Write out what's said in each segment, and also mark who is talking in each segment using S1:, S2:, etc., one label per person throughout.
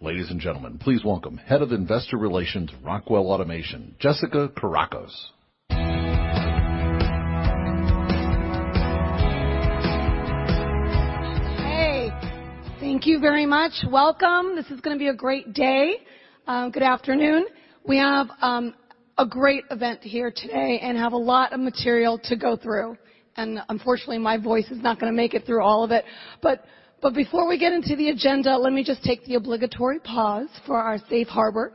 S1: Ladies and gentlemen, please welcome Head of Investor Relations, Rockwell Automation, Jessica Kourakos.
S2: Hey. Thank you very much. Welcome. This is going to be a great day. Good afternoon. We have a great event here today and have a lot of material to go through. Unfortunately, my voice is not going to make it through all of it. Before we get into the agenda, let me just take the obligatory pause for our safe harbor.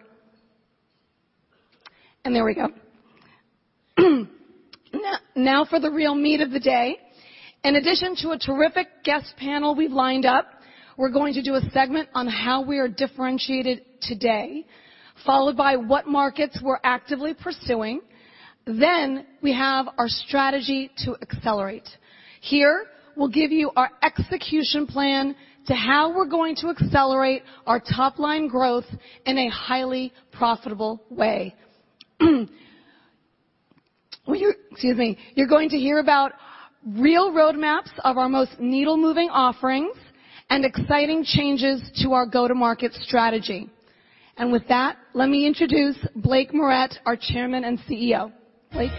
S2: There we go. Now for the real meat of the day. In addition to a terrific guest panel we've lined up, we're going to do a segment on how we are differentiated today, followed by what markets we're actively pursuing. We have our strategy to accelerate. Here, we'll give you our execution plan to how we're going to accelerate our top-line growth in a highly profitable way. Excuse me. You're going to hear about real roadmaps of our most needle-moving offerings and exciting changes to our go-to-market strategy. With that, let me introduce Blake Moret, our Chairman and CEO. Blake?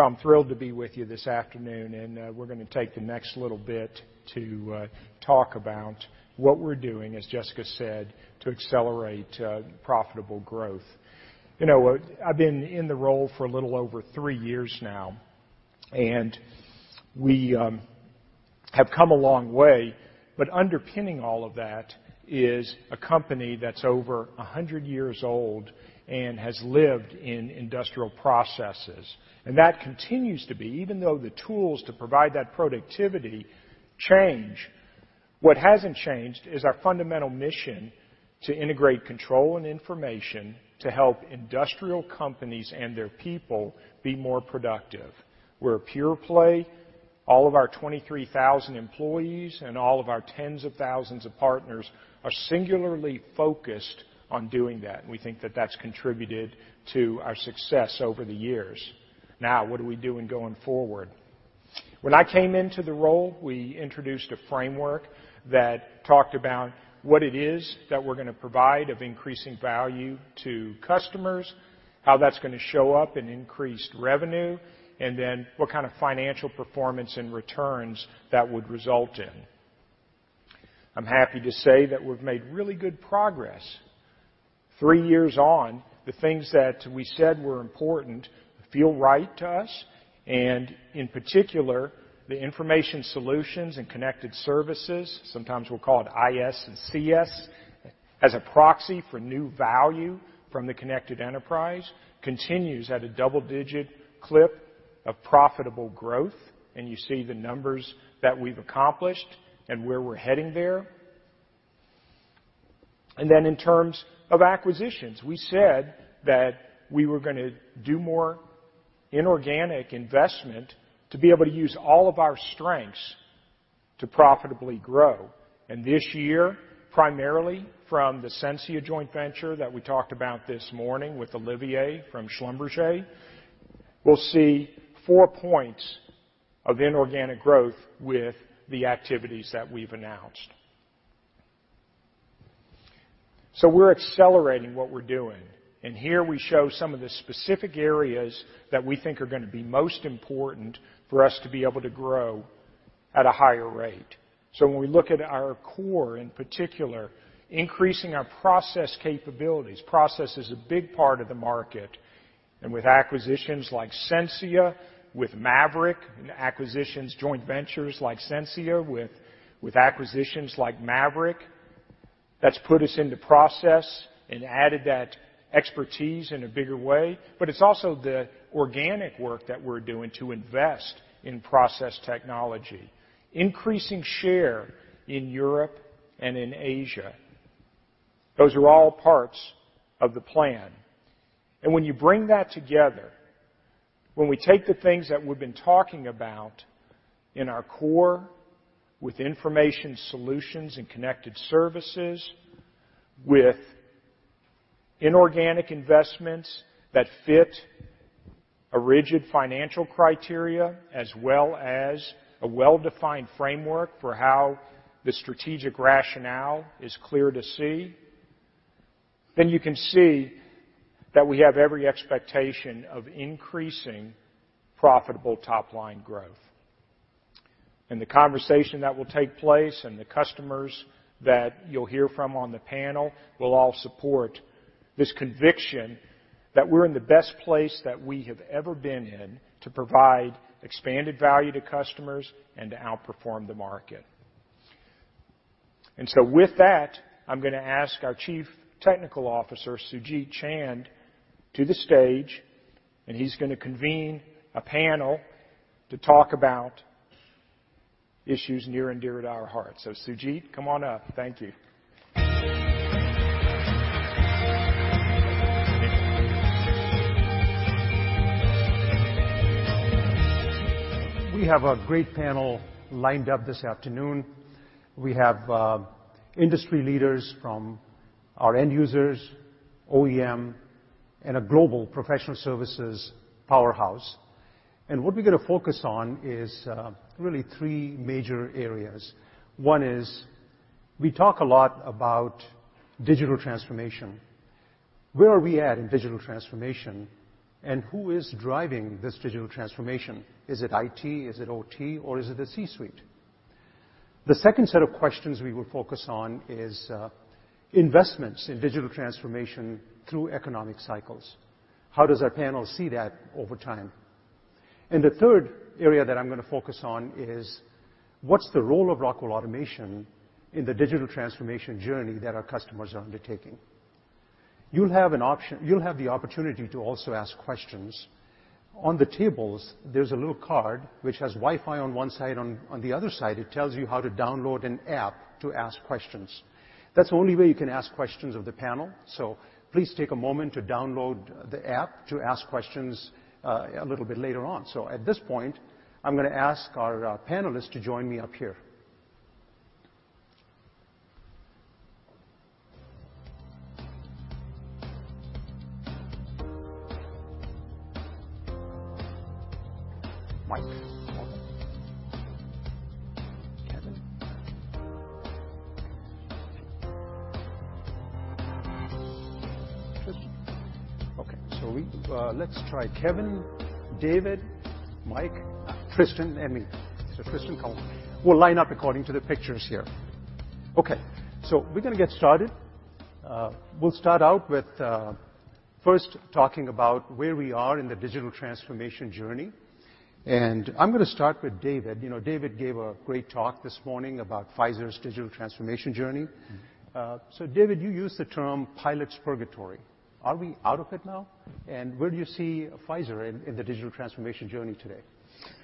S3: I'm thrilled to be with you this afternoon, and we're going to take the next little bit to talk about what we're doing, as Jessica said, to accelerate profitable growth. I've been in the role for a little over three years now, and we have come a long way, but underpinning all of that is a company that's over 100 years old and has lived in industrial processes, and that continues to be, even though the tools to provide that productivity change. What hasn't changed is our fundamental mission to integrate control and information to help industrial companies and their people be more productive. We're a pure play. All of our 23,000 employees and all of our tens of thousands of partners are singularly focused on doing that, and we think that that's contributed to our success over the years. What are we doing going forward? When I came into the role, we introduced a framework that talked about what it is that we're going to provide of increasing value to customers, how that's going to show up in increased revenue, and then what kind of financial performance and returns that would result in. I'm happy to say that we've made really good progress. Three years on, the things that we said were important feel right to us, and in particular, the information solutions and Connected Services, sometimes we'll call it IS and CS, as a proxy for new value from the Connected Enterprise, continues at a double-digit clip of profitable growth, and you see the numbers that we've accomplished and where we're heading there. In terms of acquisitions, we said that we were going to do more inorganic investment to be able to use all of our strengths to profitably grow. This year, primarily from the Sensia joint venture that we talked about this morning with Olivier from Schlumberger, we'll see four points of inorganic growth with the activities that we've announced. We're accelerating what we're doing, and here we show some of the specific areas that we think are going to be most important for us to be able to grow at a higher rate. When we look at our core, in particular, increasing our process capabilities, process is a big part of the market and with acquisitions like Sensia, with Maverick and acquisitions, joint ventures like Sensia, with acquisitions like Maverick, that's put us into process and added that expertise in a bigger way. It's also the organic work that we're doing to invest in process technology, increasing share in Europe and in Asia. Those are all parts of the plan. When you bring that together, when we take the things that we've been talking about in our core, with information solutions and connected services, with inorganic investments that fit a rigid financial criteria, as well as a well-defined framework for how the strategic rationale is clear to see, then you can see that we have every expectation of increasing profitable top-line growth. The conversation that will take place and the customers that you'll hear from on the panel will all support this conviction that we're in the best place that we have ever been in to provide expanded value to customers and to outperform the market. With that, I'm going to ask our Chief Technical Officer, Sujeet Chand, to the stage, and he's going to convene a panel to talk about issues near and dear to our hearts. Sujeet, come on up. Thank you.
S4: We have a great panel lined up this afternoon. We have industry leaders from our end users, OEM, and a global professional services powerhouse. What we're going to focus on is really three major areas. One is we talk a lot about digital transformation. Where are we at in digital transformation, and who is driving this digital transformation? Is it IT, is it OT, or is it the C-suite? The second set of questions we will focus on is investments in digital transformation through economic cycles. How does our panel see that over time? The third area that I'm going to focus on is what's the role of Rockwell Automation in the digital transformation journey that our customers are undertaking? You'll have the opportunity to also ask questions. On the tables, there's a little card which has Wi-Fi on one side. On the other side, it tells you how to download an app to ask questions. That's the only way you can ask questions of the panel. Please take a moment to download the app to ask questions a little bit later on. At this point, I'm going to ask our panelists to join me up here. Mike, Kevin, Tristan. Okay. Let's try Kevin, David, Mike, Tristan, and me. Tristan, come. We'll line up according to the pictures here. Okay, we're going to get started. We'll start out with first talking about where we are in the digital transformation journey, and I'm going to start with David. David gave a great talk this morning about Pfizer's digital transformation journey. David, you used the term pilot's purgatory. Are we out of it now? Where do you see Pfizer in the digital transformation journey today?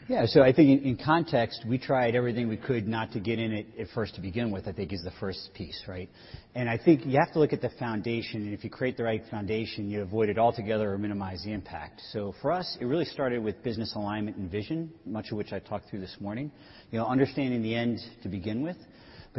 S5: Yeah. I think in context, we tried everything we could not to get in it at first to begin with, I think is the first piece, right? I think you have to look at the foundation, and if you create the right foundation, you avoid it altogether or minimize the impact. For us, it really started with business alignment and vision, much of which I talked through this morning. Understanding the end to begin with.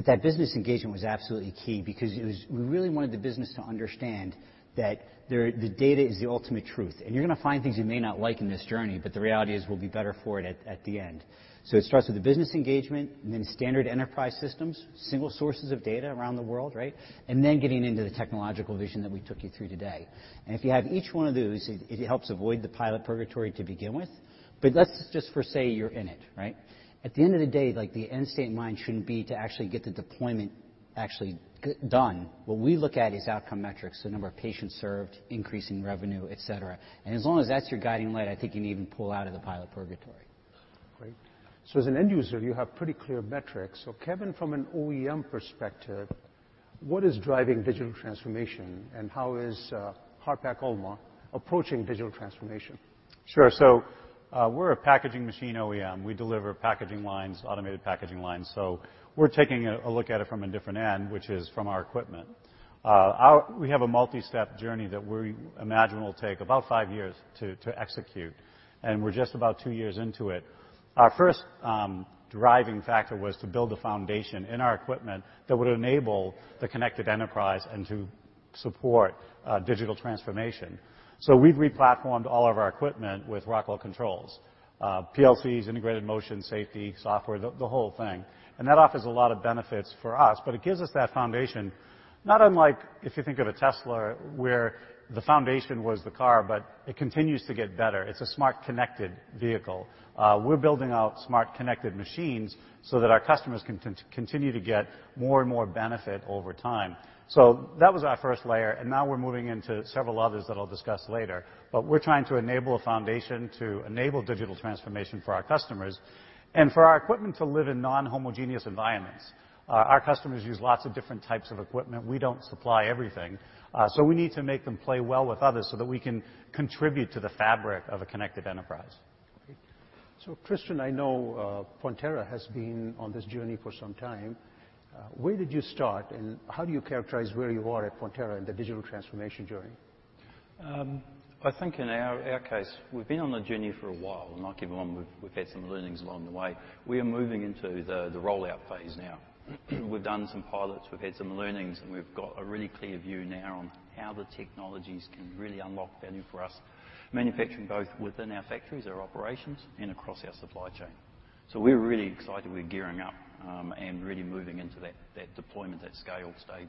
S5: That business engagement was absolutely key because we really wanted the business to understand that the data is the ultimate truth. You're going to find things you may not like in this journey, but the reality is we'll be better for it at the end. It starts with the business engagement and then standard enterprise systems, single sources of data around the world, right? Getting into the technological vision that we took you through today. If you have each one of those, it helps avoid the pilot purgatory to begin with. Let's just for say you're in it, right? At the end of the day, the end state in mind shouldn't be to actually get the deployment actually done. What we look at is outcome metrics, the number of patients served, increasing revenue, et cetera. As long as that's your guiding light, I think you can even pull out of the pilot purgatory.
S4: Great. As an end user, you have pretty clear metrics. Kevin, from an OEM perspective, what is driving digital transformation and how is Harpak-ULMA approaching digital transformation?
S6: Sure. We're a packaging machine OEM. We deliver packaging lines, automated packaging lines. We're taking a look at it from a different end, which is from our equipment. We have a multi-step journey that we imagine will take about five years to execute. We're just about two years into it. Our first driving factor was to build a foundation in our equipment that would enable the Connected Enterprise and to support digital transformation. We've re-platformed all of our equipment with Rockwell controls, PLCs, integrated motion safety software, the whole thing. That offers a lot of benefits for us, but it gives us that foundation, not unlike if you think of a Tesla, where the foundation was the car, but it continues to get better. It's a smart, connected vehicle. We're building out smart, connected machines so that our customers can continue to get more and more benefit over time. That was our first layer, and now we're moving into several others that I'll discuss later. We're trying to enable a foundation to enable digital transformation for our customers and for our equipment to live in non-homogeneous environments. Our customers use lots of different types of equipment. We don't supply everything. We need to make them play well with others so that we can contribute to the fabric of a Connected Enterprise.
S4: Okay. Christian, I know Fonterra has been on this journey for some time. Where did you start, and how do you characterize where you are at Fonterra in the digital transformation journey?
S7: I think in our case, we've been on the journey for a while, and like everyone, we've had some learnings along the way. We are moving into the rollout phase now. We've done some pilots, we've had some learnings, and we've got a really clear view now on how the technologies can really unlock value for us, manufacturing both within our factories, our operations, and across our supply chain. We're really excited. We're gearing up, and really moving into that deployment, that scale stage.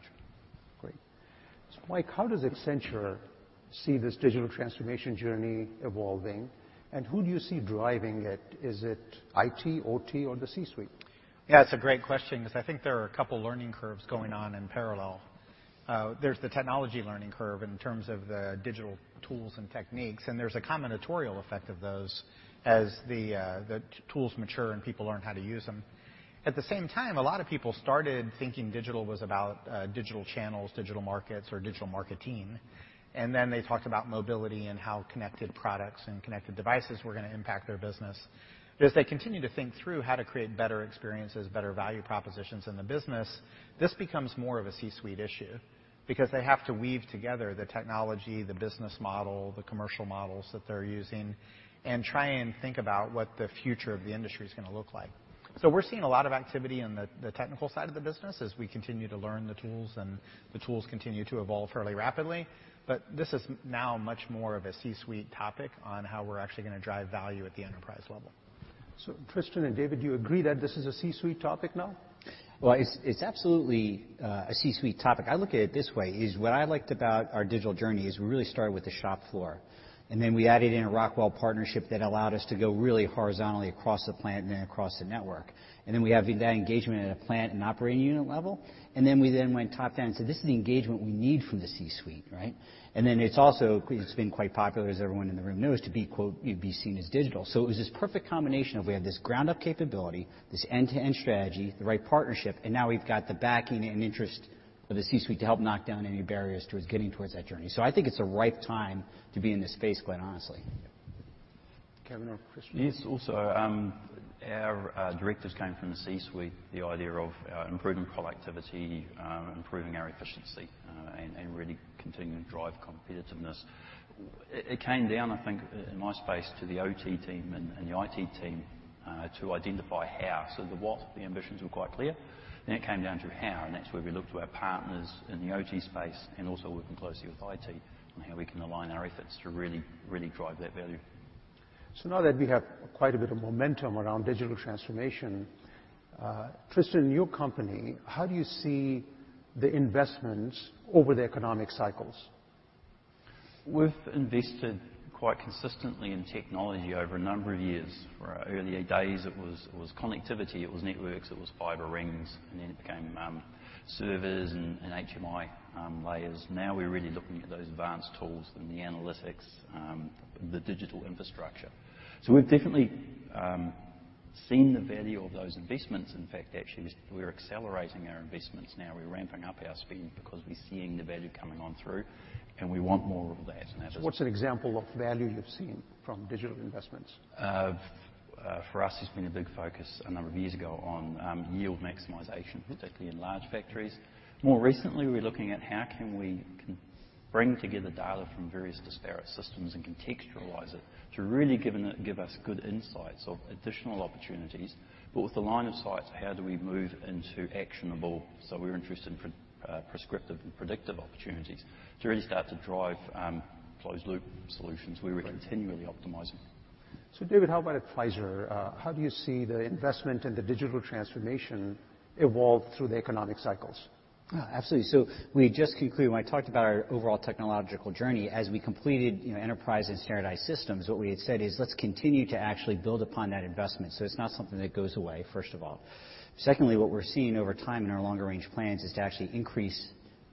S4: Great. Mike, how does Accenture see this digital transformation journey evolving, and who do you see driving it? Is it IT, OT, or the C-suite?
S8: Yeah, it's a great question because I think there are a couple learning curves going on in parallel. There's the technology learning curve in terms of the digital tools and techniques, and there's a combinatorial effect of those as the tools mature and people learn how to use them. At the same time, a lot of people started thinking digital was about digital channels, digital markets, or digital marketing, and then they talked about mobility and how connected products and connected devices were going to impact their business. As they continue to think through how to create better experiences, better value propositions in the business, this becomes more of a C-suite issue, because they have to weave together the technology, the business model, the commercial models that they're using and try and think about what the future of the industry is going to look like. We're seeing a lot of activity on the technical side of the business as we continue to learn the tools and the tools continue to evolve fairly rapidly. This is now much more of a C-suite topic on how we're actually going to drive value at the enterprise level.
S4: Christian and David, do you agree that this is a C-suite topic now?
S7: It's absolutely a C-suite topic. I look at it this way, is what I liked about our digital journey is we really started with the shop floor, and then we added in a Rockwell partnership that allowed us to go really horizontally across the plant and then across the network. We have that engagement at a plant and operating unit level, and then we then went top-down and said, "This is the engagement we need from the C-suite." Right? It's also, it's been quite popular, as everyone in the room knows, to be, quote, "be seen as digital." It was this perfect combination of we have this ground-up capability, this end-to-end strategy, the right partnership, and now we've got the backing and interest of the C-suite to help knock down any barriers towards getting towards that journey. I think it's a ripe time to be in this space, quite honestly.
S4: Kevin or Christian?
S7: Yes. Also, our directors came from the C-suite, the idea of improving productivity, improving our efficiency, and really continuing to drive competitiveness. It came down, I think, in my space, to the OT team and the IT team, to identify how. The what, the ambitions were quite clear, it came down to how, and that's where we looked to our partners in the OT space and also working closely with IT on how we can align our efforts to really drive that value.
S4: Now that we have quite a bit of momentum around digital transformation, Christian, your company, how do you see the investments over the economic cycles?
S7: We've invested quite consistently in technology over a number of years. For our earlier days, it was connectivity, it was networks, it was fiber rings, and then it became servers and HMI layers. Now we're really looking at those advanced tools and the analytics, the digital infrastructure. We've definitely seen the value of those investments. In fact, actually, we're accelerating our investments now. We're ramping up our spend because we're seeing the value coming on through, and we want more of that.
S4: What's an example of value you've seen from digital investments?
S7: For us, it's been a big focus a number of years ago on yield maximization, particularly in large factories. More recently, we're looking at how can we bring together data from various disparate systems and contextualize it to really give us good insights of additional opportunities. With the line of sights, how do we move into actionable So we're interested in prescriptive and predictive opportunities to really start to drive closed-loop solutions where we're continually optimizing.
S4: David, how about at Pfizer? How do you see the investment in the digital transformation evolve through the economic cycles?
S5: Yeah, absolutely. We just concluded, when I talked about our overall technological journey, as we completed enterprise and standardized systems, what we had said is, "Let's continue to actually build upon that investment," so it's not something that goes away, first of all. Secondly, what we're seeing over time in our longer-range plans is to actually increase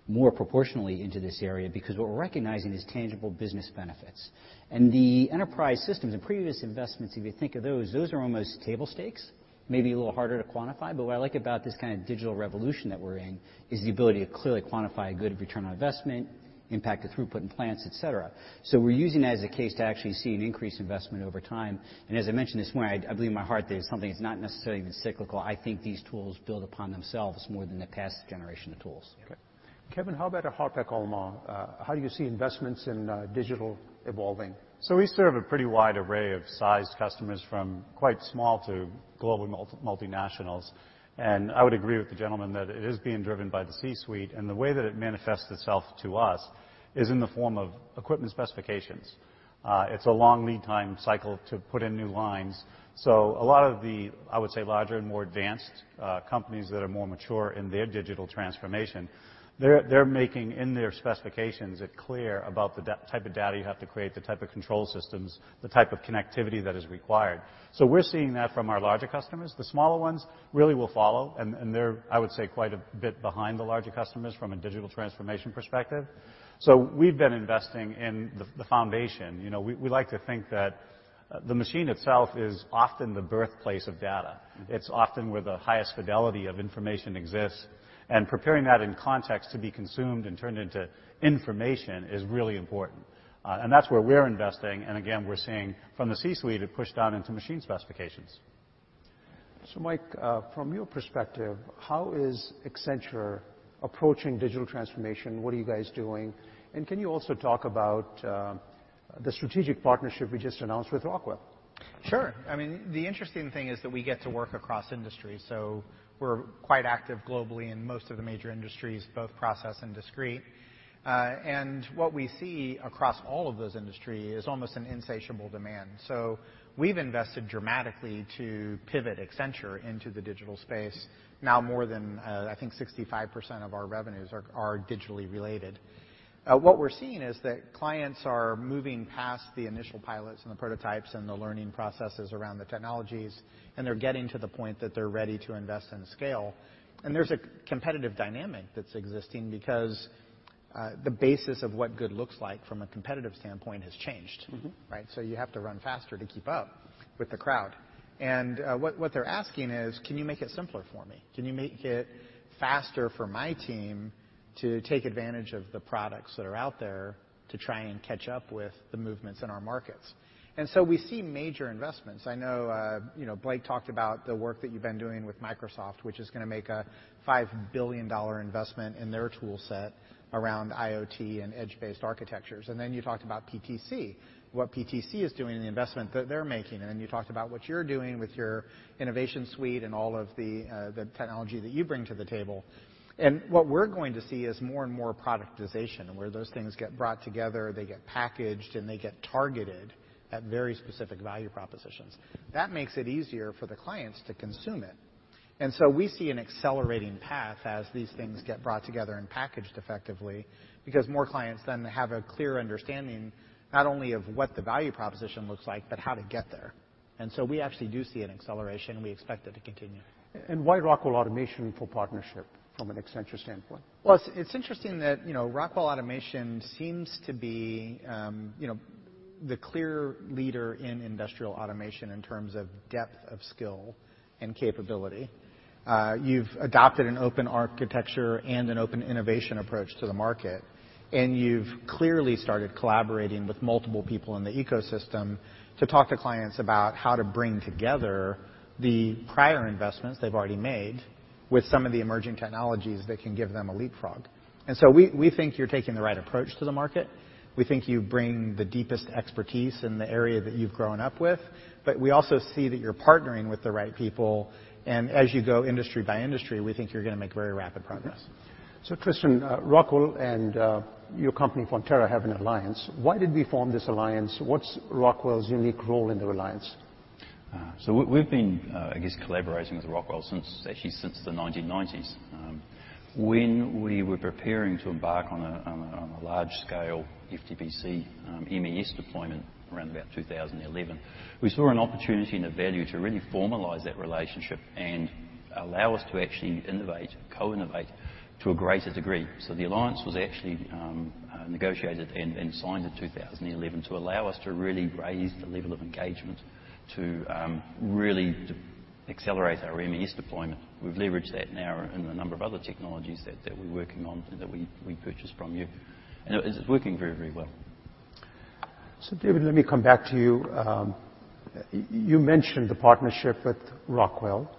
S5: more proportionally into this area because what we're recognizing is tangible business benefits. The enterprise systems and previous investments, if you think of those are almost table stakes, maybe a little harder to quantify. What I like about this kind of digital revolution that we're in is the ability to clearly quantify a good return on investment, impact of throughput in plants, et cetera. We're using that as a case to actually see an increased investment over time. As I mentioned this morning, I believe in my heart that it's something that's not necessarily even cyclical. I think these tools build upon themselves more than the past generation of tools.
S4: Okay. Kevin, how about at Harpak-ULMA? How do you see investments in digital evolving?
S6: We serve a pretty wide array of size customers from quite small to global multinationals. I would agree with the gentleman that it is being driven by the C-suite. The way that it manifests itself to us is in the form of equipment specifications. It's a long lead time cycle to put in new lines. A lot of the, I would say, larger and more advanced companies that are more mature in their digital transformation, they're making in their specifications it clear about the type of data you have to create, the type of control systems, the type of connectivity that is required. We're seeing that from our larger customers. The smaller ones really will follow, and they're, I would say, quite a bit behind the larger customers from a digital transformation perspective. We've been investing in the foundation. We like to think that the machine itself is often the birthplace of data. It's often where the highest fidelity of information exists, and preparing that in context to be consumed and turned into information is really important. That's where we're investing, and again, we're seeing from the C-suite, it pushed down into machine specifications.
S4: Mike, from your perspective, how is Accenture approaching digital transformation? What are you guys doing? Can you also talk about the strategic partnership we just announced with Rockwell?
S8: Sure. The interesting thing is that we get to work across industries, so we're quite active globally in most of the major industries, both process and discrete. What we see across all of those industry is almost an insatiable demand. We've invested dramatically to pivot Accenture into the digital space. Now more than, I think, 65% of our revenues are digitally related. What we're seeing is that clients are moving past the initial pilots and the prototypes and the learning processes around the technologies, and they're getting to the point that they're ready to invest and scale. There's a competitive dynamic that's existing because the basis of what good looks like from a competitive standpoint has changed. Right. You have to run faster to keep up with the crowd. What they're asking is, "Can you make it simpler for me? Can you make it faster for my team to take advantage of the products that are out there to try and catch up with the movements in our markets?" We see major investments. I know Blake talked about the work that you've been doing with Microsoft, which is going to make a $5 billion investment in their tool set around IoT and edge-based architectures. You talked about PTC, what PTC is doing and the investment that they're making. You talked about what you're doing with your InnovationSuite and all of the technology that you bring to the table. What we're going to see is more and more productization, where those things get brought together, they get packaged, and they get targeted at very specific value propositions. That makes it easier for the clients to consume it. We see an accelerating path as these things get brought together and packaged effectively because more clients then have a clear understanding not only of what the value proposition looks like, but how to get there. We actually do see an acceleration. We expect it to continue.
S4: Why Rockwell Automation for partnership from an Accenture standpoint?
S8: Well, it's interesting that Rockwell Automation seems to be the clear leader in industrial automation in terms of depth of skill and capability. You've adopted an open architecture and an open innovation approach to the market, you've clearly started collaborating with multiple people in the ecosystem to talk to clients about how to bring together the prior investments they've already made with some of the emerging technologies that can give them a leapfrog. We think you're taking the right approach to the market. We think you bring the deepest expertise in the area that you've grown up with, we also see that you're partnering with the right people, as you go industry by industry, we think you're going to make very rapid progress.
S4: Okay. Christian, Rockwell and your company, Fonterra, have an alliance. Why did we form this alliance? What's Rockwell's unique role in the alliance?
S7: We've been, I guess, collaborating with Rockwell since, actually since the 1990s. When we were preparing to embark on a large-scale FTPC MES deployment around about 2011, we saw an opportunity and a value to really formalize that relationship and allow us to actually innovate, co-innovate to a greater degree. The alliance was actually negotiated and signed in 2011 to allow us to really raise the level of engagement to really accelerate our MES deployment. We've leveraged that now in a number of other technologies that we're working on and that we purchased from you. It's working very well.
S4: David, let me come back to you. You mentioned the partnership with Rockwell.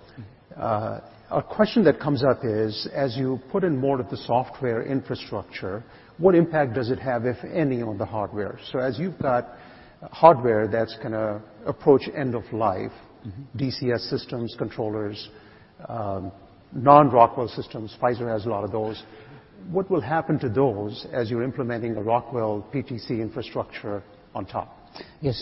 S4: A question that comes up is, as you put in more of the software infrastructure, what impact does it have, if any, on the hardware? As you've got hardware that's going to approach end of life. DCS systems, controllers, non-Rockwell systems, Pfizer has a lot of those. What will happen to those as you're implementing the Rockwell PTC infrastructure on top?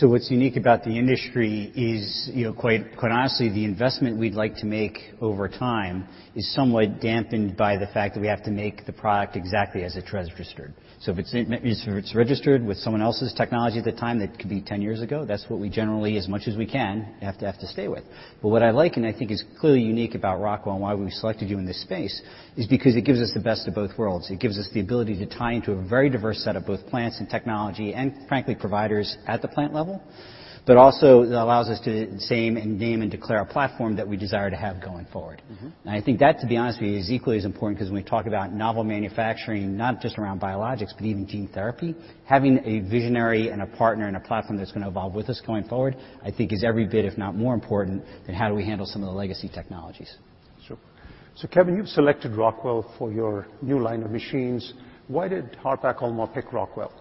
S5: What's unique about the industry is, quite honestly, the investment we'd like to make over time is somewhat dampened by the fact that we have to make the product exactly as it's registered. If it's registered with someone else's technology at the time, that could be 10 years ago, that's what we generally, as much as we can, have to stay with. What I like, and I think is clearly unique about Rockwell and why we selected you in this space, is because it gives us the best of both worlds. It gives us the ability to tie into a very diverse set of both plants and technology, and frankly, providers at the plant level, but also it allows us to name and declare a platform that we desire to have going forward. I think that, to be honest with you, is equally as important because when we talk about novel manufacturing, not just around biologics, but even gene therapy, having a visionary and a partner and a platform that's going to evolve with us going forward, I think is every bit, if not more important, than how do we handle some of the legacy technologies.
S4: Sure. Kevin, you've selected Rockwell for your new line of machines. Why did Harpak-ULMA pick Rockwell?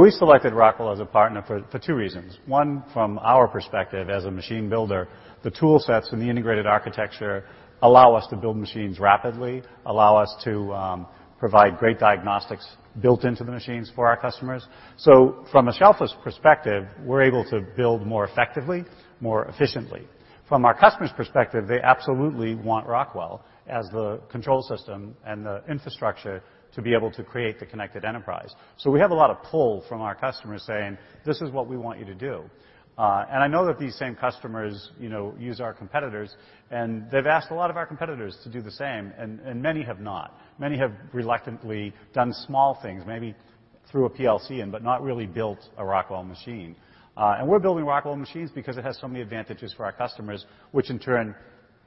S6: We selected Rockwell as a partner for two reasons. One, from our perspective as a machine builder, the tool sets and the integrated architecture allow us to build machines rapidly, allow us to provide great diagnostics built into the machines for our customers. From a shelf perspective, we're able to build more effectively, more efficiently. From our customers' perspective, they absolutely want Rockwell as the control system and the infrastructure to be able to create the Connected Enterprise. We have a lot of pull from our customers saying, "This is what we want you to do." I know that these same customers use our competitors, and they've asked a lot of our competitors to do the same, and many have not. Many have reluctantly done small things, maybe threw a PLC in, but not really built a Rockwell machine. We're building Rockwell machines because it has so many advantages for our customers, which in turn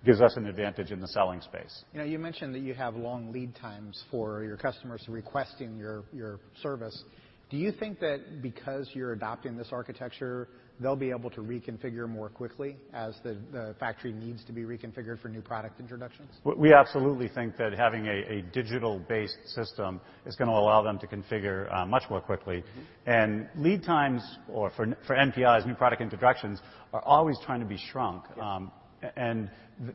S6: gives us an advantage in the selling space.
S8: You mentioned that you have long lead times for your customers requesting your service. Do you think that because you're adopting this architecture, they'll be able to reconfigure more quickly as the factory needs to be reconfigured for new product introductions?
S6: We absolutely think that having a digital-based system is going to allow them to configure much more quickly. Lead times, or for NPIs, new product introductions, are always trying to be shrunk.
S8: Yes.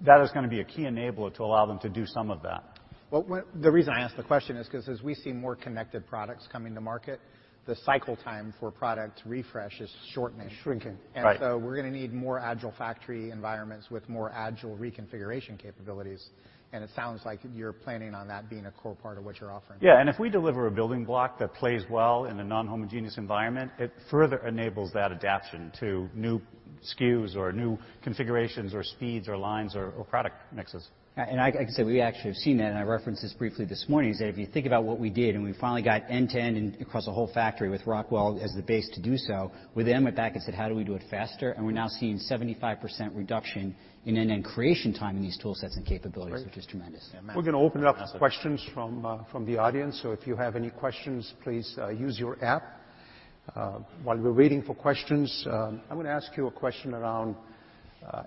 S6: That is going to be a key enabler to allow them to do some of that.
S8: Well, the reason I ask the question is because as we see more connected products coming to market, the cycle time for product refresh is shortening.
S4: Shrinking.
S6: Right.
S8: We're going to need more agile factory environments with more agile reconfiguration capabilities, and it sounds like you're planning on that being a core part of what you're offering.
S6: Yeah, and if we deliver a building block that plays well in a non-homogeneous environment, it further enables that adaptation to new SKUs or new configurations or speeds or lines or product mixes.
S5: Like I said, we actually have seen that, and I referenced this briefly this morning, is that if you think about what we did, and we finally got end-to-end across a whole factory with Rockwell as the base to do so. We then went back and said, "How do we do it faster?" We're now seeing 75% reduction in end-to-end creation time in these tool sets and capabilities.
S4: That's great.
S5: which is tremendous.
S4: We're going to open up questions from the audience, so if you have any questions, please use your app. While we're waiting for questions, I'm going to ask you a question around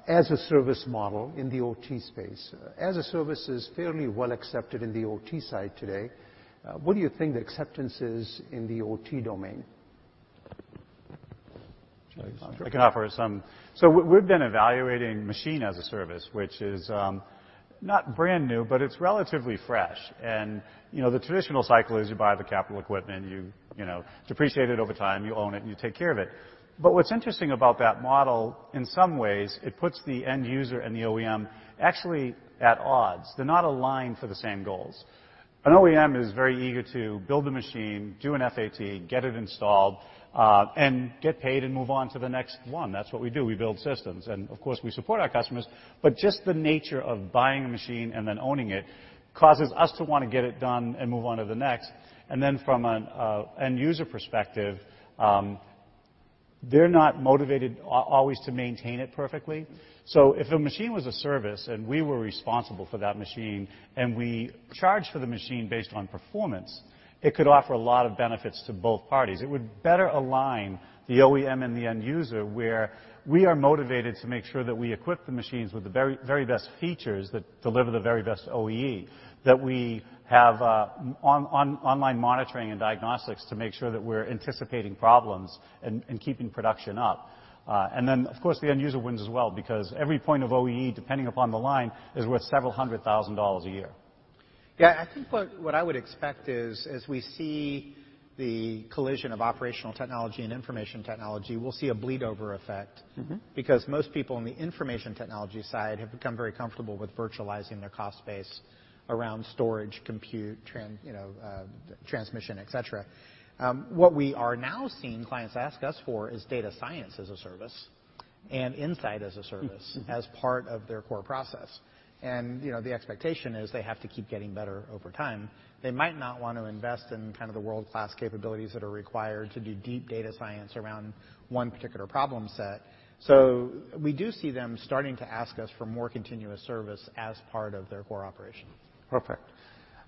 S4: as a service model in the OT space. As a service is fairly well accepted in the OT side today, what do you think the acceptance is in the OT domain?
S6: I can offer some. We've been evaluating machine as a service, which is not brand new, but it's relatively fresh. The traditional cycle is you buy the capital equipment, it's depreciated over time, you own it, and you take care of it. What's interesting about that model, in some ways, it puts the end user and the OEM actually at odds. They're not aligned for the same goals. An OEM is very eager to build a machine, do an FAT, get it installed, and get paid and move on to the next one. That's what we do. We build systems. Of course, we support our customers, but just the nature of buying a machine and then owning it causes us to want to get it done and move on to the next. From an end user perspective, they're not motivated always to maintain it perfectly. If a machine was a service and we were responsible for that machine, and we charged for the machine based on performance, it could offer a lot of benefits to both parties. It would better align the OEM and the end user, where we are motivated to make sure that we equip the machines with the very best features that deliver the very best OEE, that we have online monitoring and diagnostics to make sure that we're anticipating problems and keeping production up. Of course, the end user wins as well because every point of OEE, depending upon the line, is worth several hundred thousand dollars a year.
S8: Yeah, I think what I would expect is, as we see the collision of operational technology and information technology, we'll see a bleed over effect. Most people on the information technology side have become very comfortable with virtualizing their cost base around storage, compute, transmission, et cetera. What we are now seeing clients ask us for is data science as a service and insight as a service. as part of their core process. The expectation is they have to keep getting better over time. They might not want to invest in kind of the world-class capabilities that are required to do deep data science around one particular problem set. We do see them starting to ask us for more continuous service as part of their core operation.
S4: Perfect.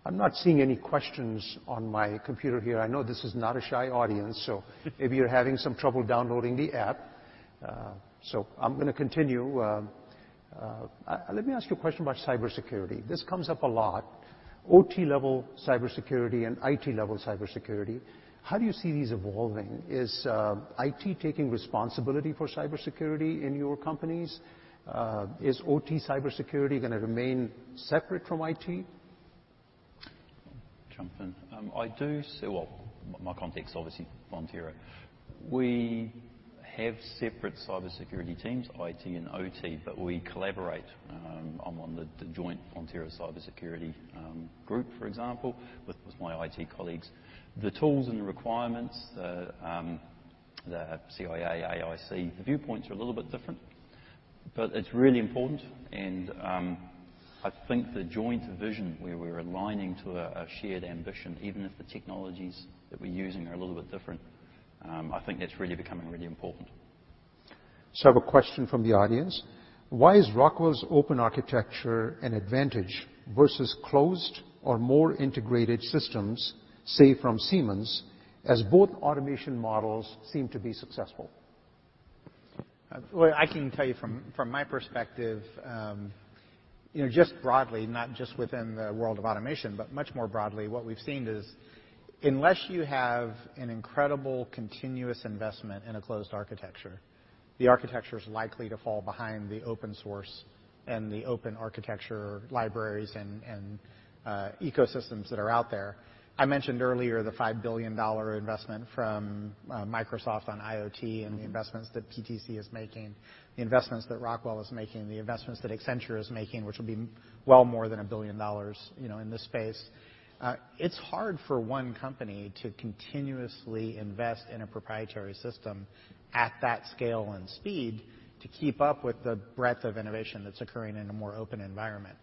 S4: I'm not seeing any questions on my computer here. I know this is not a shy audience, so maybe you're having some trouble downloading the app. I'm going to continue. Let me ask you a question about cybersecurity. This comes up a lot. OT-level cybersecurity and IT-level cybersecurity, how do you see these evolving? Is IT taking responsibility for cybersecurity in your companies? Is OT cybersecurity going to remain separate from IT?
S7: Well, my context, obviously, Fonterra, we have separate cybersecurity teams, IT and OT, but we collaborate. I'm on the joint Fonterra cybersecurity group, for example, with my IT colleagues. The tools and requirements, the CIA, AIC, the viewpoints are a little bit different, but it's really important and I think the joint vision where we're aligning to a shared ambition, even if the technologies that we're using are a little bit different, I think that's really becoming really important.
S4: I have a question from the audience. Why is Rockwell's open architecture an advantage versus closed or more integrated systems, say from Siemens, as both automation models seem to be successful?
S8: Well, I can tell you from my perspective, just broadly, not just within the world of automation, but much more broadly, what we've seen is unless you have an incredible continuous investment in a closed architecture, the architecture's likely to fall behind the open source and the open architecture libraries and ecosystems that are out there. I mentioned earlier the $5 billion investment from Microsoft on IoT and the investments that PTC is making, the investments that Rockwell is making, the investments that Accenture is making, which will be well more than $1 billion in this space. It's hard for one company to continuously invest in a proprietary system at that scale and speed to keep up with the breadth of innovation that's occurring in a more open environment.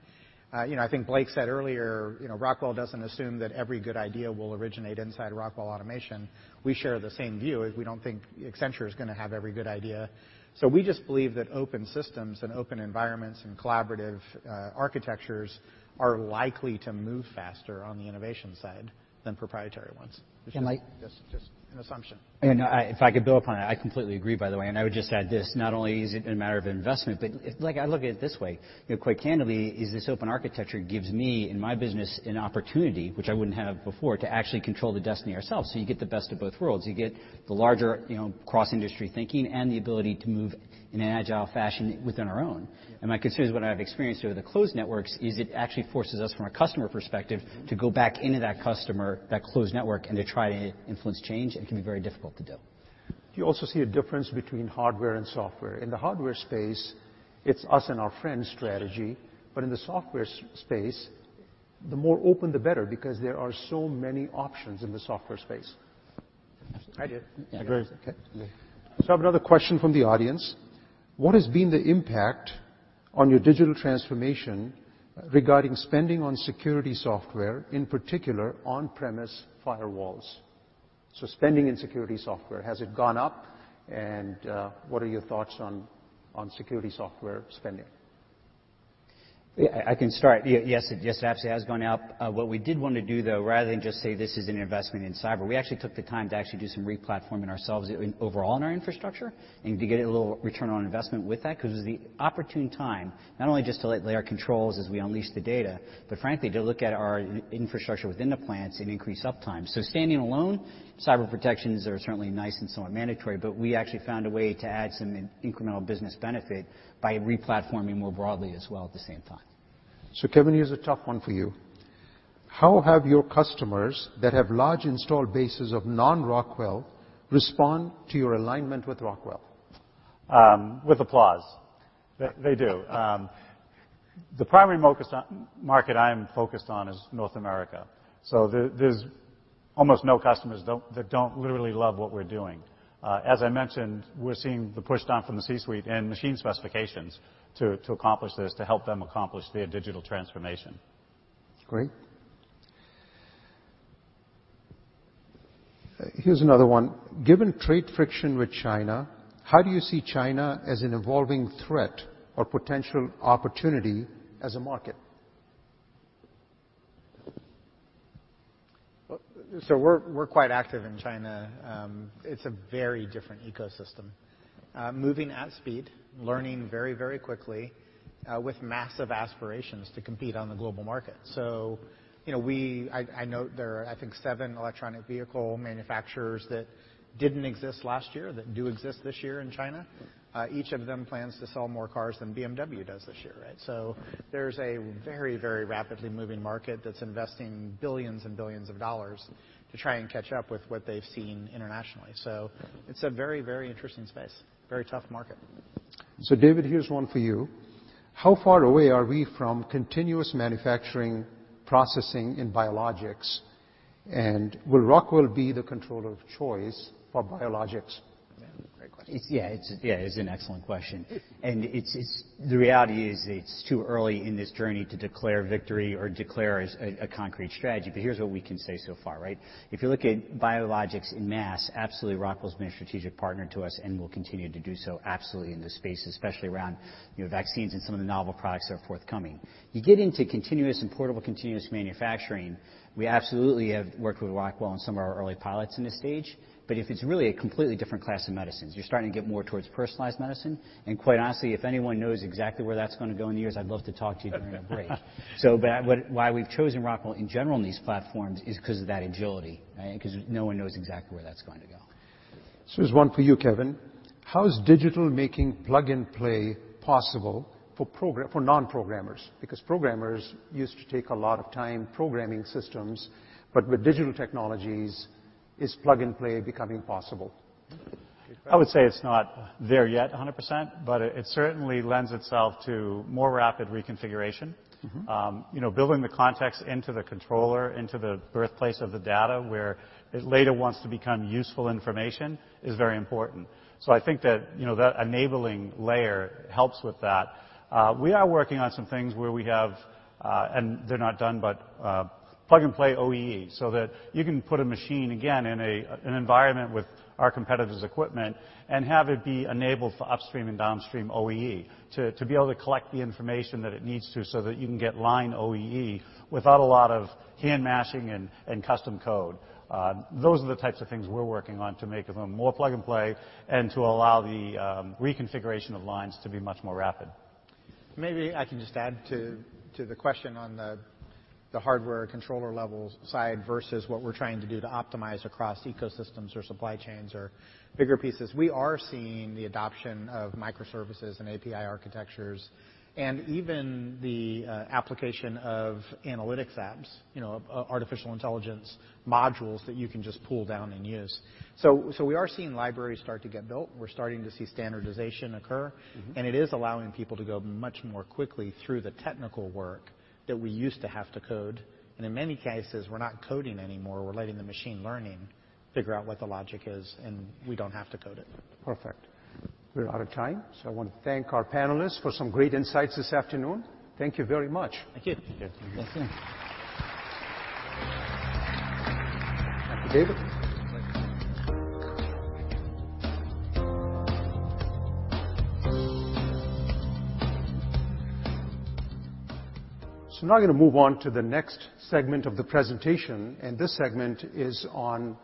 S8: I think Blake said earlier, Rockwell doesn't assume that every good idea will originate inside Rockwell Automation. We share the same view, is we don't think Accenture is going to have every good idea. We just believe that open systems and open environments and collaborative architectures are likely to move faster on the innovation side than proprietary ones.
S4: And I-
S8: Just an assumption.
S5: If I could build upon that, I completely agree, by the way, and I would just add this, not only is it a matter of investment, but I look at it this way, quite candidly, is this open architecture gives me, in my business, an opportunity, which I wouldn't have before, to actually control the destiny ourselves. You get the best of both worlds. You get the larger cross-industry thinking and the ability to move in an agile fashion within our own. My concern is what I've experienced over the closed networks is it actually forces us, from a customer perspective, to go back into that customer, that closed network, and to try to influence change, and it can be very difficult to do.
S4: Do you also see a difference between hardware and software? In the hardware space, it's us and our friends strategy, but in the software space, the more open, the better, because there are so many options in the software space.
S8: I do.
S5: I agree.
S4: I have another question from the audience. What has been the impact on your digital transformation regarding spending on security software, in particular, on-premise firewalls? Spending in security software, has it gone up? What are your thoughts on security software spending?
S5: Yeah, I can start. Yes, it absolutely has gone up. What we did want to do, though, rather than just say this is an investment in cyber, we actually took the time to actually do some replatforming ourselves overall in our infrastructure and to get a little return on investment with that because it was the opportune time, not only just to lay our controls as we unleash the data, but frankly, to look at our infrastructure within the plants and increase uptime. Standing alone, cyber protections are certainly nice and somewhat mandatory, but we actually found a way to add some incremental business benefit by replatforming more broadly as well at the same time.
S4: Kevin, here's a tough one for you. How have your customers that have large installed bases of non-Rockwell respond to your alignment with Rockwell?
S6: With applause. They do. The primary market I'm focused on is North America. There's almost no customers that don't literally love what we're doing. As I mentioned, we're seeing the push down from the C-suite and machine specifications to accomplish this, to help them accomplish their digital transformation.
S4: Great. Here's another one. Given trade friction with China, how do you see China as an evolving threat or potential opportunity as a market?
S8: We're quite active in China. It's a very different ecosystem. Moving at speed, learning very, very quickly, with massive aspirations to compete on the global market. I note there are, I think, seven electronic vehicle manufacturers that didn't exist last year that do exist this year in China. Each of them plans to sell more cars than BMW does this year, right? There's a very, very rapidly moving market that's investing billions and billions of dollars to try and catch up with what they've seen internationally. It's a very, very interesting space, very tough market.
S4: David, here's one for you. How far away are we from continuous manufacturing processing in biologics, and will Rockwell be the controller of choice for biologics?
S6: Yeah, great question.
S5: Yeah, it's an excellent question. The reality is it's too early in this journey to declare victory or declare a concrete strategy, but here's what we can say so far, right? If you look at biologics en masse, absolutely Rockwell's been a strategic partner to us and will continue to do so absolutely in this space, especially around vaccines and some of the novel products that are forthcoming. You get into continuous and portable continuous manufacturing, we absolutely have worked with Rockwell on some of our early pilots in this stage. If it's really a completely different class of medicines, you're starting to get more towards personalized medicine. Quite honestly, if anyone knows exactly where that's going to go in the years, I'd love to talk to you during a break. Why we've chosen Rockwell in general in these platforms is because of that agility, right? No one knows exactly where that's going to go.
S4: Here's one for you, Kevin. How is digital making plug-and-play possible for non-programmers? Programmers used to take a lot of time programming systems, but with digital technologies, is plug-and-play becoming possible?
S6: I would say it's not there yet 100%, but it certainly lends itself to more rapid reconfiguration. Building the context into the controller, into the birthplace of the data where it later wants to become useful information, is very important. I think that enabling layer helps with that. We are working on some things where we have, and they're not done, but plug-and-play OEE, so that you can put a machine, again, in an environment with our competitor's equipment and have it be enabled for upstream and downstream OEE to be able to collect the information that it needs to so that you can get line OEE without a lot of hand mashing and custom code. Those are the types of things we're working on to make them more plug-and-play and to allow the reconfiguration of lines to be much more rapid.
S8: Maybe I can just add to the question on the hardware controller level side versus what we're trying to do to optimize across ecosystems or supply chains or bigger pieces. We are seeing the adoption of microservices and API architectures, and even the application of analytics apps, artificial intelligence modules that you can just pull down and use. We are seeing libraries start to get built. We're starting to see standardization occur. It is allowing people to go much more quickly through the technical work that we used to have to code. In many cases, we're not coding anymore. We're letting the machine learning figure out what the logic is. We don't have to code it.
S4: Perfect. We're out of time, so I want to thank our panelists for some great insights this afternoon. Thank you very much.
S8: Thank you.
S6: Thank you.
S4: Thank you, David. Now I'm going to move on to the next segment of the presentation, and this segment is on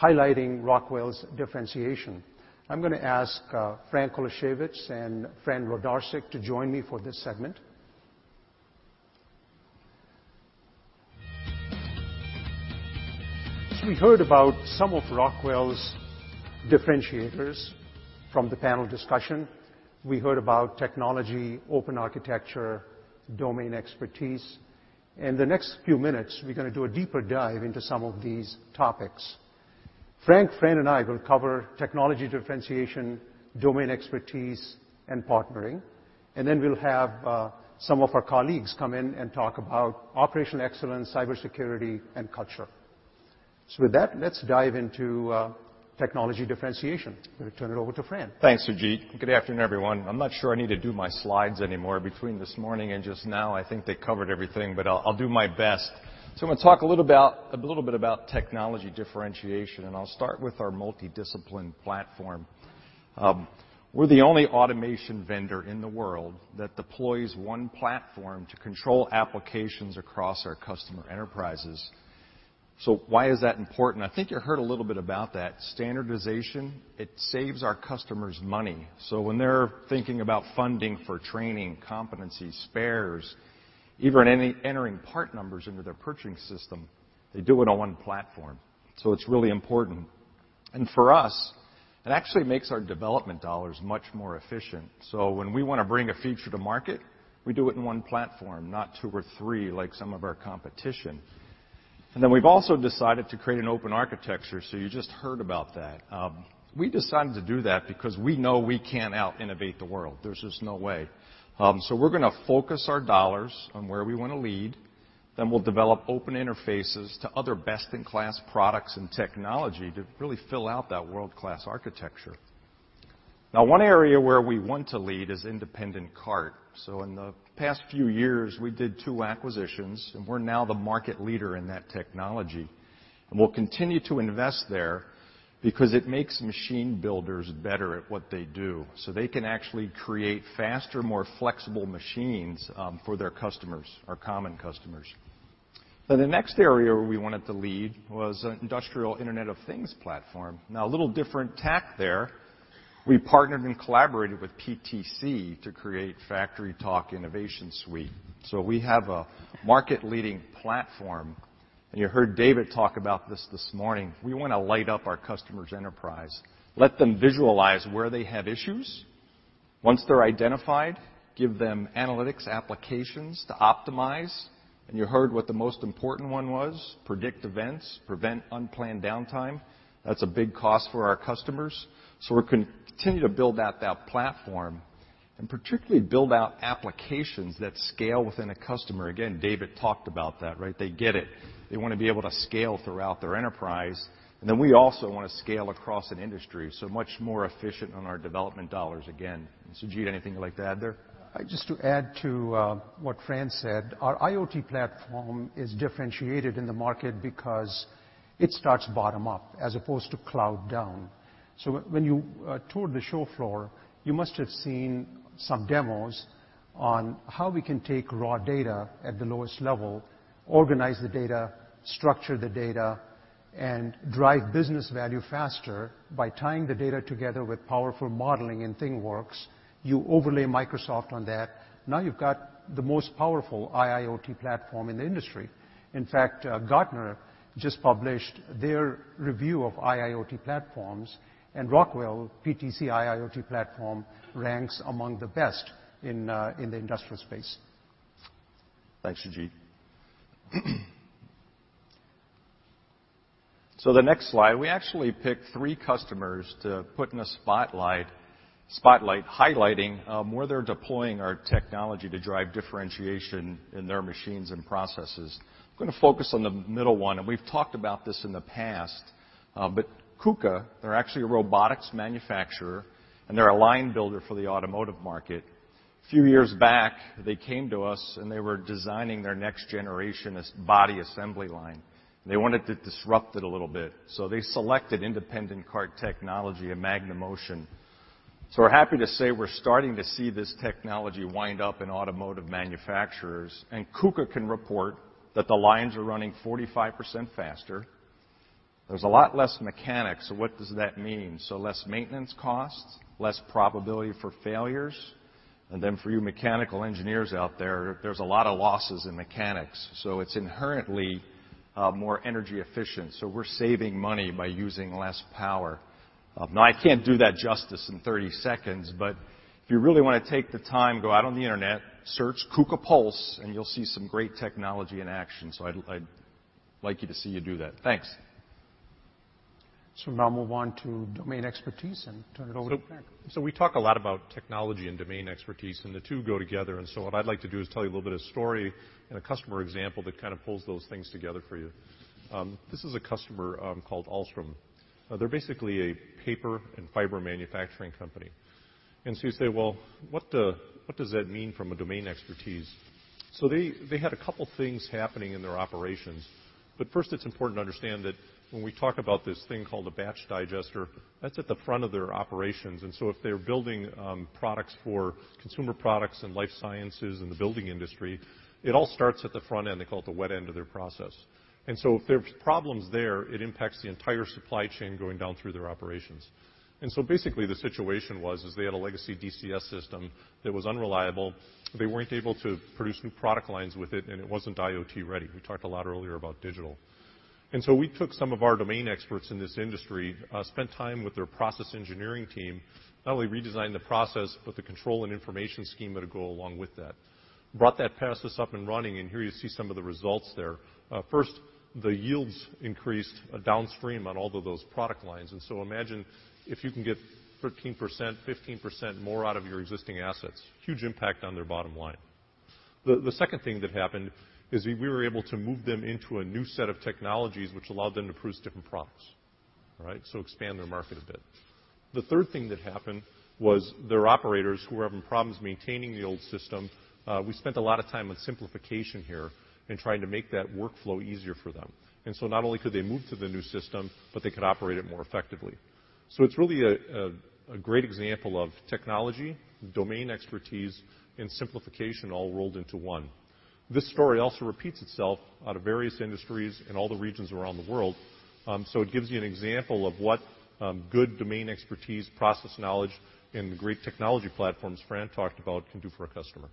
S4: highlighting Rockwell's differentiation. I'm going to ask Frank Kulaszewicz and Fran Wlodarczyk to join me for this segment. We heard about some of Rockwell's differentiators from the panel discussion. We heard about technology, open architecture, domain expertise. In the next few minutes, we're going to do a deeper dive into some of these topics. Frank, Fran, and I will cover technology differentiation, domain expertise, and partnering, and then we'll have some of our colleagues come in and talk about operational excellence, cybersecurity, and culture. With that, let's dive into technology differentiation. I'm going to turn it over to Fran.
S9: Thanks, Sujeet. Good afternoon, everyone. I'm not sure I need to do my slides anymore. Between this morning and just now, I think they covered everything, but I'll do my best. I'm going to talk a little bit about technology differentiation, and I'll start with our multi-discipline platform. We're the only automation vendor in the world that deploys one platform to control applications across our customer enterprises. Why is that important? I think you heard a little bit about that. Standardization, it saves our customers money. When they're thinking about funding for training, competencies, spares, even entering part numbers into their purchasing system, they do it on one platform. It's really important. For us, it actually makes our development dollars much more efficient. When we want to bring a feature to market, we do it in one platform, not two or three like some of our competition. Then we've also decided to create an open architecture, so you just heard about that. We decided to do that because we know we can't out-innovate the world. There's just no way. We're going to focus our dollars on where we want to lead, then we'll develop open interfaces to other best-in-class products and technology to really fill out that world-class architecture. One area where we want to lead is independent cart. In the past few years, we did two acquisitions, and we're now the market leader in that technology. We'll continue to invest there because it makes machine builders better at what they do, so they can actually create faster, more flexible machines for their customers, our common customers. The next area where we wanted to lead was an Industrial Internet of Things platform. A little different tack there. We partnered and collaborated with PTC to create FactoryTalk InnovationSuite. We have a market-leading platform, and you heard David talk about this this morning. We want to light up our customer's enterprise, let them visualize where they have issues. Once they're identified, give them analytics applications to optimize, and you heard what the most important one was, predict events, prevent unplanned downtime. That's a big cost for our customers. We'll continue to build out that platform and particularly build out applications that scale within a customer. Again, David talked about that, right? They get it. They want to be able to scale throughout their enterprise, and then we also want to scale across an industry, so much more efficient on our development dollars again. Sujeet, anything you'd like to add there?
S4: Just to add to what Fran said, our IoT platform is differentiated in the market because it starts bottom-up as opposed to cloud down. When you toured the show floor, you must have seen some demos on how we can take raw data at the lowest level, organize the data, structure the data, and drive business value faster by tying the data together with powerful modeling in ThingWorx. You overlay Microsoft on that. You've got the most powerful IIoT platform in the industry. Gartner just published their review of IIoT platforms, and Rockwell PTC IIoT platform ranks among the best in the industrial space.
S9: Thanks, Sujeet. The next slide, we actually picked three customers to put in a spotlight highlighting where they're deploying our technology to drive differentiation in their machines and processes. I'm going to focus on the middle one, we've talked about this in the past. KUKA, they're actually a robotics manufacturer, and they're a line builder for the automotive market. Few years back, they came to us, they were designing their next generation body assembly line. They wanted to disrupt it a little bit, they selected Independent Cart Technology and MagneMotion. We're happy to say we're starting to see this technology wind up in automotive manufacturers, KUKA can report that the lines are running 45% faster. There's a lot less mechanics. What does that mean? Less maintenance costs, less probability for failures, and then for you mechanical engineers out there's a lot of losses in mechanics. It's inherently more energy efficient. We're saving money by using less power. Now, I can't do that justice in 30 seconds, but if you really want to take the time, go out on the internet, search KUKA PULSE, and you'll see some great technology in action. I'd like you to see you do that. Thanks.
S4: Now move on to domain expertise and turn it over to Frank.
S10: We talk a lot about technology and domain expertise, and the two go together. What I'd like to do is tell you a little bit of story and a customer example that kind of pulls those things together for you. This is a customer called Ahlstrom-Munksjö. They're basically a paper and fiber manufacturing company. You say, "Well, what does that mean from a domain expertise?" They had a couple things happening in their operations. First, it's important to understand that when we talk about this thing called a batch digester, that's at the front of their operations. If they're building products for consumer products and life sciences and the building industry, it all starts at the front end. They call it the wet end of their process. If there's problems there, it impacts the entire supply chain going down through their operations. Basically the situation was, they had a legacy DCS system that was unreliable. They weren't able to produce new product lines with it, and it wasn't IoT ready. We talked a lot earlier about digital. We took some of our domain experts in this industry, spent time with their process engineering team, not only redesigned the process, but the control and information scheme that would go along with that. Brought that process up and running, and here you see some of the results there. First, the yields increased downstream on all of those product lines, imagine if you can get 13%, 15% more out of your existing assets. Huge impact on their bottom line. The second thing that happened is we were able to move them into a new set of technologies which allowed them to produce different products. All right? Expand their market a bit. The third thing that happened was their operators who were having problems maintaining the old system, we spent a lot of time on simplification here and trying to make that workflow easier for them. Not only could they move to the new system, but they could operate it more effectively. It's really a great example of technology, domain expertise, and simplification all rolled into one. This story also repeats itself out of various industries in all the regions around the world. It gives you an example of what good domain expertise, process knowledge, and the great technology platforms Fran talked about can do for a customer.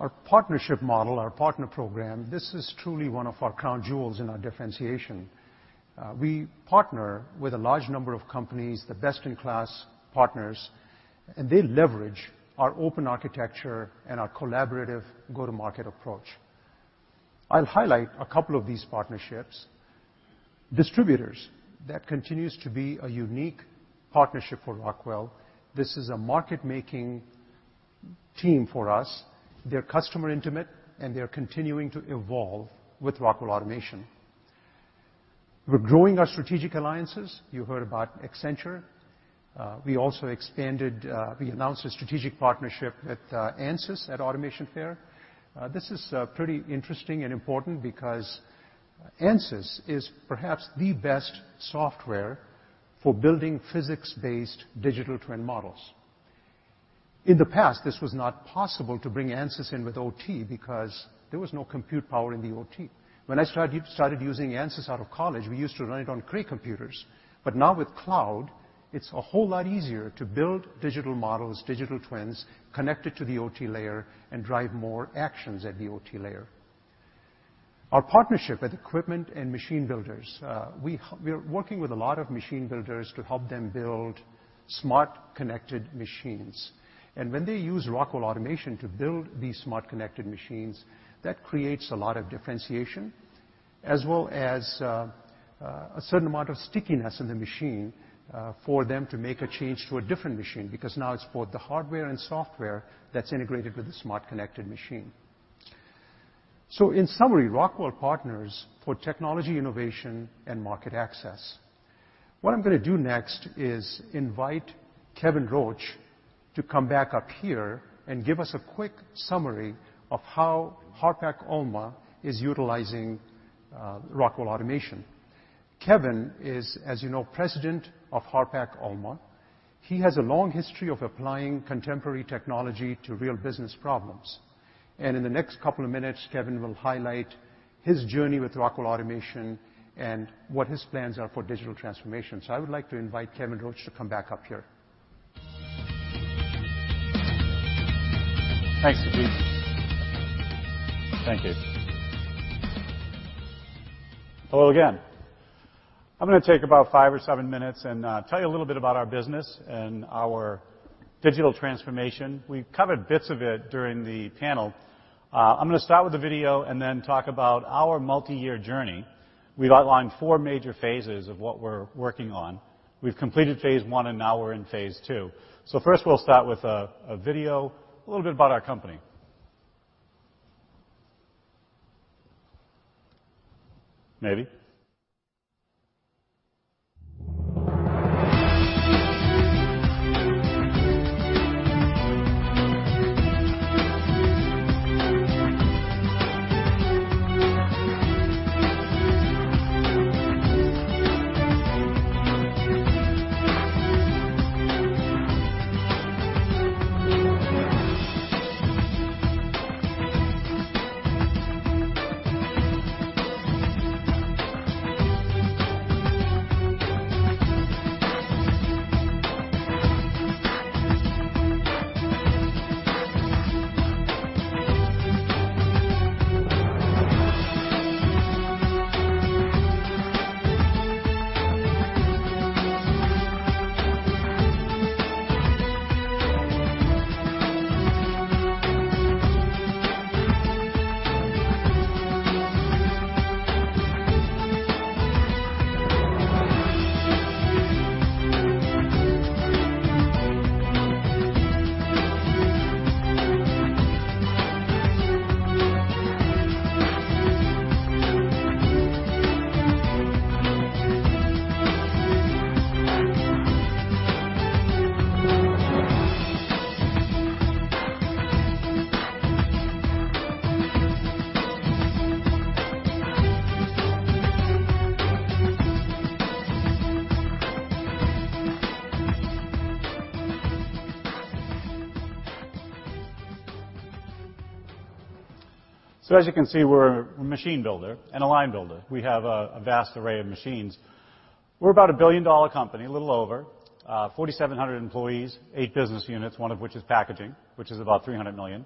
S4: Our partnership model, our partner program, this is truly one of our crown jewels in our differentiation. We partner with a large number of companies, the best-in-class partners, and they leverage our open architecture and our collaborative go-to-market approach. I'll highlight a couple of these partnerships. Distributors, that continues to be a unique partnership for Rockwell. This is a market-making team for us. They're customer intimate, and they're continuing to evolve with Rockwell Automation. We're growing our strategic alliances. You heard about Accenture. We announced a strategic partnership at Ansys at Automation Fair. This is pretty interesting and important because Ansys is perhaps the best software for building physics-based digital twin models. In the past, this was not possible to bring Ansys in with OT because there was no compute power in the OT. When I started using Ansys out of college, we used to run it on Cray computers. Now with cloud, it's a whole lot easier to build digital models, digital twins, connect it to the OT layer, and drive more actions at the OT layer. Our partnership with equipment and machine builders, we are working with a lot of machine builders to help them build smart, connected machines. When they use Rockwell Automation to build these smart, connected machines, that creates a lot of differentiation as well as a certain amount of stickiness in the machine for them to make a change to a different machine because now it's both the hardware and software that's integrated with the smart, connected machine. In summary, Rockwell partners for technology innovation and market access. What I'm going to do next is invite Kevin Roach to come back up here and give us a quick summary of how Harpak-ULMA is utilizing Rockwell Automation. Kevin is, as you know, president of Harpak-ULMA. He has a long history of applying contemporary technology to real business problems. In the next couple of minutes, Kevin will highlight his journey with Rockwell Automation and what his plans are for digital transformation. I would like to invite Kevin Roach to come back up here.
S9: Thanks, Sujeet. Thank you
S6: Hello again. I'm going to take about five or seven minutes and tell you a little bit about our business and our digital transformation. We've covered bits of it during the panel. I'm going to start with a video and then talk about our multi-year journey. We've outlined four major phases of what we're working on. We've completed phase 1, and now we're in phase 2. First, we'll start with a video, a little bit about our company. Maybe. As you can see, we're a machine builder and a line builder. We have a vast array of machines. We're about a billion-dollar company, a little over, 4,700 employees, 8 business units, one of which is packaging, which is about $300 million.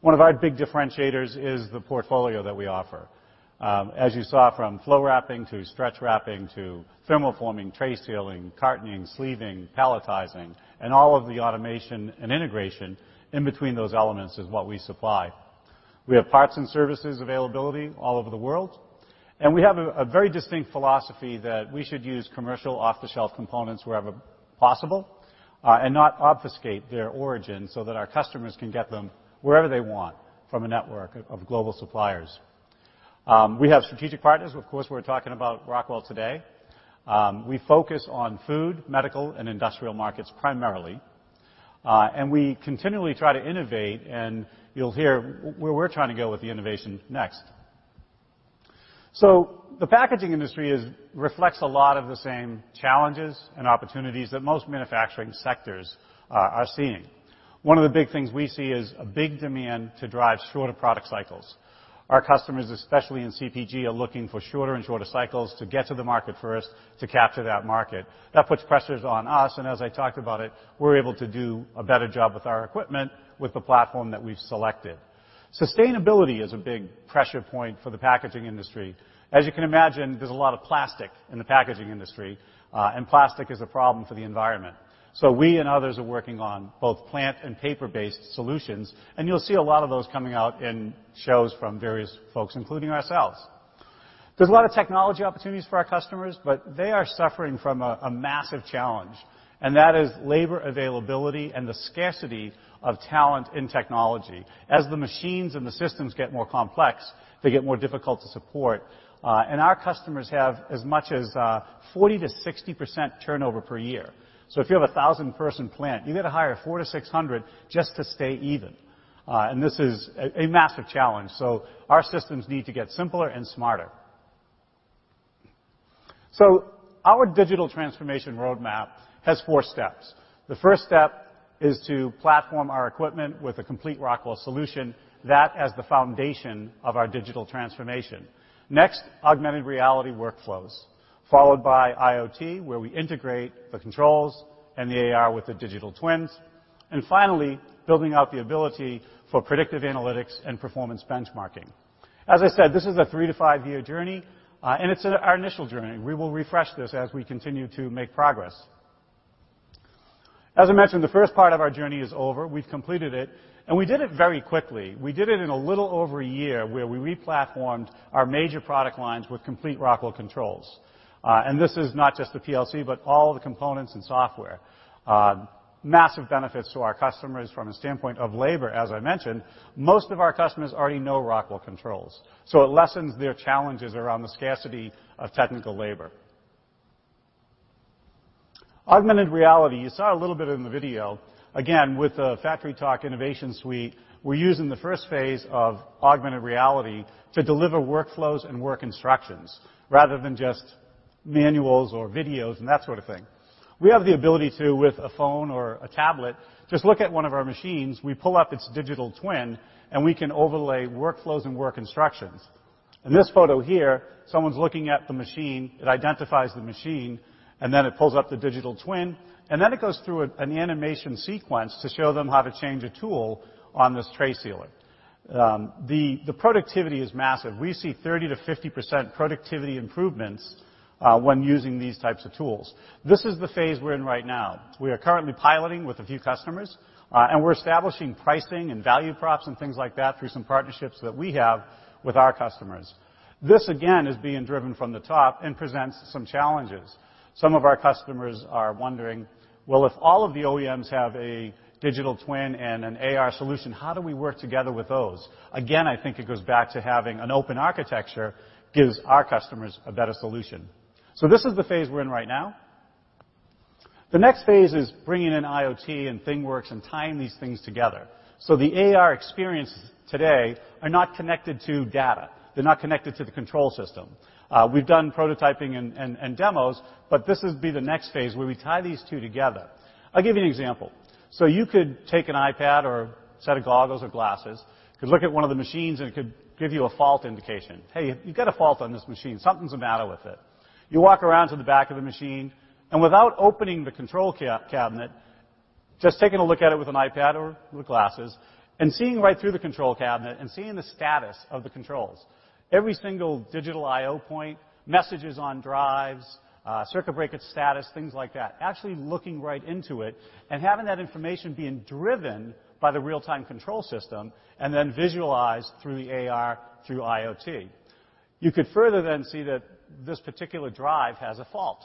S6: One of our big differentiators is the portfolio that we offer. As you saw, from flow wrapping to stretch wrapping to thermal forming, tray sealing, cartoning, sleeving, palletizing, and all of the automation and integration in between those elements is what we supply. We have parts and services availability all over the world, and we have a very distinct philosophy that we should use commercial off-the-shelf components wherever possible, and not obfuscate their origin, so that our customers can get them wherever they want from a network of global suppliers. We have strategic partners. Of course, we're talking about Rockwell today. We continually try to innovate, and you'll hear where we're trying to go with the innovation next. We focus on food, medical, and industrial markets primarily. The packaging industry reflects a lot of the same challenges and opportunities that most manufacturing sectors are seeing. One of the big things we see is a big demand to drive shorter product cycles. Our customers, especially in CPG, are looking for shorter and shorter cycles to get to the market first to capture that market. That puts pressures on us, and as I talked about it, we're able to do a better job with our equipment, with the platform that we've selected. Sustainability is a big pressure point for the packaging industry. As you can imagine, there's a lot of plastic in the packaging industry, and plastic is a problem for the environment. We and others are working on both plant and paper-based solutions, and you'll see a lot of those coming out in shows from various folks, including ourselves. There's a lot of technology opportunities for our customers, but they are suffering from a massive challenge, and that is labor availability and the scarcity of talent in technology. As the machines and the systems get more complex, they get more difficult to support. Our customers have as much as 40%-60% turnover per year. If you have a 1,000-person plant, you got to hire 400 to 600 just to stay even. This is a massive challenge. Our systems need to get simpler and smarter. Our digital transformation roadmap has four steps. The first step is to platform our equipment with a complete Rockwell solution, that as the foundation of our digital transformation. Next, augmented reality workflows, followed by IoT, where we integrate the controls and the AR with the digital twins, and finally, building out the ability for predictive analytics and performance benchmarking. As I said, this is a three-to-five-year journey, and it's our initial journey. We will refresh this as we continue to make progress. As I mentioned, the first part of our journey is over. We've completed it, and we did it very quickly. We did it in a little over a year, where we re-platformed our major product lines with complete Rockwell controls. This is not just the PLC, but all the components and software. Massive benefits to our customers from a standpoint of labor, as I mentioned. Most of our customers already know Rockwell controls, so it lessens their challenges around the scarcity of technical labor. Augmented reality, you saw a little bit in the video. Again, with the FactoryTalk InnovationSuite, we're using the first phase of augmented reality to deliver workflows and work instructions rather than just manuals or videos and that sort of thing. We have the ability to, with a phone or a tablet, just look at one of our machines. We pull up its digital twin, and we can overlay workflows and work instructions. In this photo here, someone's looking at the machine. It identifies the machine, and then it pulls up the digital twin, and then it goes through an animation sequence to show them how to change a tool on this tray sealer. The productivity is massive. We see 30%-50% productivity improvements when using these types of tools. This is the phase we're in right now. We are currently piloting with a few customers, and we're establishing pricing and value props and things like that through some partnerships that we have with our customers. This, again, is being driven from the top and presents some challenges. Some of our customers are wondering, "Well, if all of the OEMs have a digital twin and an AR solution, how do we work together with those?" Again, I think it goes back to having an open architecture gives our customers a better solution. This is the phase we're in right now. The next phase is bringing in IoT and ThingWorx and tying these things together. The AR experience today are not connected to data. They're not connected to the control system. We've done prototyping and demos, but this will be the next phase, where we tie these two together. I'll give you an example. You could take an iPad or a set of goggles or glasses. You could look at one of the machines, and it could give you a fault indication. "Hey, you've got a fault on this machine. Something's the matter with it." You walk around to the back of the machine, and without opening the control cabinet, just taking a look at it with an iPad or with glasses, and seeing right through the control cabinet and seeing the status of the controls, every single digital I/O point, messages on drives, circuit breaker status, things like that. Actually looking right into it and having that information being driven by the real-time control system and then visualized through the AR through IoT. You could further then see that this particular drive has a fault.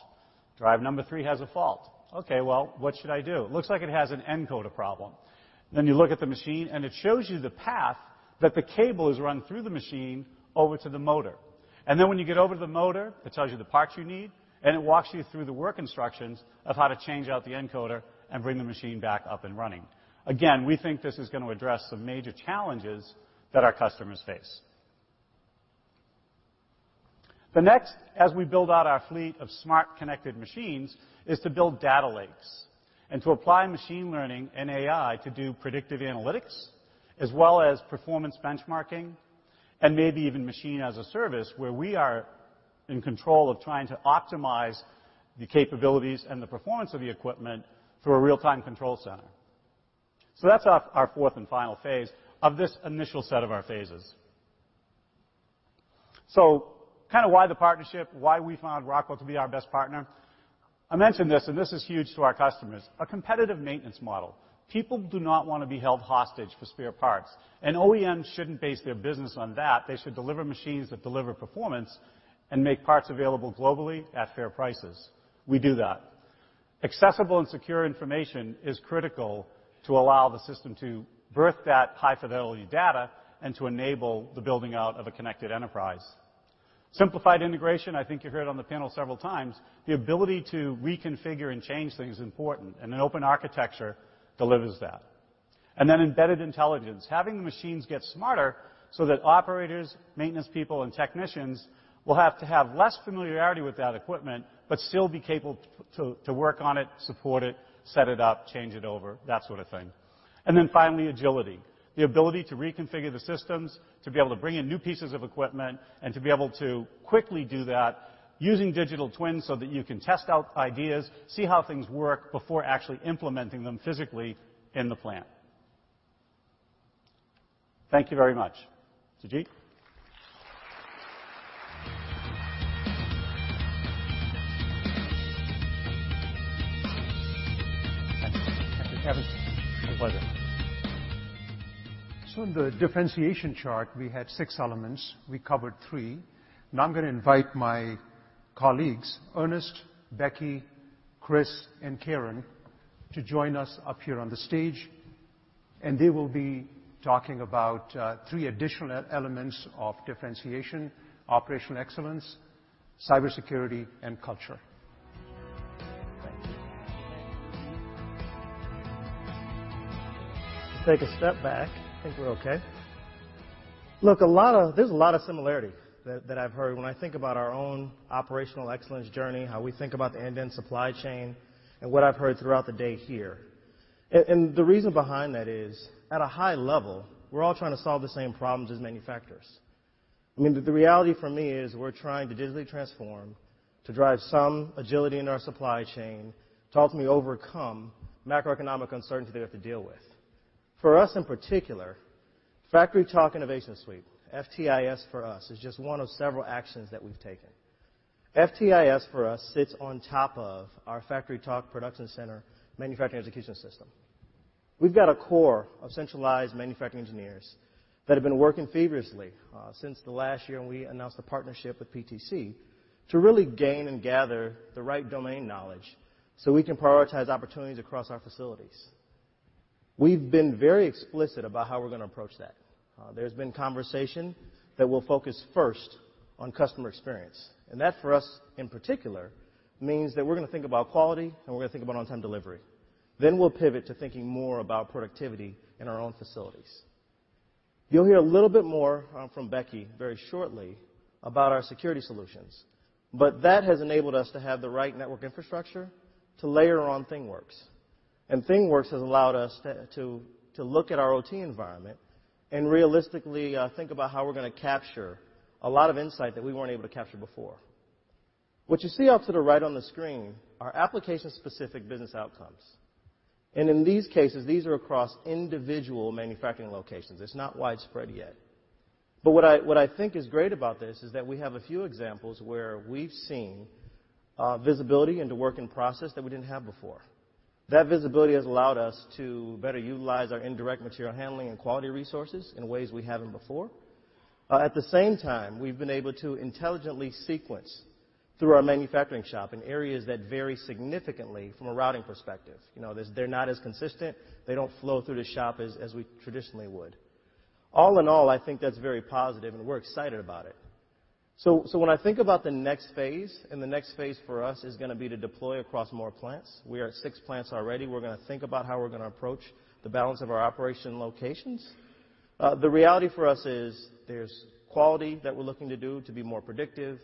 S6: Drive number three has a fault. Okay, well what should I do? It looks like it has an encoder problem. You look at the machine, and it shows you the path that the cable is run through the machine over to the motor. When you get over to the motor, it tells you the parts you need, and it walks you through the work instructions of how to change out the encoder and bring the machine back up and running. We think this is going to address some major challenges that our customers face. The next, as we build out our fleet of smart connected machines, is to build data lakes and to apply machine learning and AI to do predictive analytics, as well as performance benchmarking, and maybe even machine-as-a-service, where we are in control of trying to optimize the capabilities and the performance of the equipment through a real-time control center. That's our fourth and final phase of this initial set of our phases. Kind of why the partnership, why we found Rockwell to be our best partner. I mentioned this. This is huge to our customers. A competitive maintenance model. People do not want to be held hostage for spare parts, and OEMs shouldn't base their business on that. They should deliver machines that deliver performance and make parts available globally at fair prices. We do that. Accessible and secure information is critical to allow the system to birth that high-fidelity data and to enable the building out of a Connected Enterprise. Simplified integration, I think you've heard on the panel several times. The ability to reconfigure and change things is important, and an open architecture delivers that. Embedded intelligence. Having the machines get smarter so that operators, maintenance people, and technicians will have to have less familiarity with that equipment, but still be capable to work on it, support it, set it up, change it over, that sort of thing. Finally, agility. The ability to reconfigure the systems, to be able to bring in new pieces of equipment, and to be able to quickly do that using digital twins, so that you can test out ideas, see how things work before actually implementing them physically in the plant. Thank you very much. Sujeet?
S4: Thank you, Kevin. My pleasure. In the differentiation chart, we had six elements. We covered three. Now I'm going to invite my colleagues, Ernest, Becky, Chris, and Karen to join us up here on the stage, and they will be talking about three additional elements of differentiation, operational excellence, cybersecurity, and culture.
S11: Take a step back. Think we're okay. Look, there's a lot of similarity that I've heard when I think about our own operational excellence journey, how we think about the end-to-end supply chain, and what I've heard throughout the day here. The reason behind that is, at a high level, we're all trying to solve the same problems as manufacturers. I mean, the reality for me is we're trying to digitally transform to drive some agility in our supply chain to ultimately overcome macroeconomic uncertainty that we have to deal with. For us in particular, FactoryTalk InnovationSuite, FTIS for us, is just one of several actions that we've taken. FTIS for us sits on top of our FactoryTalk ProductionCentre manufacturing execution system. We've got a core of centralized manufacturing engineers that have been working feverishly since the last year when we announced the partnership with PTC to really gain and gather the right domain knowledge so we can prioritize opportunities across our facilities. We've been very explicit about how we're going to approach that. That for us in particular means that we're going to think about quality, and we're going to think about on-time delivery. We'll pivot to thinking more about productivity in our own facilities. You'll hear a little bit more from Becky very shortly about our security solutions. That has enabled us to have the right network infrastructure to layer on ThingWorx. ThingWorx has allowed us to look at our OT environment and realistically think about how we're going to capture a lot of insight that we weren't able to capture before. What you see off to the right on the screen are application-specific business outcomes. In these cases, these are across individual manufacturing locations. It's not widespread yet. What I think is great about this is that we have a few examples where we've seen visibility into work in process that we didn't have before. That visibility has allowed us to better utilize our indirect material handling and quality resources in ways we haven't before. At the same time, we've been able to intelligently sequence through our manufacturing shop in areas that vary significantly from a routing perspective. They're not as consistent, they don't flow through the shop as we traditionally would. All in all, I think that's very positive, and we're excited about it. When I think about the next phase, and the next phase for us is going to be to deploy across more plants. We are at six plants already. We're going to think about how we're going to approach the balance of our operation locations. The reality for us is there's quality that we're looking to do to be more predictive.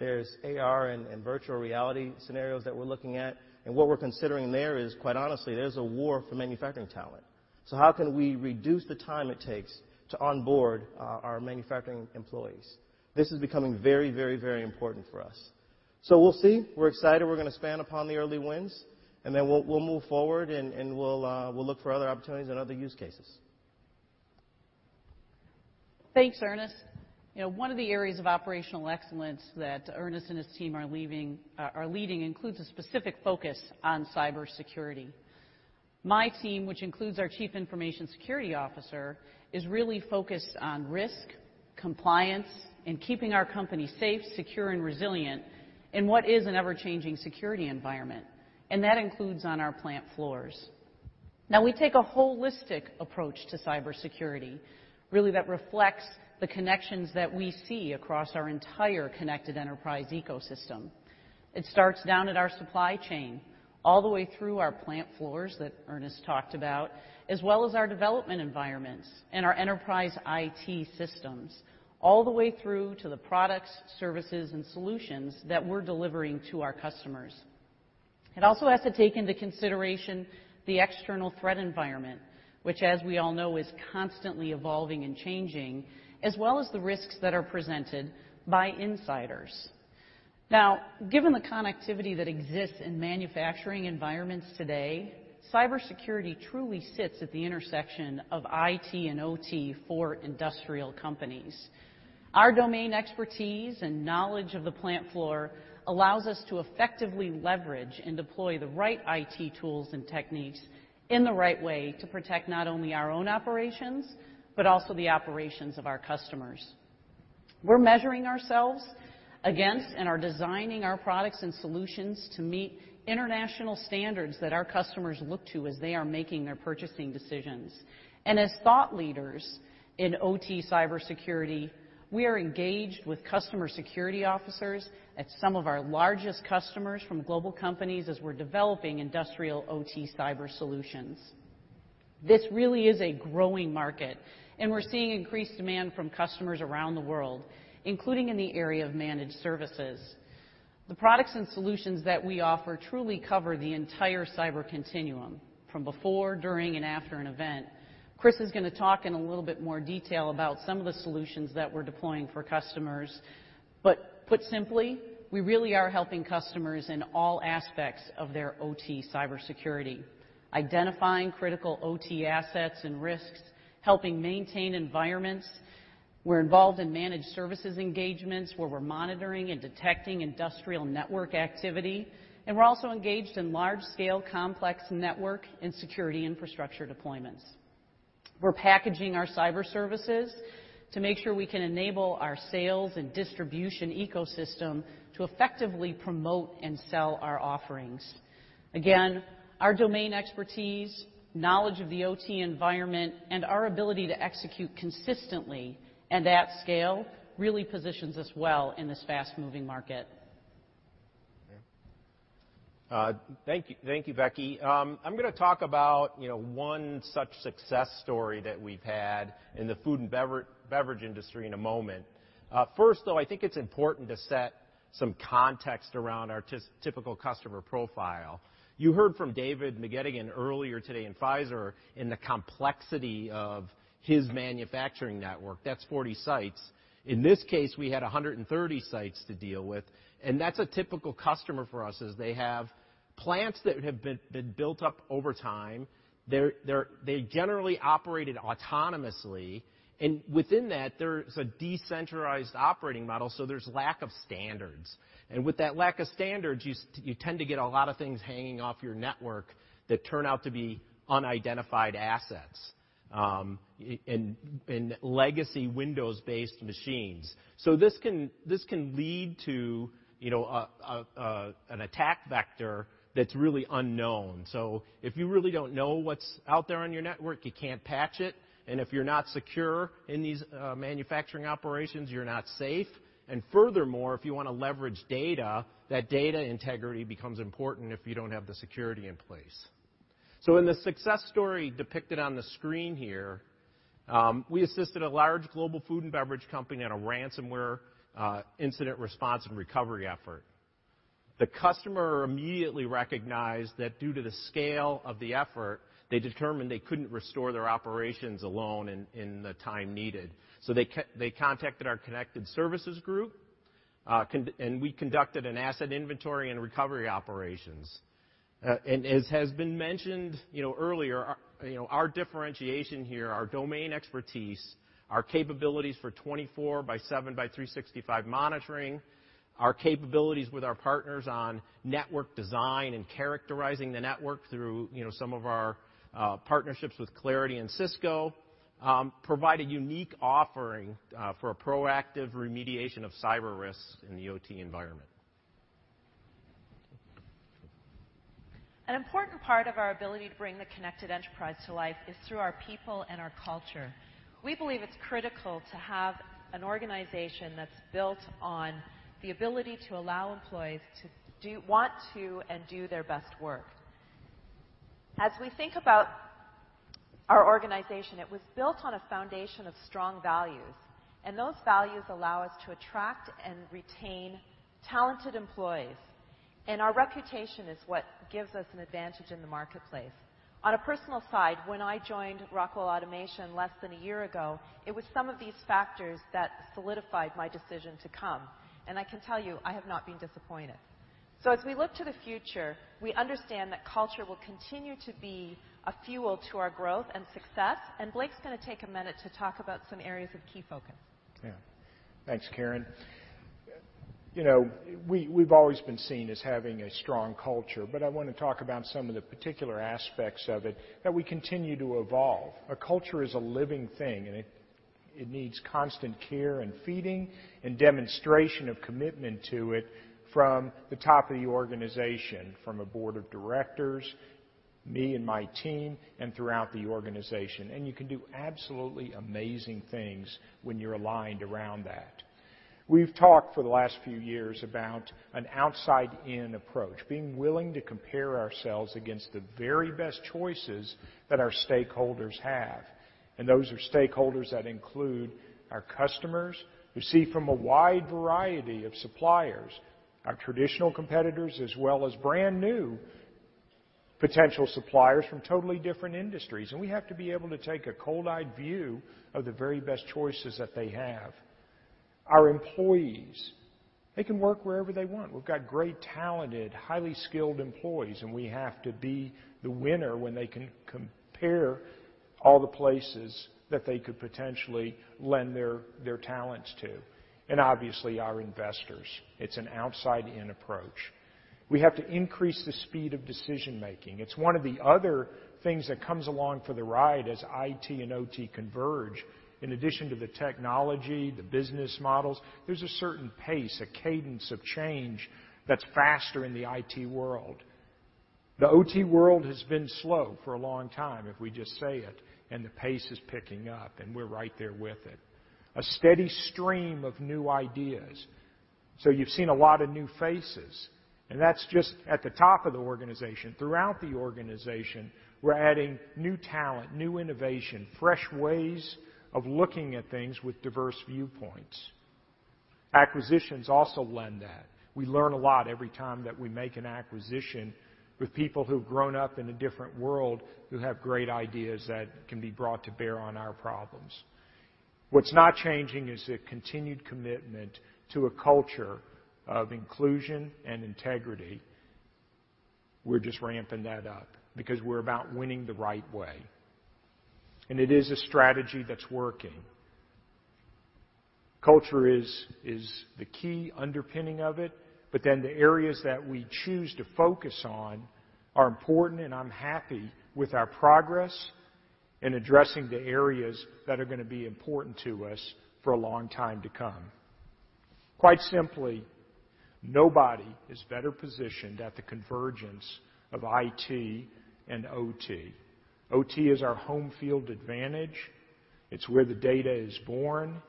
S11: There's AR and virtual reality scenarios that we're looking at. What we're considering there is, quite honestly, there's a war for manufacturing talent. How can we reduce the time it takes to onboard our manufacturing employees? This is becoming very important for us. We'll see. We're excited. We're going to expand upon the early wins, and then we'll move forward, and we'll look for other opportunities and other use cases. Thanks, Ernest. One of the areas of operational excellence that Ernest and his team are leading includes a specific focus on cybersecurity. My team, which includes our Chief Information Security Officer, is really focused on risk, compliance, and keeping our company safe, secure, and resilient in what is an ever-changing security environment, and that includes on our plant floors. We take a holistic approach to cybersecurity, really, that reflects the connections that we see across our entire Connected Enterprise ecosystem. It starts down at our supply chain, all the way through our plant floors that Ernest talked about, as well as our development environments and our enterprise IT systems, all the way through to the products, services, and solutions that we're delivering to our customers. It also has to take into consideration the external threat environment, which, as we all know, is constantly evolving and changing, as well as the risks that are presented by insiders. Given the connectivity that exists in manufacturing environments today, cybersecurity truly sits at the intersection of IT and OT for industrial companies. Our domain expertise and knowledge of the plant floor allows us to effectively leverage and deploy the right IT tools and techniques in the right way to protect not only our own operations, but also the operations of our customers. We're measuring ourselves against and are designing our products and solutions to meet international standards that our customers look to as they are making their purchasing decisions. As thought leaders in OT cybersecurity, we are engaged with customer security officers at some of our largest customers from global companies as we're developing industrial OT cyber solutions. This really is a growing market, and we're seeing increased demand from customers around the world, including in the area of managed services. The products and solutions that we offer truly cover the entire cyber continuum from before, during, and after an event. Chris is going to talk in a little bit more detail about some of the solutions that we're deploying for customers. Put simply, we really are helping customers in all aspects of their OT cybersecurity, identifying critical OT assets and risks, helping maintain environments. We're involved in managed services engagements where we're monitoring and detecting industrial network activity, and we're also engaged in large-scale, complex network and security infrastructure deployments. We're packaging our cyber services to make sure we can enable our sales and distribution ecosystem to effectively promote and sell our offerings. Again, our domain expertise, knowledge of the OT environment, and our ability to execute consistently and at scale really positions us well in this fast-moving market. Thank you, Becky. I'm going to talk about one such success story that we've had in the food and beverage industry in a moment. First, though, I think it's important to set some context around our typical customer profile. You heard from David McGettigan earlier today in Pfizer in the complexity of his manufacturing network. That's 40 sites. In this case, we had 130 sites to deal with, and that's a typical customer for us, is they have plants that have been built up over time. They generally operated autonomously, and within that, there is a decentralized operating model, so there's lack of standards. With that lack of standards, you tend to get a lot of things hanging off your network that turn out to be unidentified assets, and legacy Windows-based machines. This can lead to an attack vector that's really unknown. If you really don't know what's out there on your network, you can't patch it, and if you're not secure in these manufacturing operations, you're not safe. Furthermore, if you want to leverage data, that data integrity becomes important if you don't have the security in place. In the success story depicted on the screen here, we assisted a large global food and beverage company in a ransomware incident response and recovery effort. The customer immediately recognized that due to the scale of the effort, they determined they couldn't restore their operations alone in the time needed. They contacted our Connected Services Group, and we conducted an asset inventory and recovery operations. As has been mentioned earlier, our differentiation here, our domain expertise, our capabilities for 24 by seven by 365 monitoring, our capabilities with our partners on network design and characterizing the network through some of our partnerships with Claroty and Cisco, provide a unique offering for a proactive remediation of cyber risks in the OT environment. An important part of our ability to bring the Connected Enterprise to life is through our people and our culture. We believe it's critical to have an organization that's built on the ability to allow employees to want to and do their best work. As we think about our organization, it was built on a foundation of strong values, and those values allow us to attract and retain talented employees. Our reputation is what gives us an advantage in the marketplace. On a personal side, when I joined Rockwell Automation less than a year ago, it was some of these factors that solidified my decision to come, and I can tell you I have not been disappointed. As we look to the future, we understand that culture will continue to be a fuel to our growth and success. Blake's going to take a minute to talk about some areas of key focus.
S3: Yeah. Thanks, Karen. We've always been seen as having a strong culture, but I want to talk about some of the particular aspects of it that we continue to evolve. A culture is a living thing, and it needs constant care and feeding and demonstration of commitment to it from the top of the organization, from a board of directors, me and my team, and throughout the organization. You can do absolutely amazing things when you're aligned around that. We've talked for the last few years about an outside-in approach, being willing to compare ourselves against the very best choices that our stakeholders have. Those are stakeholders that include our customers, who see from a wide variety of suppliers, our traditional competitors, as well as brand-new potential suppliers from totally different industries. We have to be able to take a cold-eyed view of the very best choices that they have. Our employees, they can work wherever they want. We've got great, talented, highly skilled employees, and we have to be the winner when they can compare all the places that they could potentially lend their talents to. Obviously, our investors. It's an outside-in approach. We have to increase the speed of decision-making. It's one of the other things that comes along for the ride as IT and OT converge. In addition to the technology, the business models, there's a certain pace, a cadence of change that's faster in the IT world. The OT world has been slow for a long time, if we just say it. The pace is picking up, and we're right there with it. A steady stream of new ideas. You've seen a lot of new faces, and that's just at the top of the organization. Throughout the organization, we're adding new talent, new innovation, fresh ways of looking at things with diverse viewpoints. Acquisitions also lend that. We learn a lot every time that we make an acquisition with people who've grown up in a different world who have great ideas that can be brought to bear on our problems. What's not changing is the continued commitment to a culture of inclusion and integrity. We're just ramping that up because we're about winning the right way, and it is a strategy that's working. Culture is the key underpinning of it, but then the areas that we choose to focus on are important, and I'm happy with our progress in addressing the areas that are going to be important to us for a long time to come. Quite simply, nobody is better positioned at the convergence of IT and OT. OT is our home field advantage. It's where the data is born.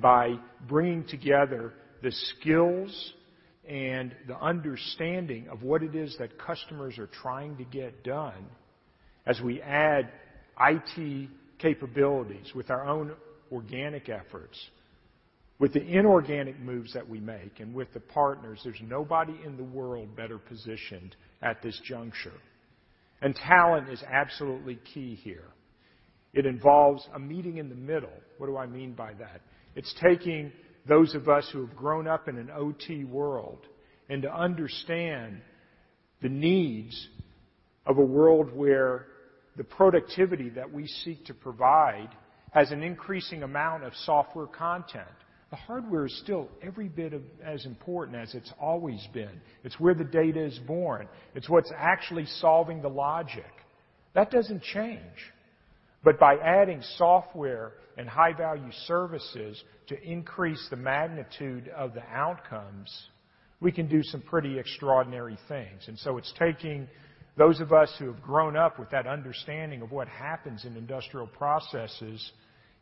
S3: By bringing together the skills and the understanding of what it is that customers are trying to get done as we add IT capabilities with our own organic efforts, with the inorganic moves that we make, and with the partners, there's nobody in the world better positioned at this juncture. Talent is absolutely key here. It involves a meeting in the middle. What do I mean by that? It's taking those of us who have grown up in an OT world and to understand the needs of a world where the productivity that we seek to provide has an increasing amount of software content. The hardware is still every bit as important as it's always been. It's where the data is born. It's what's actually solving the logic. That doesn't change. By adding software and high-value services to increase the magnitude of the outcomes, we can do some pretty extraordinary things. It's taking those of us who have grown up with that understanding of what happens in industrial processes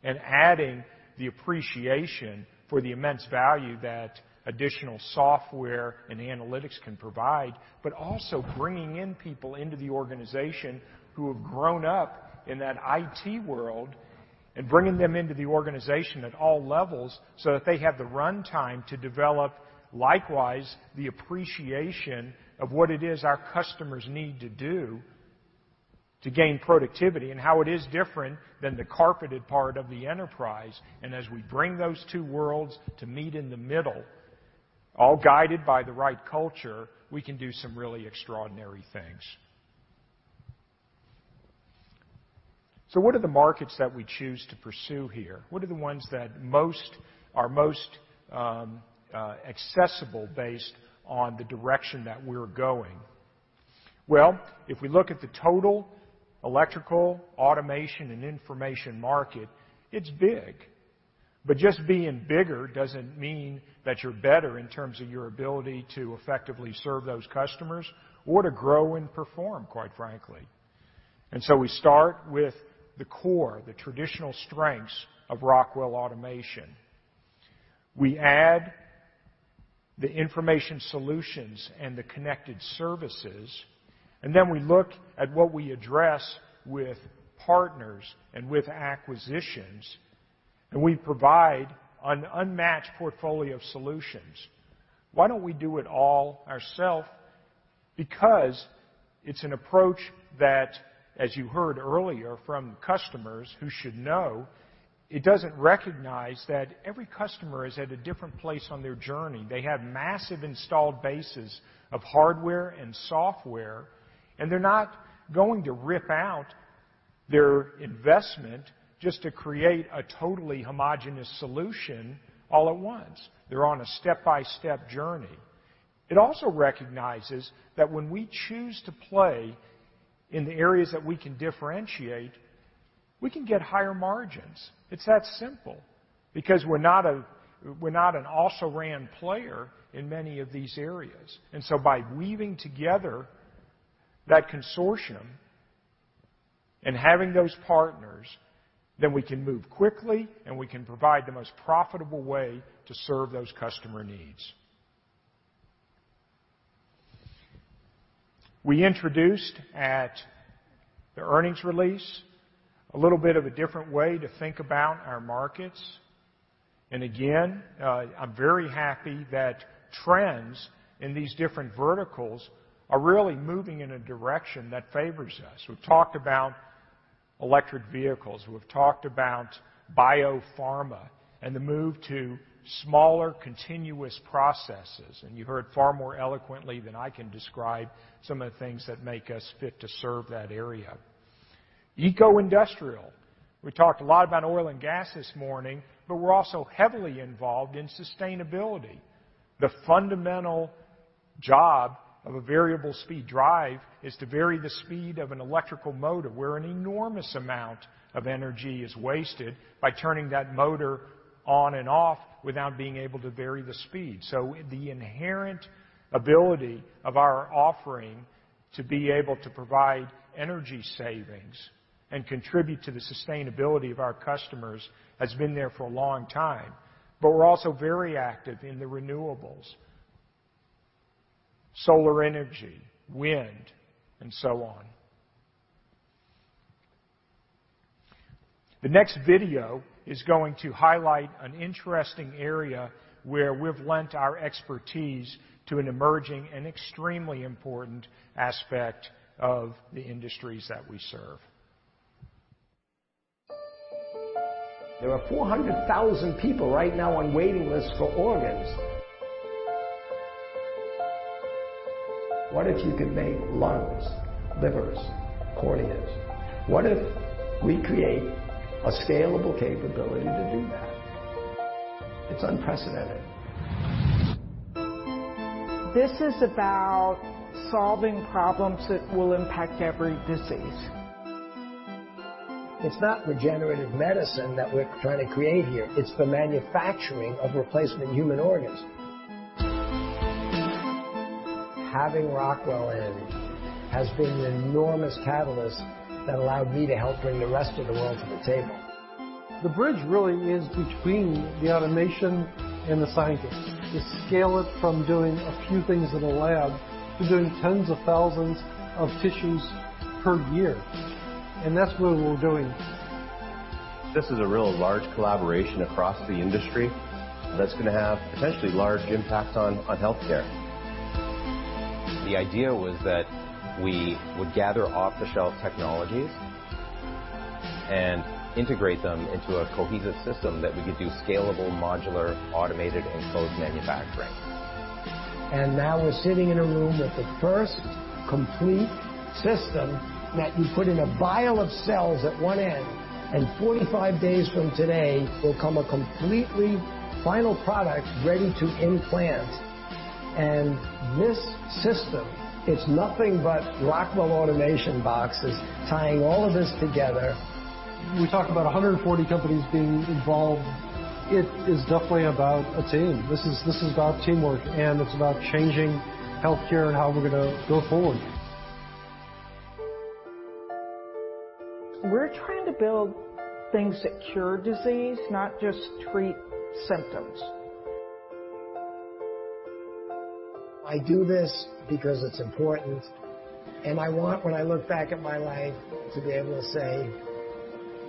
S3: and adding the appreciation for the immense value that additional software and analytics can provide, but also bringing in people into the organization who have grown up in that IT world and bringing them into the organization at all levels so that they have the runtime to develop, likewise, the appreciation of what it is our customers need to do. To gain productivity and how it is different than the carpeted part of the enterprise, As we bring those two worlds to meet in the middle, all guided by the right culture, we can do some really extraordinary things. What are the markets that we choose to pursue here? What are the ones that are most accessible based on the direction that we're going? If we look at the total electrical, automation, and information market, it's big. Just being bigger doesn't mean that you're better in terms of your ability to effectively serve those customers or to grow and perform, quite frankly. We start with the core, the traditional strengths of Rockwell Automation. We add the information solutions and the connected services, and then we look at what we address with partners and with acquisitions, and we provide an unmatched portfolio of solutions. Why don't we do it all ourselves? Because it's an approach that, as you heard earlier from customers who should know, it doesn't recognize that every customer is at a different place on their journey. They have massive installed bases of hardware and software, and they're not going to rip out their investment just to create a totally homogenous solution all at once. They're on a step-by-step journey. It also recognizes that when we choose to play in the areas that we can differentiate, we can get higher margins. It's that simple, because we're not an also-ran player in many of these areas. By weaving together that consortium and having those partners, then we can move quickly, and we can provide the most profitable way to serve those customer needs. We introduced at the earnings release, a little bit of a different way to think about our markets, and again, I'm very happy that trends in these different verticals are really moving in a direction that favors us. We've talked about electric vehicles, we've talked about biopharma and the move to smaller, continuous processes, and you've heard far more eloquently than I can describe some of the things that make us fit to serve that area. Eco-industrial. We talked a lot about oil and gas this morning, but we're also heavily involved in sustainability. The fundamental job of a variable speed drive is to vary the speed of an electrical motor, where an enormous amount of energy is wasted by turning that motor on and off without being able to vary the speed. The inherent ability of our offering to be able to provide energy savings and contribute to the sustainability of our customers has been there for a long time. We're also very active in the renewables, solar energy, wind and so on. The next video is going to highlight an interesting area where we've lent our expertise to an emerging and extremely important aspect of the industries that we serve.
S12: There are 400,000 people right now on waiting lists for organs. What if you could make lungs, livers, corneas? What if we create a scalable capability to do that? It is unprecedented.
S13: This is about solving problems that will impact every disease.
S12: It's not regenerative medicine that we're trying to create here. It's the manufacturing of replacement human organs. Having Rockwell in has been an enormous catalyst that allowed me to help bring the rest of the world to the table.
S13: The bridge really is between the automation and the scientist, to scale it from doing a few things in a lab to doing tens of thousands of tissues per year, and that's what we're doing. This is a real large collaboration across the industry that's going to have potentially large impacts on healthcare. The idea was that we would gather off-the-shelf technologies and integrate them into a cohesive system that we could do scalable, modular, automated, enclosed manufacturing.
S12: Now we're sitting in a room with the first complete system that you put in a vial of cells at one end, and 45 days from today will come a completely final product ready to implant. This system, it's nothing but Rockwell Automation boxes tying all of this together.
S13: We talked about 140 companies being involved. It is definitely about a team. This is about teamwork, and it's about changing healthcare and how we're going to go forward. We're trying to build things that cure disease, not just treat symptoms.
S12: I do this because it's important, and I want when I look back at my life, to be able to say,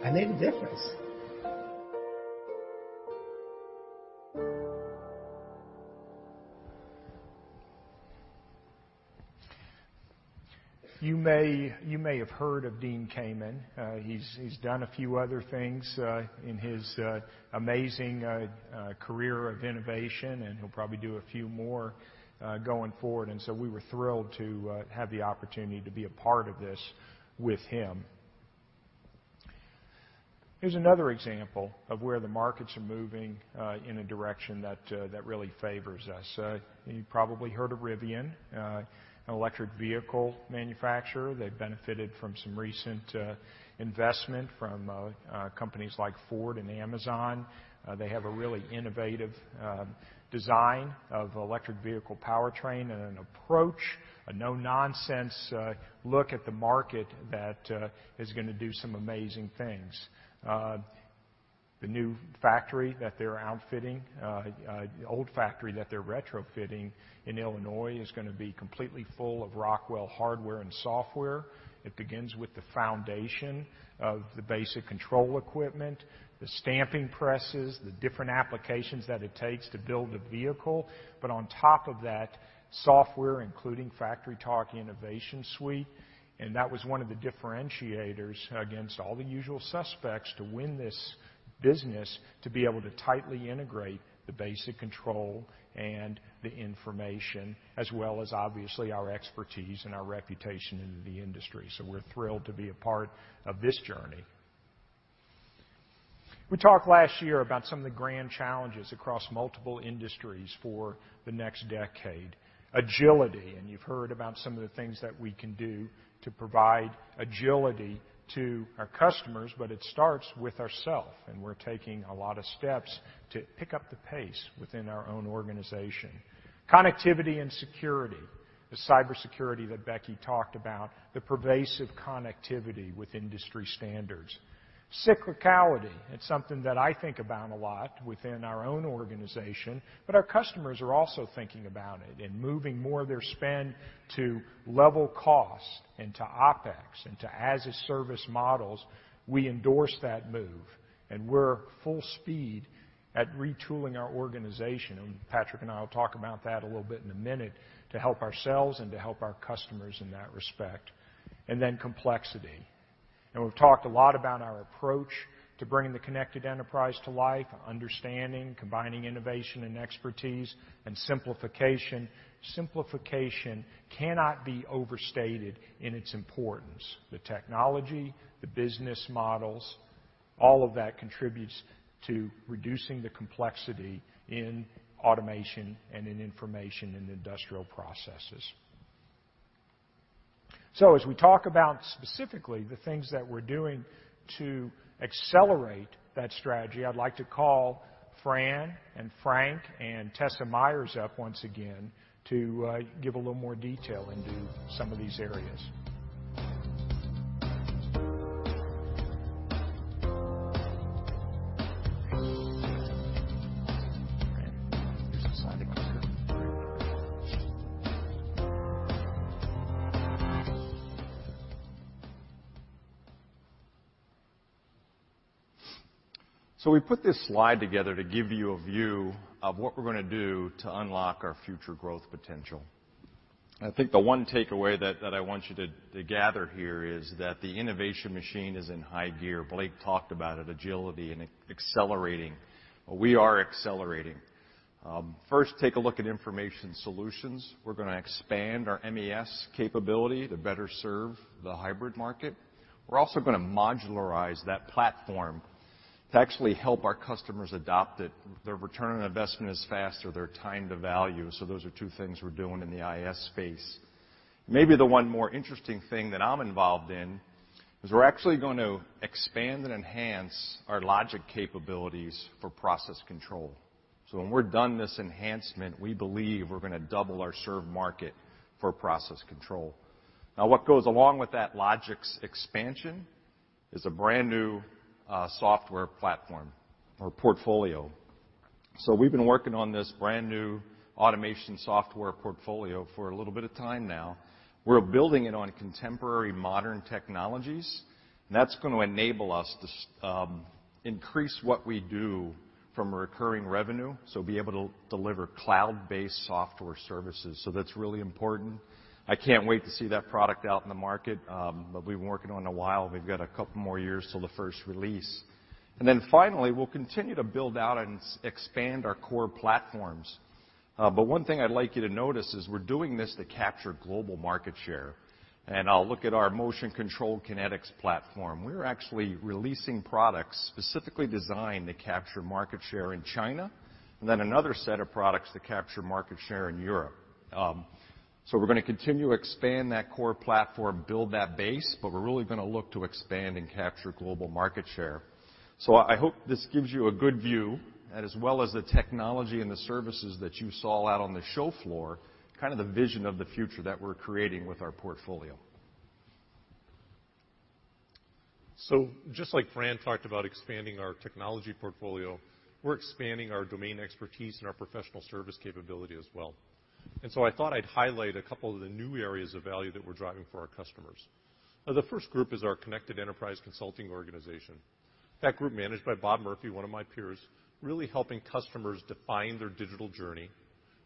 S12: "I made a difference.
S3: You may have heard of Dean Kamen. He's done a few other things in his amazing career of innovation, and he'll probably do a few more going forward. So we were thrilled to have the opportunity to be a part of this with him. Here's another example of where the markets are moving in a direction that really favors us. You probably heard of Rivian, an electric vehicle manufacturer. They've benefited from some recent investment from companies like Ford and Amazon. They have a really innovative design of electric vehicle powertrain and an approach, a no-nonsense look at the market that is going to do some amazing things. The new factory that they're outfitting, old factory that they're retrofitting in Illinois is going to be completely full of Rockwell hardware and software. It begins with the foundation of the basic control equipment, the stamping presses, the different applications that it takes to build a vehicle. On top of that, software, including FactoryTalk InnovationSuite, and that was one of the differentiators against all the usual suspects to win this business, to be able to tightly integrate the basic control and the information, as well as obviously our expertise and our reputation into the industry. We're thrilled to be a part of this journey. We talked last year about some of the grand challenges across multiple industries for the next decade. Agility, and you've heard about some of the things that we can do to provide agility to our customers, but it starts with ourself, and we're taking a lot of steps to pick up the pace within our own organization. Connectivity and security, the cybersecurity that Becky talked about, the pervasive connectivity with industry standards. Cyclicality. It's something that I think about a lot within our own organization, but our customers are also thinking about it and moving more of their spend to level cost and to OpEx and to as-a-service models. We endorse that move, and we're full speed at retooling our organization, and Patrick and I will talk about that a little bit in a minute, to help ourselves and to help our customers in that respect. Then complexity. We've talked a lot about our approach to bringing the Connected Enterprise to life, understanding, combining innovation and expertise, and simplification. Simplification cannot be overstated in its importance. The technology, the business models, all of that contributes to reducing the complexity in automation and in information and industrial processes. As we talk about specifically the things that we're doing to accelerate that strategy, I'd like to call Fran and Frank and Tessa Myers up once again to give a little more detail into some of these areas. We put this slide together to give you a view of what we're going to do to unlock our future growth potential.
S9: I think the one takeaway that I want you to gather here is that the innovation machine is in high gear. Blake talked about it, agility and accelerating. We are accelerating. First, take a look at information solutions. We're going to expand our MES capability to better serve the hybrid market. We're also going to modularize that platform to actually help our customers adopt it. Their return on investment is faster, their time to value. Those are two things we're doing in the IS space. Maybe the one more interesting thing that I'm involved in is we're actually going to expand and enhance our Logix capabilities for process control. When we're done this enhancement, we believe we're going to double our served market for process control. What goes along with that Logix's expansion is a brand-new software platform or portfolio. We've been working on this brand-new automation software portfolio for a little bit of time now. We're building it on contemporary modern technologies, and that's going to enable us to increase what we do from recurring revenue, so be able to deliver cloud-based software services. That's really important. I can't wait to see that product out in the market, but we've been working on it a while. We've got a couple more years till the first release. Finally, we'll continue to build out and expand our core platforms. One thing I'd like you to notice is we're doing this to capture global market share. I'll look at our motion control kinetics platform. We're actually releasing products specifically designed to capture market share in China, and then another set of products to capture market share in Europe. We're going to continue to expand that core platform, build that base, but we're really going to look to expand and capture global market share. I hope this gives you a good view, and as well as the technology and the services that you saw out on the show floor, kind of the vision of the future that we're creating with our portfolio.
S10: Just like Fran talked about expanding our technology portfolio, we're expanding our domain expertise and our professional service capability as well. I thought I'd highlight a couple of the new areas of value that we're driving for our customers. The first group is our Connected Enterprise Consulting organization. That group managed by Bob Murphy, one of my peers, really helping customers define their digital journey,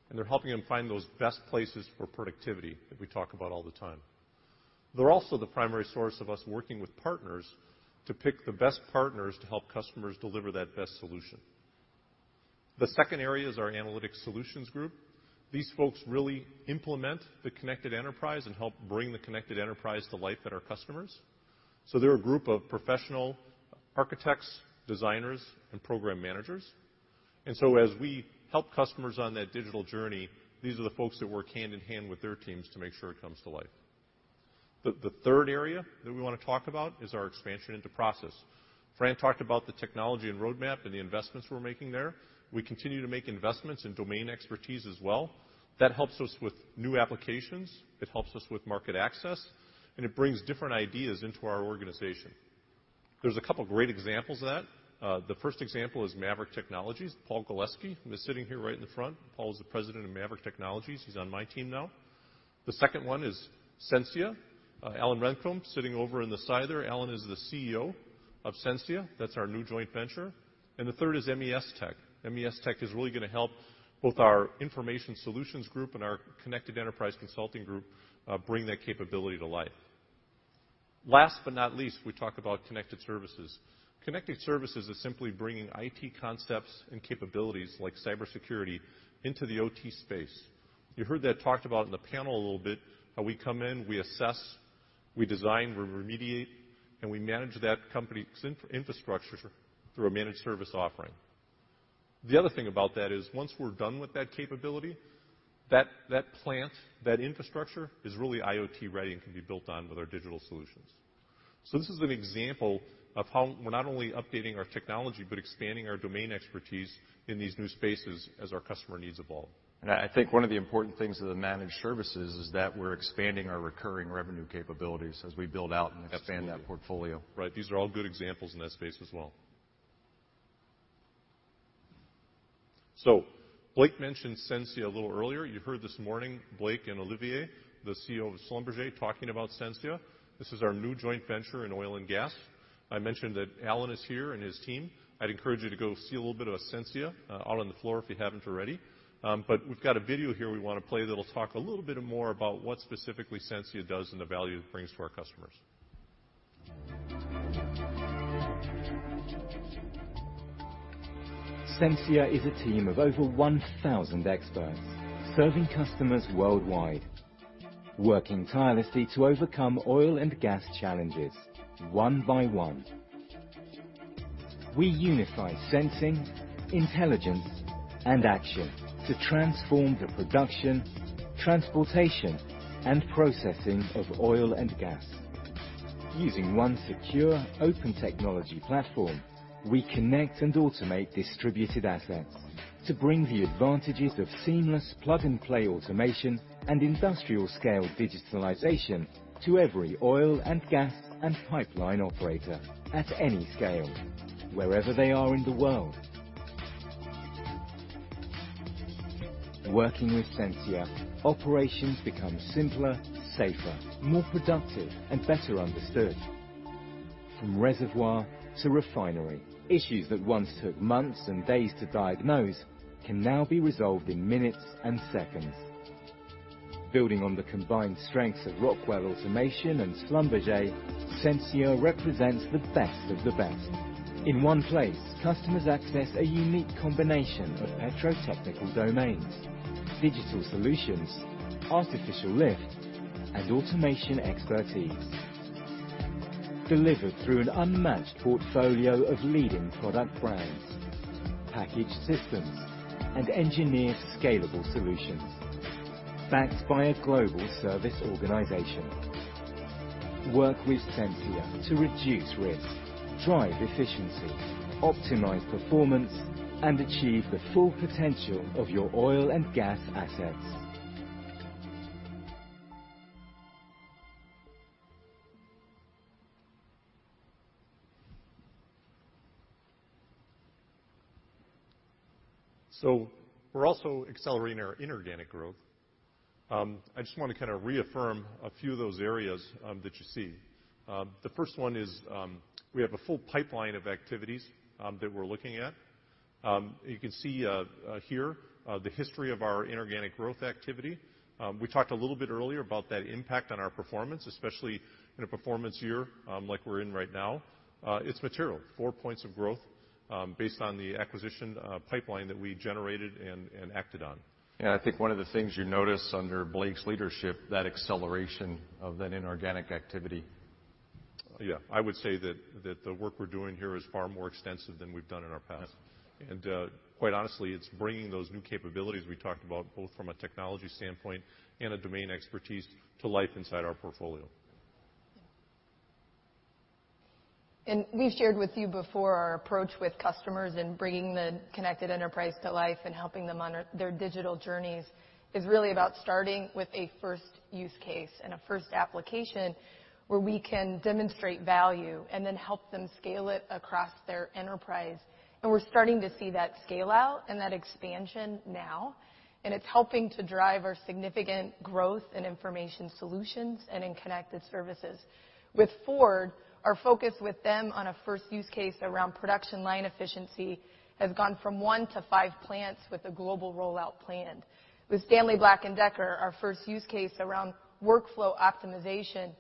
S10: and they're helping them find those best places for productivity that we talk about all the time. They're also the primary source of us working with partners to pick the best partners to help customers deliver that best solution. The second area is our analytics solutions group. These folks really implement the Connected Enterprise and help bring the Connected Enterprise to life at our customers. They're a group of professional architects, designers, and program managers. As we help customers on that digital journey, these are the folks that work hand in hand with their teams to make sure it comes to life. The third area that we want to talk about is our expansion into process. Fran talked about the technology and roadmap and the investments we're making there. We continue to make investments in domain expertise as well. That helps us with new applications, it helps us with market access, and it brings different ideas into our organization. There's a couple great examples of that. The first example is MAVERICK Technologies. Paul Galeski, who is sitting here right in the front. Paul is the President of MAVERICK Technologies. He's on my team now. The second one is Sensia. Allan Rentcome sitting over in the side there. Allan is the CEO of Sensia. That's our new joint venture. The third is MESTECH Services. MESTECH Services is really going to help both our information solutions group and our Connected Enterprise consulting group, bring that capability to life. Last but not least, we talk about connected services. Connected services is simply bringing IT concepts and capabilities like cybersecurity into the OT space. You heard that talked about in the panel a little bit, how we come in, we assess, we design, we remediate, and we manage that company's infrastructure through a managed service offering. The other thing about that is once we're done with that capability, that plant, that infrastructure, is really IoT ready and can be built on with our digital solutions. This is an example of how we're not only updating our technology, but expanding our domain expertise in these new spaces as our customer needs evolve.
S9: I think one of the important things of the managed services is that we're expanding our recurring revenue capabilities as we build out and expand that portfolio.
S10: Right. These are all good examples in that space as well. Blake mentioned Sensia a little earlier. You heard this morning Blake and Olivier, the CEO of Schlumberger, talking about Sensia. This is our new joint venture in oil and gas. I mentioned that Alan is here and his team. I'd encourage you to go see a little bit of Sensia out on the floor if you haven't already. We've got a video here we want to play that'll talk a little bit more about what specifically Sensia does and the value it brings to our customers.
S14: Sensia is a team of over 1,000 experts serving customers worldwide, working tirelessly to overcome oil and gas challenges one by one. We unify sensing, intelligence, and action to transform the production, transportation, and processing of oil and gas. Using one secure, open technology platform, we connect and automate distributed assets to bring the advantages of seamless plug-and-play automation and industrial-scale digitalization to every oil and gas and pipeline operator at any scale, wherever they are in the world. Working with Sensia, operations become simpler, safer, more productive, and better understood. From reservoir to refinery, issues that once took months and days to diagnose can now be resolved in minutes and seconds. Building on the combined strengths of Rockwell Automation and Schlumberger, Sensia represents the best of the best. In one place, customers access a unique combination of petrotechnical domains, digital solutions, artificial lift, and automation expertise, delivered through an unmatched portfolio of leading product brands, packaged systems, and engineered scalable solutions, backed by a global service organization. Work with Sensia to reduce risk, drive efficiency, optimize performance, and achieve the full potential of your oil and gas assets.
S10: We're also accelerating our inorganic growth. I just want to kind of reaffirm a few of those areas that you see. The first one is we have a full pipeline of activities that we're looking at. You can see here the history of our inorganic growth activity. We talked a little bit earlier about that impact on our performance, especially in a performance year like we're in right now. It's material. Four points of growth based on the acquisition pipeline that we generated and acted on.
S9: I think one of the things you notice under Blake's leadership, that acceleration of that inorganic activity.
S10: Yeah. I would say that the work we're doing here is far more extensive than we've done in our past.
S9: Yeah.
S10: Quite honestly, it's bringing those new capabilities we talked about, both from a technology standpoint and a domain expertise, to life inside our portfolio.
S2: We've shared with you before our approach with customers in bringing the Connected Enterprise to life and helping them on their digital journeys is really about starting with a first use case and a first application where we can demonstrate value and then help them scale it across their enterprise. We're starting to see that scale-out and that expansion now, and it's helping to drive our significant growth in information solutions and in connected services. With Ford, our focus with them on a first use case around production line efficiency has gone from one to five plants with a global rollout planned. With Stanley Black & Decker, our first use case around workflow optimization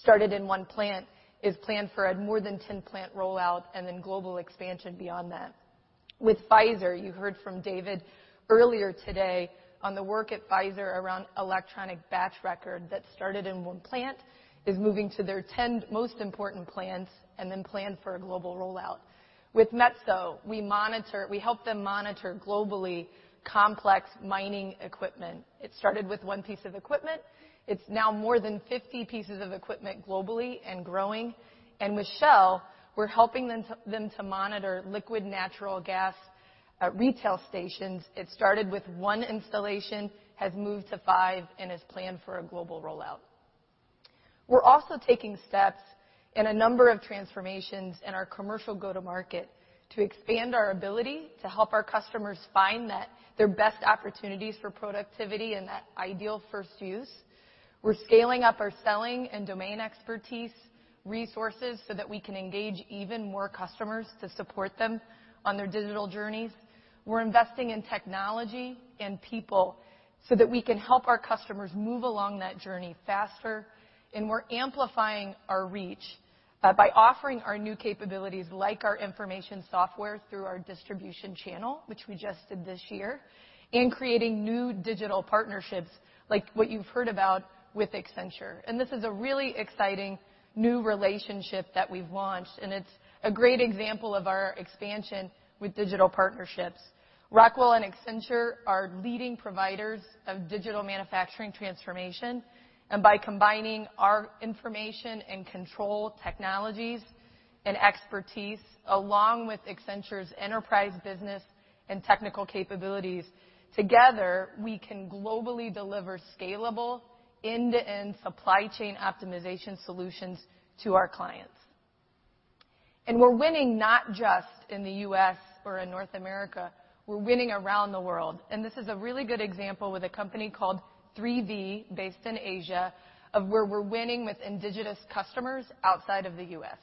S2: started in one plant is planned for a more than 10-plant rollout and then global expansion beyond that. With Pfizer, you heard from David earlier today on the work at Pfizer around electronic batch record that started in one plant, is moving to their 10 most important plants, and then planned for a global rollout. With Metso, we help them monitor globally complex mining equipment. It started with one piece of equipment. It's now more than 50 pieces of equipment globally and growing. With Shell, we're helping them to monitor liquid natural gas at retail stations. It started with one installation, has moved to five, and is planned for a global rollout. We're also taking steps in a number of transformations in our commercial go-to-market to expand our ability to help our customers find their best opportunities for productivity and that ideal first use. We're scaling up our selling and domain expertise resources so that we can engage even more customers to support them on their digital journeys. We're investing in technology and people so that we can help our customers move along that journey faster. We're amplifying our reach by offering our new capabilities like our information software through our distribution channel, which we just did this year, and creating new digital partnerships like what you've heard about with Accenture. This is a really exciting new relationship that we've launched. It's a great example of our expansion with digital partnerships. Rockwell and Accenture are leading providers of digital manufacturing transformation. By combining our information and control technologies and expertise along with Accenture's enterprise business and technical capabilities, together, we can globally deliver scalable end-to-end supply chain optimization solutions to our clients. We're winning not just in the U.S. or in North America, we're winning around the world. This is a really good example with a company called 3V, based in Asia, of where we're winning with indigenous customers outside of the U.S.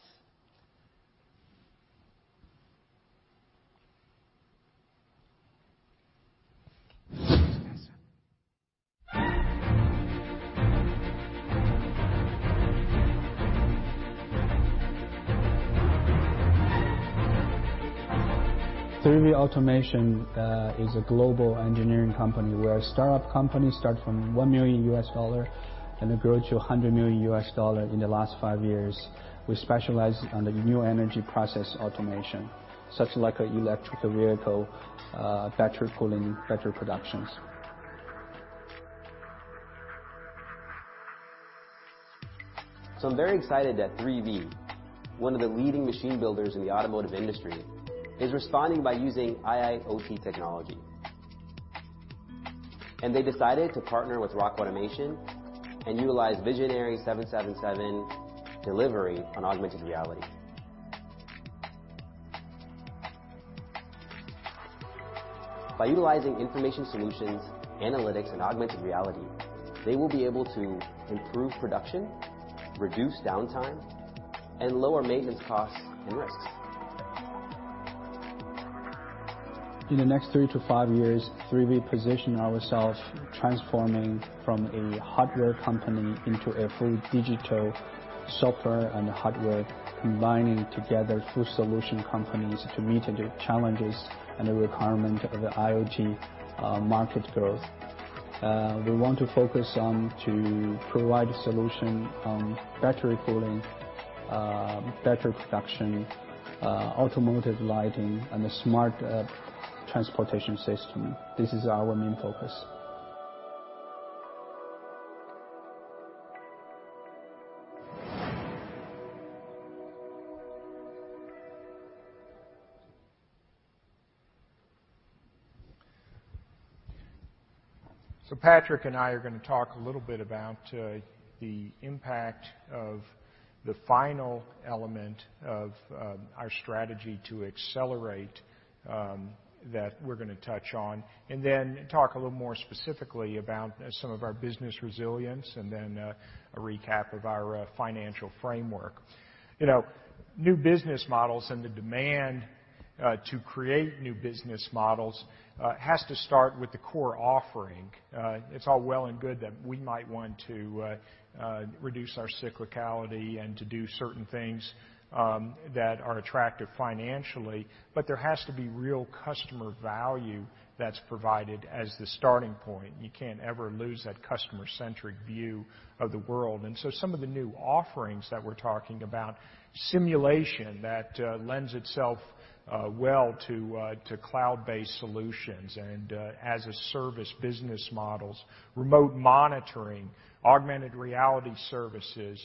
S11: 3V Automation is a global engineering company. We're a startup company, start from $1 million and it grow to $100 million in the last five years. We specialize under new energy process automation, such like electrical vehicle, battery cooling, battery productions.
S15: I'm very excited that 3V, one of the leading machine builders in the automotive industry, is responding by using IIoT technology. They decided to partner with Rockwell Automation and utilize Visionary 777 delivery on augmented reality. By utilizing information solutions, analytics, and augmented reality, they will be able to improve production, reduce downtime, and lower maintenance costs and risks.
S11: In the next three to five years, 3V position ourselves transforming from a hardware company into a full digital software and hardware, combining together full solution companies to meet the challenges and the requirement of the IIoT market growth. We want to focus on to provide a solution on battery cooling, battery production, automotive lighting, and a smart transportation system. This is our main focus.
S3: Patrick and I are going to talk a little bit about the impact of the final element of our strategy to accelerate that we're going to touch on, and then talk a little more specifically about some of our business resilience and then a recap of our financial framework. New business models and the demand to create new business models has to start with the core offering. It's all well and good that we might want to reduce our cyclicality and to do certain things that are attractive financially, but there has to be real customer value that's provided as the starting point. You can't ever lose that customer-centric view of the world. Some of the new offerings that we're talking about, simulation that lends itself well to cloud-based solutions and as-a-service business models, remote monitoring, augmented reality services,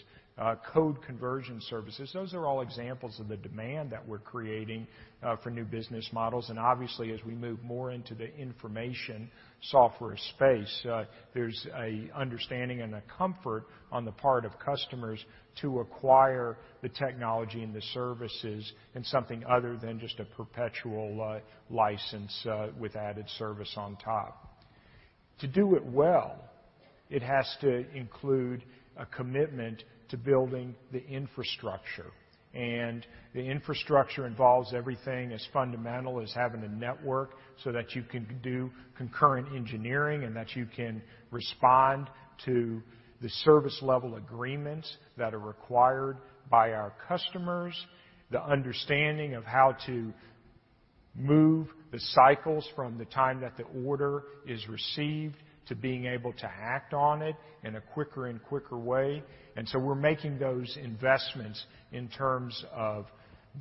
S3: code conversion services. Those are all examples of the demand that we're creating for new business models, and obviously, as we move more into the information software space, there's a understanding and a comfort on the part of customers to acquire the technology and the services in something other than just a perpetual license with added service on top. To do it well, it has to include a commitment to building the infrastructure. The infrastructure involves everything as fundamental as having a network so that you can do concurrent engineering and that you can respond to the service level agreements that are required by our customers, the understanding of how to move the cycles from the time that the order is received to being able to act on it in a quicker and quicker way. We're making those investments in terms of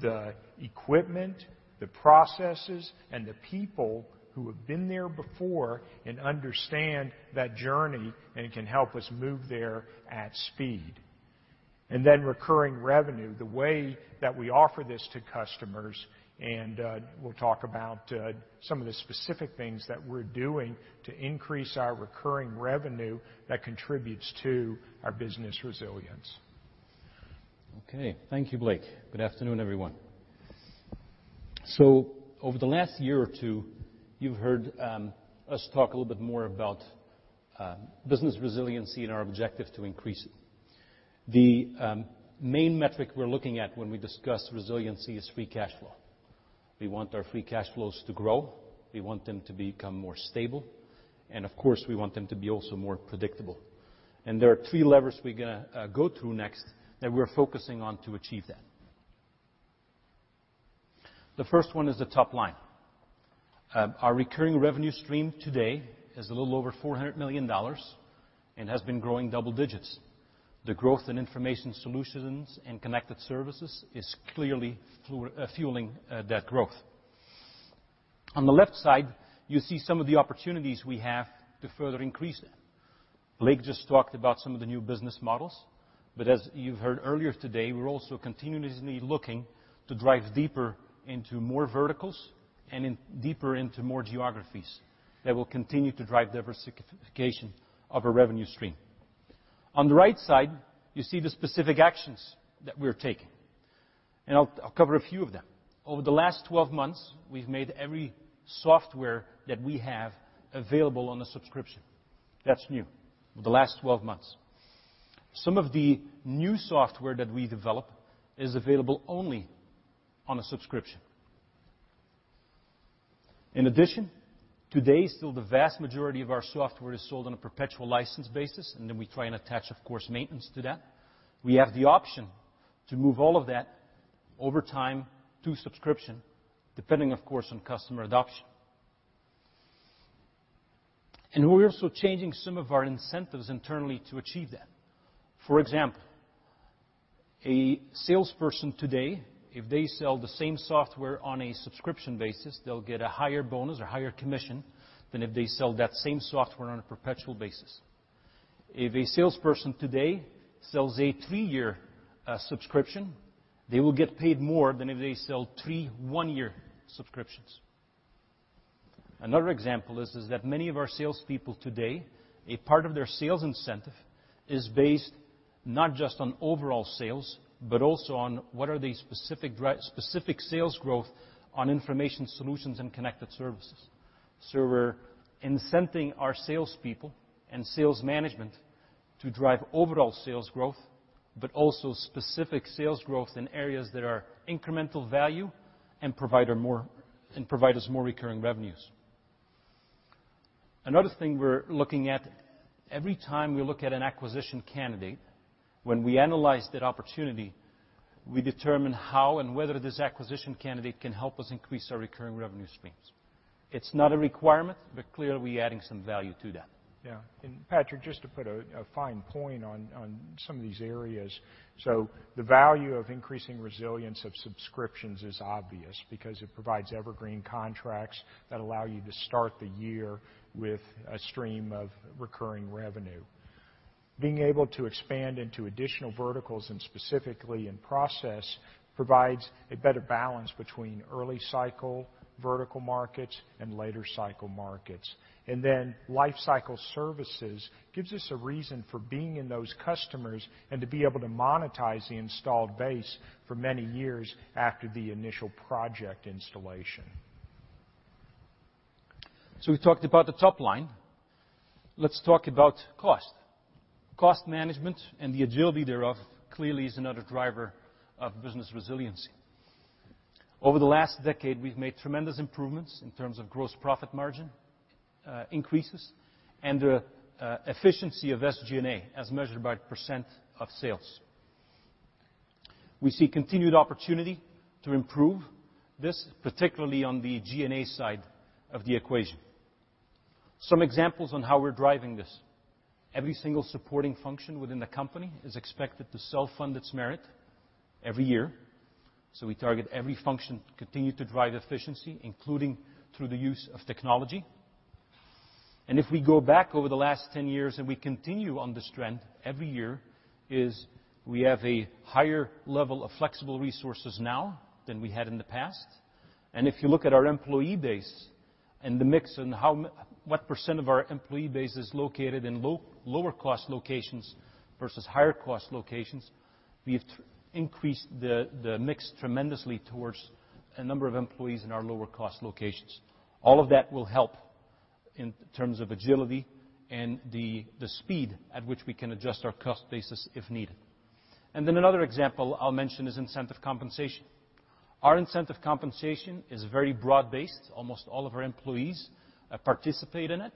S3: the equipment, the processes, and the people who have been there before and understand that journey and can help us move there at speed. Recurring revenue, the way that we offer this to customers, and we'll talk about some of the specific things that we're doing to increase our recurring revenue that contributes to our business resilience.
S11: Okay. Thank you, Blake. Good afternoon, everyone. Over the last year or two, you've heard us talk a little bit more about business resiliency and our objective to increase it. The main metric we're looking at when we discuss resiliency is free cash flow. We want our free cash flows to grow. We want them to become more stable. Of course, we want them to be also more predictable. There are three levers we're going to go through next that we're focusing on to achieve that. The first one is the top line. Our recurring revenue stream today is a little over $400 million and has been growing double digits. The growth in information solutions and connected services is clearly fueling that growth. On the left side, you see some of the opportunities we have to further increase it. Blake just talked about some of the new business models. As you've heard earlier today, we're also continuously looking to drive deeper into more verticals and deeper into more geographies that will continue to drive diversification of a revenue stream. On the right side, you see the specific actions that we're taking. I'll cover a few of them. Over the last 12 months, we've made every software that we have available on a subscription. That's new. Over the last 12 months. Some of the new software that we develop is available only on a subscription. In addition, today still the vast majority of our software is sold on a perpetual license basis. We try and attach, of course, maintenance to that. We have the option to move all of that over time to subscription, depending of course, on customer adoption. We're also changing some of our incentives internally to achieve that. For example, a salesperson today, if they sell the same software on a subscription basis, they'll get a higher bonus or higher commission than if they sell that same software on a perpetual basis. If a salesperson today sells a three-year subscription, they will get paid more than if they sell three one-year subscriptions. Another example is that many of our salespeople today, a part of their sales incentive is based not just on overall sales, but also on what are the specific sales growth on information solutions and connected services. We're incenting our salespeople and sales management to drive overall sales growth, but also specific sales growth in areas that are incremental value and provide us more recurring revenues. Another thing we're looking at, every time we look at an acquisition candidate, when we analyze that opportunity, we determine how and whether this acquisition candidate can help us increase our recurring revenue streams. It's not a requirement, but clearly, we're adding some value to that.
S3: Yeah. Patrick, just to put a fine point on some of these areas. The value of increasing resilience of subscriptions is obvious because it provides evergreen contracts that allow you to start the year with a stream of recurring revenue. Being able to expand into additional verticals and specifically in process, provides a better balance between early cycle vertical markets and later cycle markets. Then lifecycle services gives us a reason for being in those customers and to be able to monetize the installed base for many years after the initial project installation.
S11: We've talked about the top line. Let's talk about cost. Cost management and the agility thereof, clearly is another driver of business resiliency. Over the last decade, we've made tremendous improvements in terms of gross profit margin increases and efficiency of SG&A as measured by percent of sales. We see continued opportunity to improve this, particularly on the G&A side of the equation. Some examples on how we're driving this. Every single supporting function within the company is expected to self-fund its merit every year. We target every function to continue to drive efficiency, including through the use of technology. If we go back over the last 10 years and we continue on this trend every year, is we have a higher level of flexible resources now than we had in the past. If you look at our employee base and the mix and what % of our employee base is located in lower cost locations versus higher cost locations, we have increased the mix tremendously towards a number of employees in our lower cost locations. All of that will help in terms of agility and the speed at which we can adjust our cost basis if needed. Another example I'll mention is incentive compensation. Our incentive compensation is very broad-based. Almost all of our employees participate in it,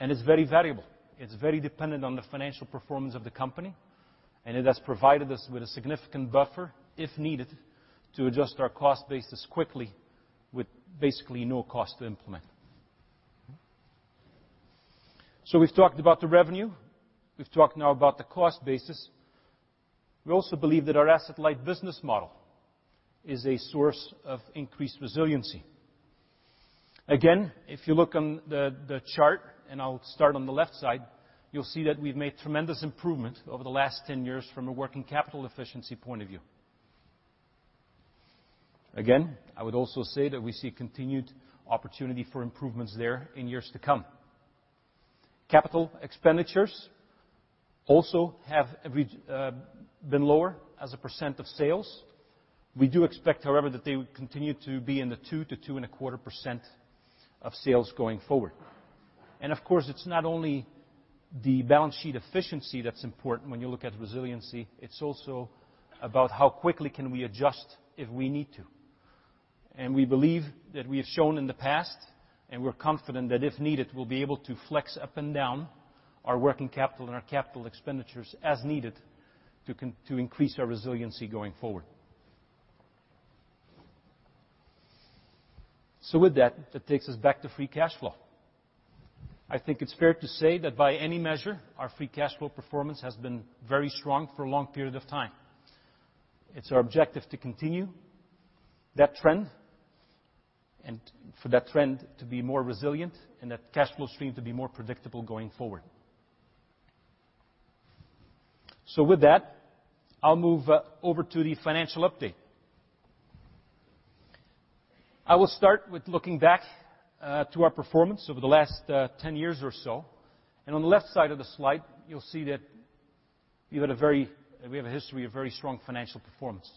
S11: and it's very variable. It's very dependent on the financial performance of the company, and it has provided us with a significant buffer, if needed, to adjust our cost basis quickly with basically no cost to implement. We've talked about the revenue, we've talked now about the cost basis. We also believe that our asset-light business model is a source of increased resiliency. Again, if you look on the chart, I'll start on the left side, you'll see that we've made tremendous improvement over the last 10 years from a working capital efficiency point of view. Again, I would also say that we see continued opportunity for improvements there in years to come. Capital expenditures also have been lower as a % of sales. We do expect, however, that they would continue to be in the 2%-2.25% of sales going forward. Of course, it's not only the balance sheet efficiency that's important when you look at resiliency, it's also about how quickly can we adjust if we need to. We believe that we have shown in the past, and we're confident that if needed, we'll be able to flex up and down our working capital and our capital expenditures as needed to increase our resiliency going forward. With that takes us back to free cash flow. I think it's fair to say that by any measure, our free cash flow performance has been very strong for a long period of time. It's our objective to continue that trend, and for that trend to be more resilient and that cash flow stream to be more predictable going forward. With that, I'll move over to the financial update. I will start with looking back to our performance over the last 10 years or so. On the left side of the slide, you'll see that we have a history of very strong financial performance.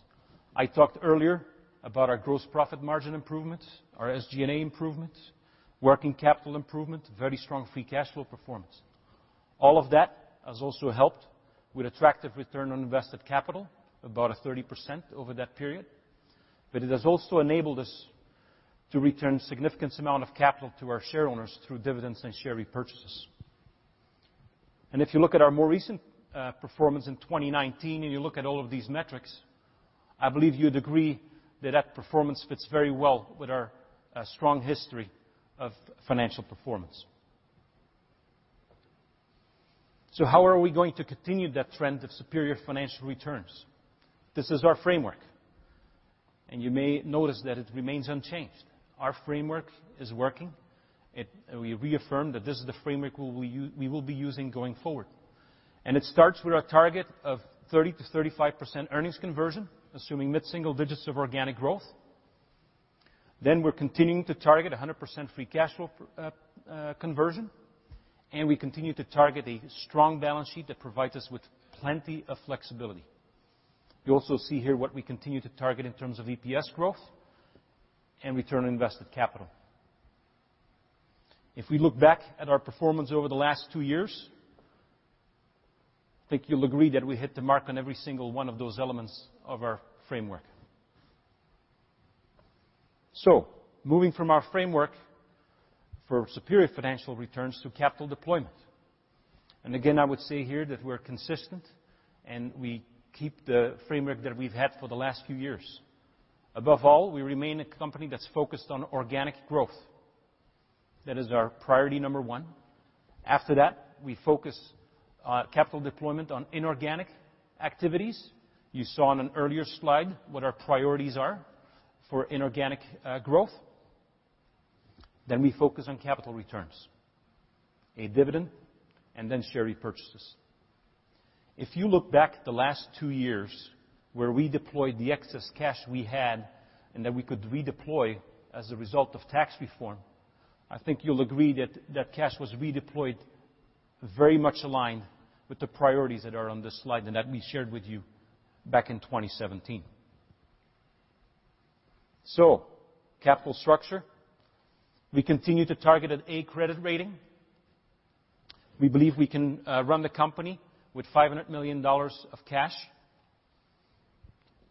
S11: I talked earlier about our gross profit margin improvements, our SG&A improvements, working capital improvement, very strong free cash flow performance. All of that has also helped with attractive return on invested capital, about a 30% over that period. It has also enabled us to return significant amount of capital to our share owners through dividends and share repurchases. If you look at our more recent performance in 2019, and you look at all of these metrics, I believe you'd agree that that performance fits very well with our strong history of financial performance. How are we going to continue that trend of superior financial returns? This is our framework, and you may notice that it remains unchanged. Our framework is working. We affirm that this is the framework we will be using going forward, and it starts with our target of 30%-35% earnings conversion, assuming mid-single digits of organic growth. We're continuing to target 100% FCF conversion, and we continue to target a strong balance sheet that provides us with plenty of flexibility. You also see here what we continue to target in terms of EPS growth and return on invested capital. If we look back at our performance over the last two years, I think you'll agree that we hit the mark on every single one of those elements of our framework. Moving from our framework for superior financial returns to capital deployment. Again, I would say here that we're consistent and we keep the framework that we've had for the last few years. Above all, we remain a company that's focused on organic growth. That is our priority number 1. We focus capital deployment on inorganic activities. You saw on an earlier slide what our priorities are for inorganic growth. We focus on capital returns, a dividend, and then share repurchases. If you look back the last two years where we deployed the excess cash we had and that we could redeploy as a result of tax reform, I think you'll agree that that cash was redeployed very much aligned with the priorities that are on this slide and that we shared with you back in 2017. Capital structure, we continue to target at A credit rating. We believe we can run the company with $500 million of cash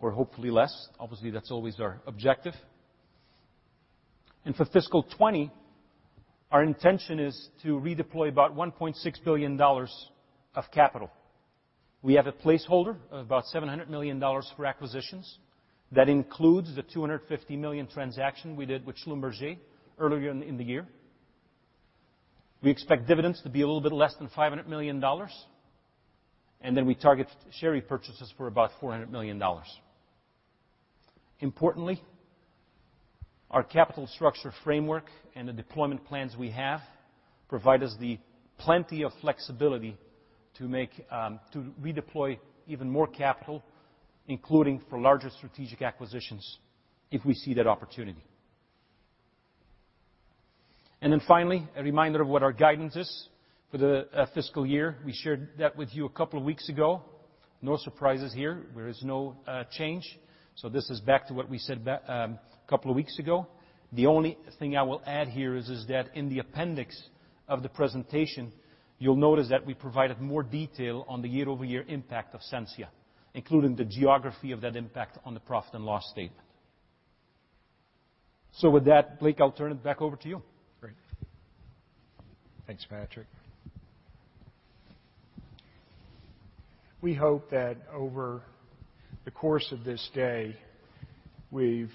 S11: or hopefully less. Obviously, that's always our objective. For FY 2020, our intention is to redeploy about $1.6 billion of capital. We have a placeholder of about $700 million for acquisitions. That includes the $250 million transaction we did with Schlumberger earlier in the year. We expect dividends to be a little bit less than $500 million. We target share repurchases for about $400 million. Importantly, our capital structure framework and the deployment plans we have provide us the plenty of flexibility to redeploy even more capital, including for larger strategic acquisitions if we see that opportunity. Finally, a reminder of what our guidance is for the fiscal year. We shared that with you a couple of weeks ago. No surprises here. There is no change. This is back to what we said a couple of weeks ago. The only thing I will add here is that in the appendix of the presentation, you'll notice that we provided more detail on the year-over-year impact of Sensia, including the geography of that impact on the profit and loss statement. With that, Blake, I'll turn it back over to you.
S3: Great. Thanks, Patrick. We hope that over the course of this day, we've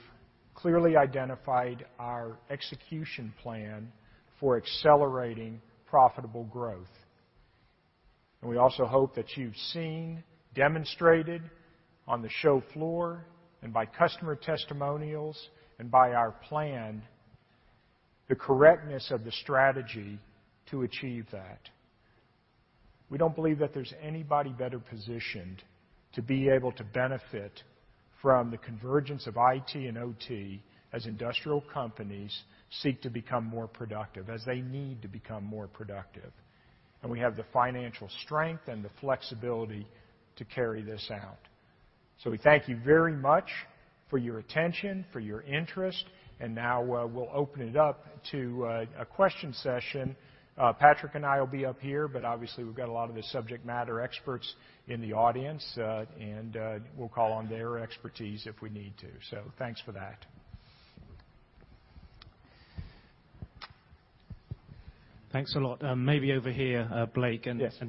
S3: clearly identified our execution plan for accelerating profitable growth. We also hope that you've seen demonstrated on the show floor and by customer testimonials and by our plan, the correctness of the strategy to achieve that. We don't believe that there's anybody better positioned to be able to benefit from the convergence of IT and OT as industrial companies seek to become more productive, as they need to become more productive. We have the financial strength and the flexibility to carry this out. We thank you very much for your attention, for your interest, and now we'll open it up to a question session. Patrick and I will be up here, obviously, we've got a lot of the subject matter experts in the audience, and we'll call on their expertise if we need to. Thanks for that.
S16: Thanks a lot.
S3: Yes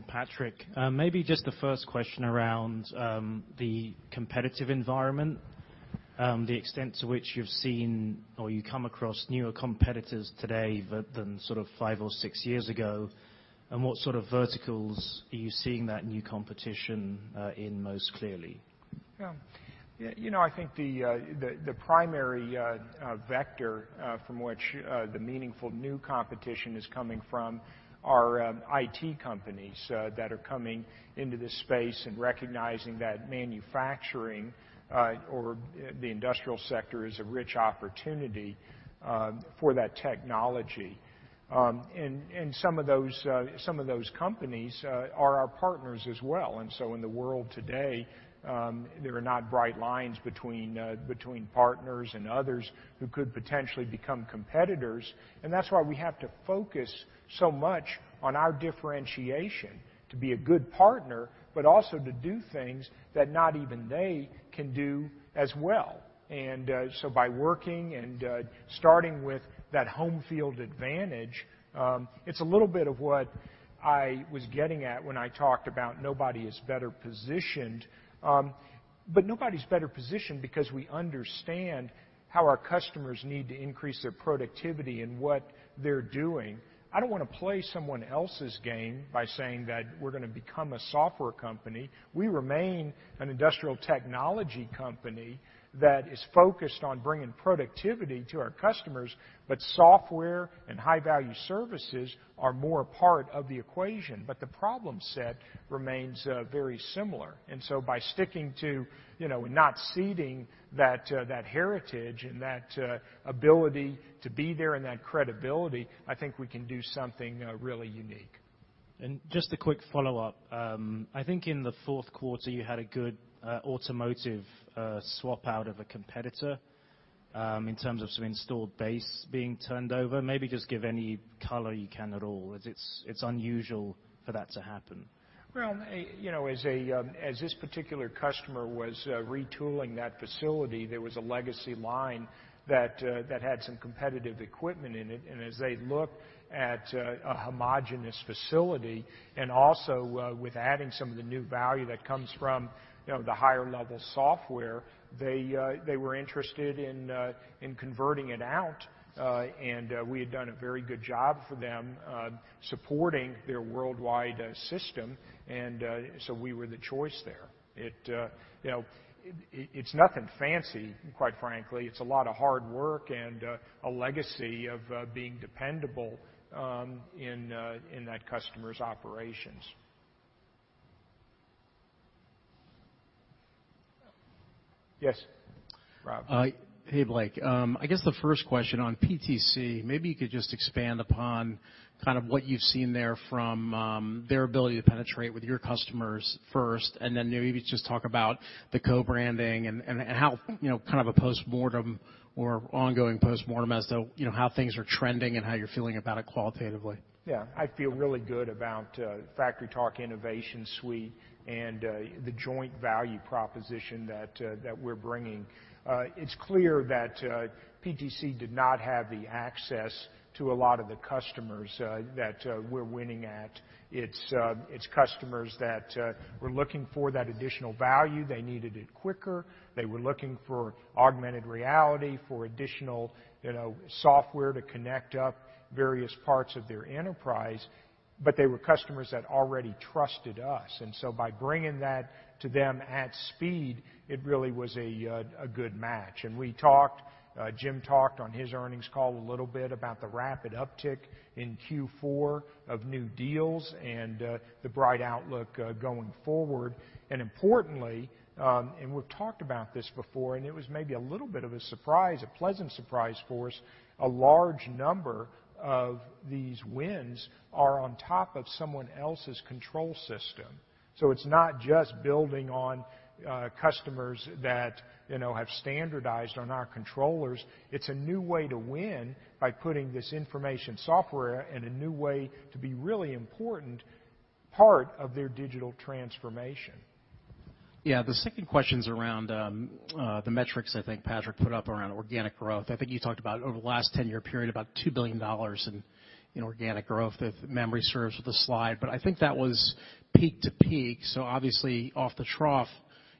S16: Patrick. Maybe just the first question around the competitive environment, the extent to which you've seen or you come across newer competitors today than sort of five or six years ago, and what sort of verticals are you seeing that new competition, in most clearly?
S3: Yeah. I think the primary vector from which the meaningful new competition is coming from are IT companies that are coming into this space and recognizing that manufacturing or the industrial sector is a rich opportunity for that technology. Some of those companies are our partners as well. In the world today, there are not bright lines between partners and others who could potentially become competitors. That's why we have to focus so much on our differentiation to be a good partner, but also to do things that not even they can do as well. By working and starting with that home field advantage, it's a little bit of what I was getting at when I talked about nobody is better positioned. Nobody's better positioned because we understand how our customers need to increase their productivity in what they're doing. I don't want to play someone else's game by saying that we're going to become a software company. We remain an industrial technology company that is focused on bringing productivity to our customers, but software and high-value services are more a part of the equation. The problem set remains very similar. By sticking to not ceding that heritage and that ability to be there and that credibility, I think we can do something really unique.
S16: Just a quick follow-up. I think in the fourth quarter, you had a good automotive swap out of a competitor, in terms of some installed base being turned over. Maybe just give any color you can at all, as it is unusual for that to happen.
S3: Well, as this particular customer was retooling that facility, there was a legacy line that had some competitive equipment in it. As they looked at a homogeneous facility, and also with adding some of the new value that comes from the higher-level software, they were interested in converting it out. We had done a very good job for them, supporting their worldwide system, and so we were the choice there. It's nothing fancy, quite frankly. It's a lot of hard work and a legacy of being dependable in that customer's operations. Yes, Rob.
S17: Hey, Blake. I guess the first question on PTC, maybe you could just expand upon kind of what you've seen there from their ability to penetrate with your customers first, and then maybe just talk about the co-branding and how kind of a postmortem or ongoing postmortem as to how things are trending and how you're feeling about it qualitatively.
S3: Yeah, I feel really good about FactoryTalk InnovationSuite and the joint value proposition that we're bringing. It's clear that PTC did not have the access to a lot of the customers that we're winning at. It's customers that were looking for that additional value. They needed it quicker. They were looking for augmented reality, for additional software to connect up various parts of their enterprise. They were customers that already trusted us. By bringing that to them at speed, it really was a good match. Jim talked on his earnings call a little bit about the rapid uptick in Q4 of new deals and the bright outlook going forward. Importantly, and we've talked about this before, and it was maybe a little bit of a surprise, a pleasant surprise for us, a large number of these wins are on top of someone else's control system. It's not just building on customers that have standardized on our controllers. It's a new way to win by putting this information software and a new way to be really important part of their digital transformation.
S17: Yeah. The second question is around the metrics, I think Patrick put up around organic growth. I think you talked about over the last 10-year period, about $2 billion in organic growth, if memory serves with the slide. I think that was peak to peak, so obviously off the trough,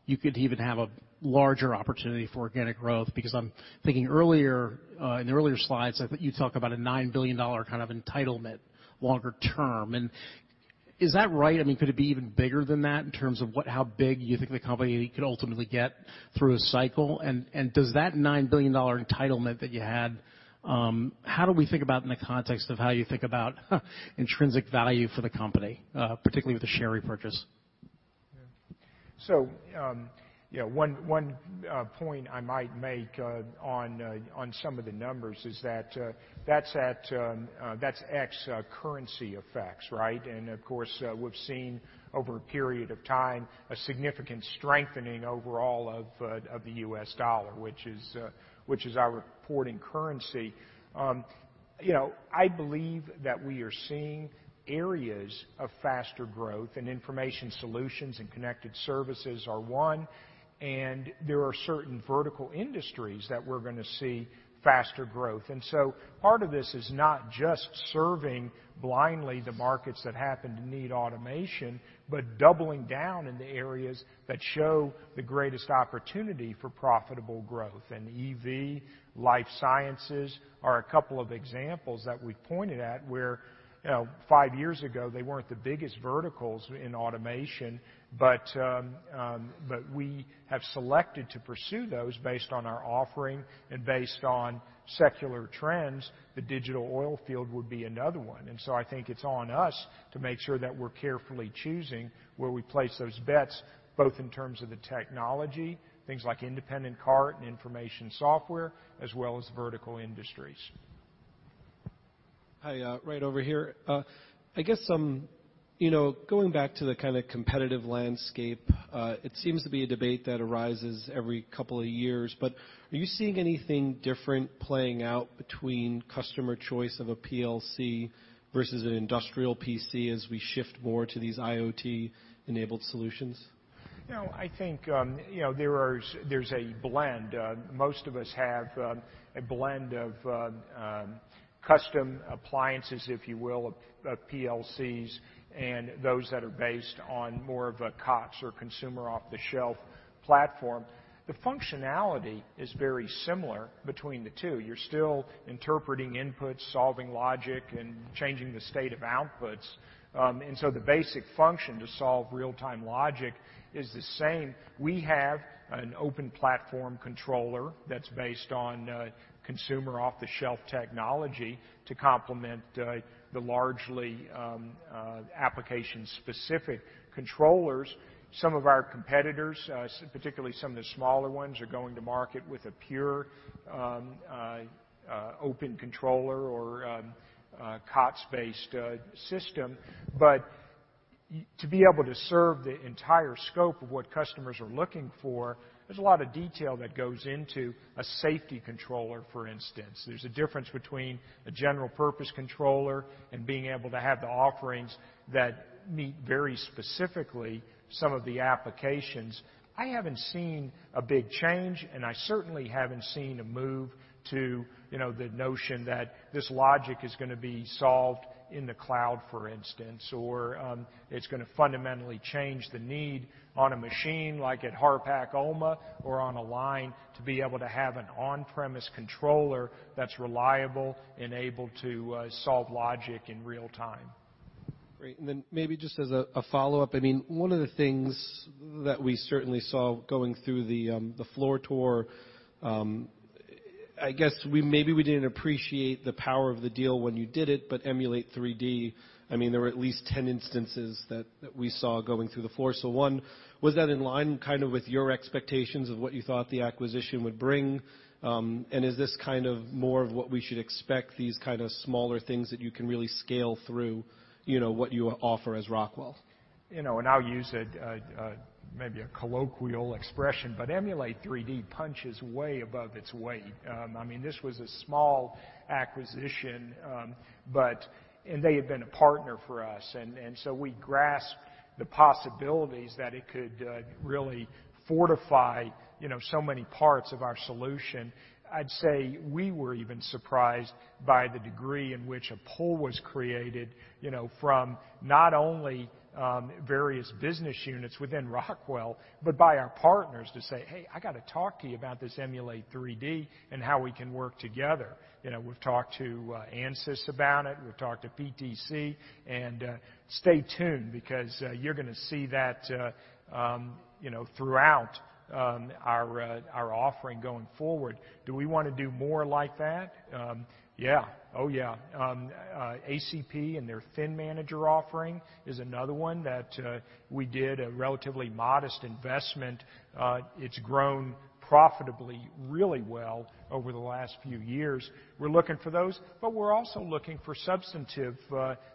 S17: you could even have a larger opportunity for organic growth because I'm thinking in the earlier slides, I think you talk about a $9 billion kind of entitlement longer term. Is that right? Could it be even bigger than that in terms of how big you think the company could ultimately get through a cycle? Does that $9 billion entitlement that you had, how do we think about in the context of how you think about intrinsic value for the company, particularly with the share repurchase?
S3: One point I might make on some of the numbers is that's ex currency effects, right. Of course, we've seen over a period of time, a significant strengthening overall of the U.S. dollar, which is our reporting currency. I believe that we are seeing areas of faster growth, and information solutions and connected services are one, and there are certain vertical industries that we're going to see faster growth. Part of this is not just serving blindly the markets that happen to need automation, but doubling down in the areas that show the greatest opportunity for profitable growth. EV, life sciences are a couple of examples that we pointed at where five years ago, they weren't the biggest verticals in automation, but we have selected to pursue those based on our offering and based on secular trends. The digital oil field would be another one. I think it's on us to make sure that we're carefully choosing where we place those bets, both in terms of the technology, things like Independent Cart and information software, as well as vertical industries.
S16: Hi, right over here. I guess going back to the kind of competitive landscape, it seems to be a debate that arises every couple of years, but are you seeing anything different playing out between customer choice of a PLC versus an industrial PC as we shift more to these IoT-enabled solutions?
S3: I think there's a blend. Most of us have a blend of custom appliances, if you will, of PLCs, and those that are based on more of a COTS or consumer off-the-shelf platform. The functionality is very similar between the two. You're still interpreting inputs, solving logic, and changing the state of outputs. The basic function to solve real-time logic is the same. We have an open platform controller that's based on consumer off-the-shelf technology to complement the largely application-specific controllers. Some of our competitors, particularly some of the smaller ones, are going to market with a pure open controller or a COTS-based system. To be able to serve the entire scope of what customers are looking for, there's a lot of detail that goes into a safety controller, for instance. There's a difference between a general purpose controller and being able to have the offerings that meet very specifically some of the applications. I haven't seen a big change, and I certainly haven't seen a move to the notion that this logic is going to be solved in the cloud, for instance, or it's going to fundamentally change the need on a machine like at Harpak-ULMA or on a line to be able to have an on-premise controller that's reliable and able to solve logic in real time.
S16: Great. Maybe just as a follow-up, one of the things that we certainly saw going through the floor tour, I guess maybe we didn't appreciate the power of the deal when you did it, but Emulate3D, there were at least 10 instances that we saw going through the floor. One, was that in line kind of with your expectations of what you thought the acquisition would bring? Is this kind of more of what we should expect, these kind of smaller things that you can really scale through what you offer as Rockwell?
S3: I'll use maybe a colloquial expression, but Emulate3D punches way above its weight. This was a small acquisition, and they had been a partner for us, and so we grasped the possibilities that it could really fortify so many parts of our solution. I'd say we were even surprised by the degree in which a pull was created from not only various business units within Rockwell, but by our partners to say, "Hey, I got to talk to you about this Emulate3D and how we can work together." We've talked to Ansys about it. We've talked to PTC, and stay tuned because you're going to see that throughout our offering going forward. Do we want to do more like that? Yeah. Oh, yeah. ACP and their ThinManager offering is another one that we did a relatively modest investment. It's grown profitably really well over the last few years. We're looking for those, but we're also looking for substantive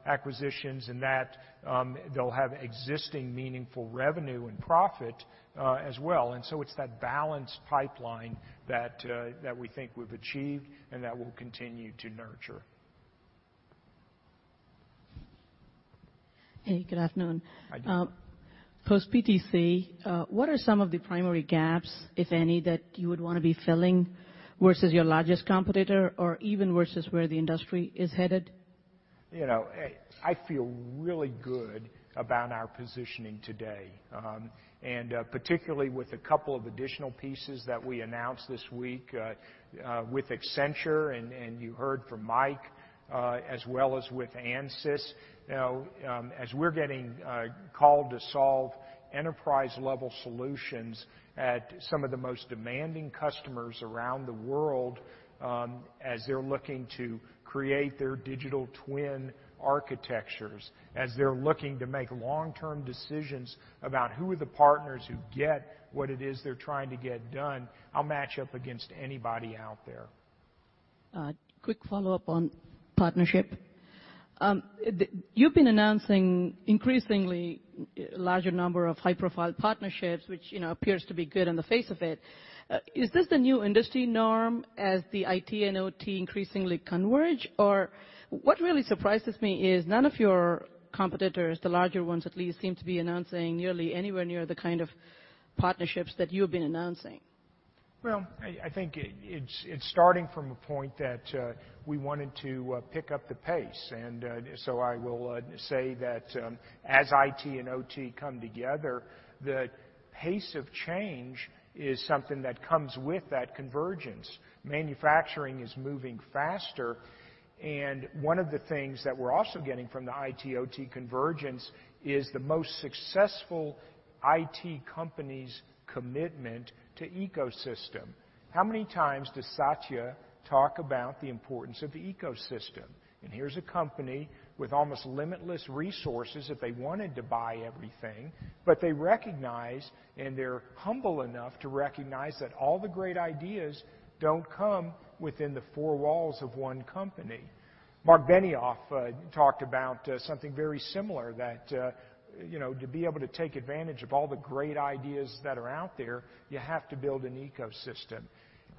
S3: acquisitions and that they'll have existing meaningful revenue and profit as well. It's that balanced pipeline that we think we've achieved and that we'll continue to nurture.
S1: Hey, good afternoon.
S3: Hi.
S1: Post PTC, what are some of the primary gaps, if any, that you would want to be filling versus your largest competitor or even versus where the industry is headed?
S3: I feel really good about our positioning today, particularly with a couple of additional pieces that we announced this week, with Accenture and you heard from Mike, as well as with Ansys. As we're getting called to solve enterprise-level solutions at some of the most demanding customers around the world, as they're looking to create their digital twin architectures, as they're looking to make long-term decisions about who are the partners who get what it is they're trying to get done, I'll match up against anybody out there.
S1: A quick follow-up on partnership. You've been announcing increasingly larger number of high-profile partnerships, which appears to be good on the face of it. Is this the new industry norm as the IT and OT increasingly converge? What really surprises me is none of your competitors, the larger ones at least, seem to be announcing nearly anywhere near the kind of partnerships that you've been announcing.
S3: Well, I think it's starting from a point that we wanted to pick up the pace. I will say that, as IT and OT come together, the pace of change is something that comes with that convergence. Manufacturing is moving faster, and one of the things that we're also getting from the IT/OT convergence is the most successful IT company's commitment to ecosystem. How many times does Satya talk about the importance of ecosystem? Here's a company with almost limitless resources if they wanted to buy everything, but they recognize, and they're humble enough to recognize, that all the great ideas don't come within the four walls of one company. Marc Benioff talked about something very similar, that to be able to take advantage of all the great ideas that are out there, you have to build an ecosystem.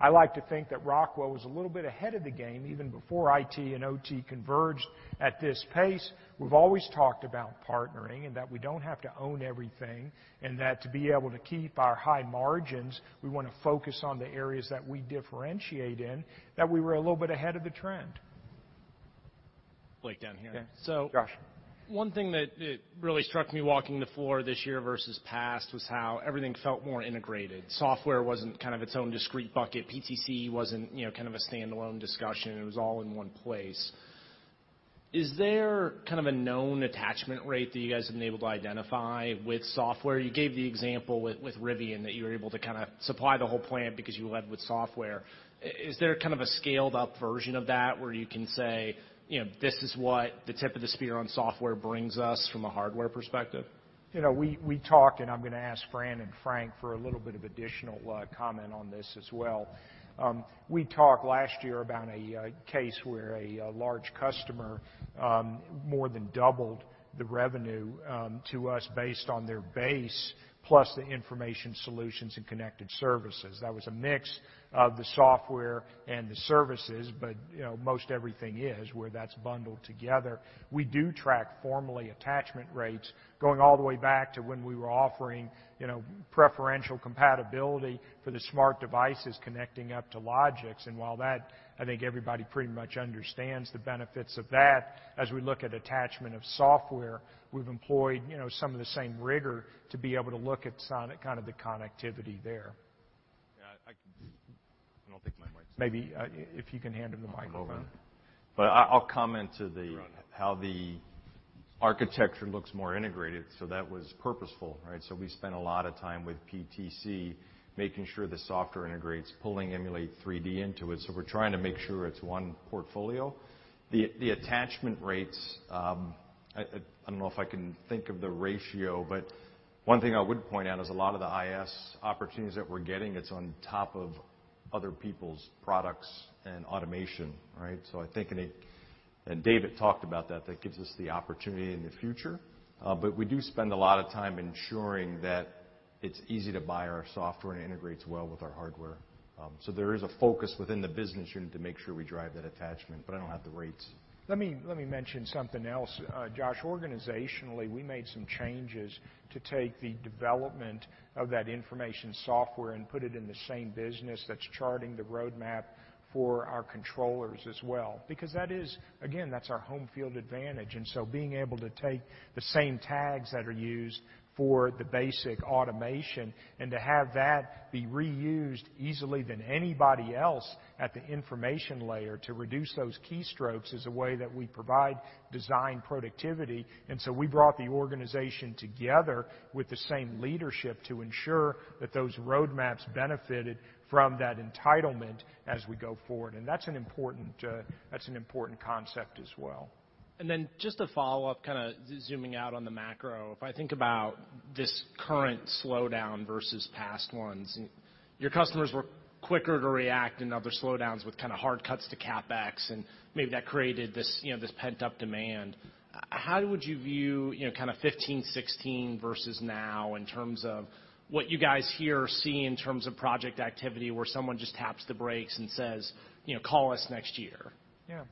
S3: I like to think that Rockwell was a little bit ahead of the game, even before IT and OT converged at this pace. We've always talked about partnering and that we don't have to own everything, and that to be able to keep our high margins, we want to focus on the areas that we differentiate in, that we were a little bit ahead of the trend.
S18: Blake, down here.
S3: Yeah. Josh.
S18: One thing that really struck me walking the floor this year versus past was how everything felt more integrated. Software wasn't kind of its own discreet bucket. PTC wasn't kind of a standalone discussion. It was all in one place. Is there kind of a known attachment rate that you guys have been able to identify with software? You gave the example with Rivian that you were able to kind of supply the whole plant because you led with software. Is there kind of a scaled-up version of that where you can say, "This is what the tip of the spear on software brings us from a hardware perspective"?
S3: We talked, I'm going to ask Fran and Frank for a little bit of additional comment on this as well. We talked last year about a case where a large customer, more than doubled the revenue to us based on their base, plus the information solutions and connected services. That was a mix of the software and the services, but most everything is where that's bundled together. We do track formally attachment rates going all the way back to when we were offering preferential compatibility for the smart devices connecting up to Logix. While that, I think everybody pretty much understands the benefits of that, as we look at attachment of software, we've employed some of the same rigor to be able to look at kind of the connectivity there.
S18: Yeah, and I'll take my mic.
S3: Maybe if you can hand him the microphone.
S18: I'll move in.
S3: I'll comment to the.
S18: Right
S3: how the architecture looks more integrated, so that was purposeful, right? We spent a lot of time with PTC making sure the software integrates, pulling Emulate3D into it, so we're trying to make sure it's one portfolio. The attachment rates, I don't know if I can think of the ratio, but one thing I would point out is a lot of the IS opportunities that we're getting, it's on top of other people's products and automation, right? I think, and David talked about that gives us the opportunity in the future. We do spend a lot of time ensuring that it's easy to buy our software and it integrates well with our hardware. There is a focus within the business unit to make sure we drive that attachment, but I don't have the rates. Let me mention something else, Josh. Organizationally, we made some changes to take the development of that information software and put it in the same business that's charting the roadmap for our controllers as well. That is, again, that's our home field advantage. Being able to take the same tags that are used for the basic automation and to have that be reused easily than anybody else at the information layer to reduce those keystrokes is a way that we provide design productivity. We brought the organization together with the same leadership to ensure that those roadmaps benefited from that entitlement as we go forward. That's an important concept as well.
S18: Just to follow up, kind of zooming out on the macro, if I think about this current slowdown versus past ones, your customers were quicker to react in other slowdowns with kind of hard cuts to CapEx, and maybe that created this pent-up demand. How would you view kind of 2015, 2016 versus now in terms of what you guys hear or see in terms of project activity where someone just taps the brakes and says, "Call us next year"?
S3: Yeah.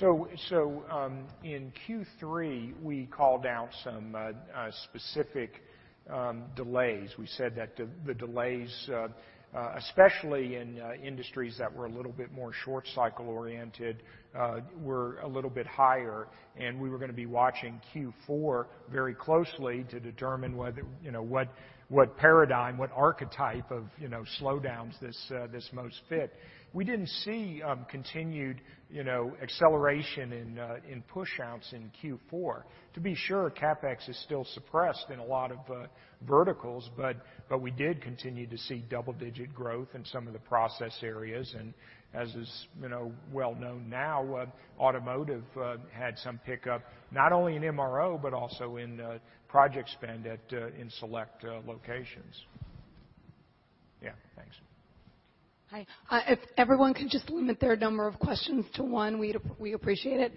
S3: In Q3, we called out some specific delays. We said that the delays, especially in industries that were a little bit more short cycle oriented, were a little bit higher, and we were going to be watching Q4 very closely to determine what paradigm, what archetype of slowdowns this most fit. We didn't see continued acceleration in push outs in Q4. To be sure, CapEx is still suppressed in a lot of verticals, but we did continue to see double-digit growth in some of the process areas. As is well known now, automotive had some pickup, not only in MRO, but also in project spend in select locations. Yeah. Thanks.
S2: Hi. If everyone could just limit their number of questions to one, we appreciate it.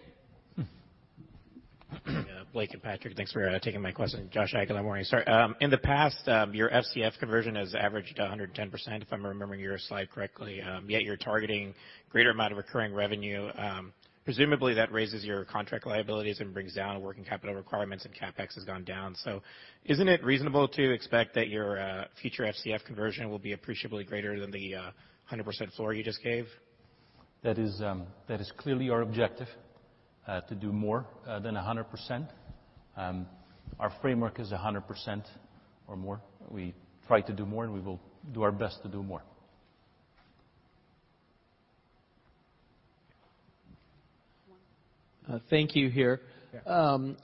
S18: Blake and Patrick, thanks for taking my question. Josh Ike, good morning. Sorry. In the past, your FCF conversion has averaged 110%, if I'm remembering your slide correctly. Yet you're targeting greater amount of recurring revenue. Presumably, that raises your contract liabilities and brings down working capital requirements and CapEx has gone down. Isn't it reasonable to expect that your future FCF conversion will be appreciably greater than the 100% floor you just gave?
S11: That is clearly our objective, to do more than 100%. Our framework is 100% or more. We try to do more, and we will do our best to do more.
S2: One.
S16: Thank you. Here.
S3: Yeah.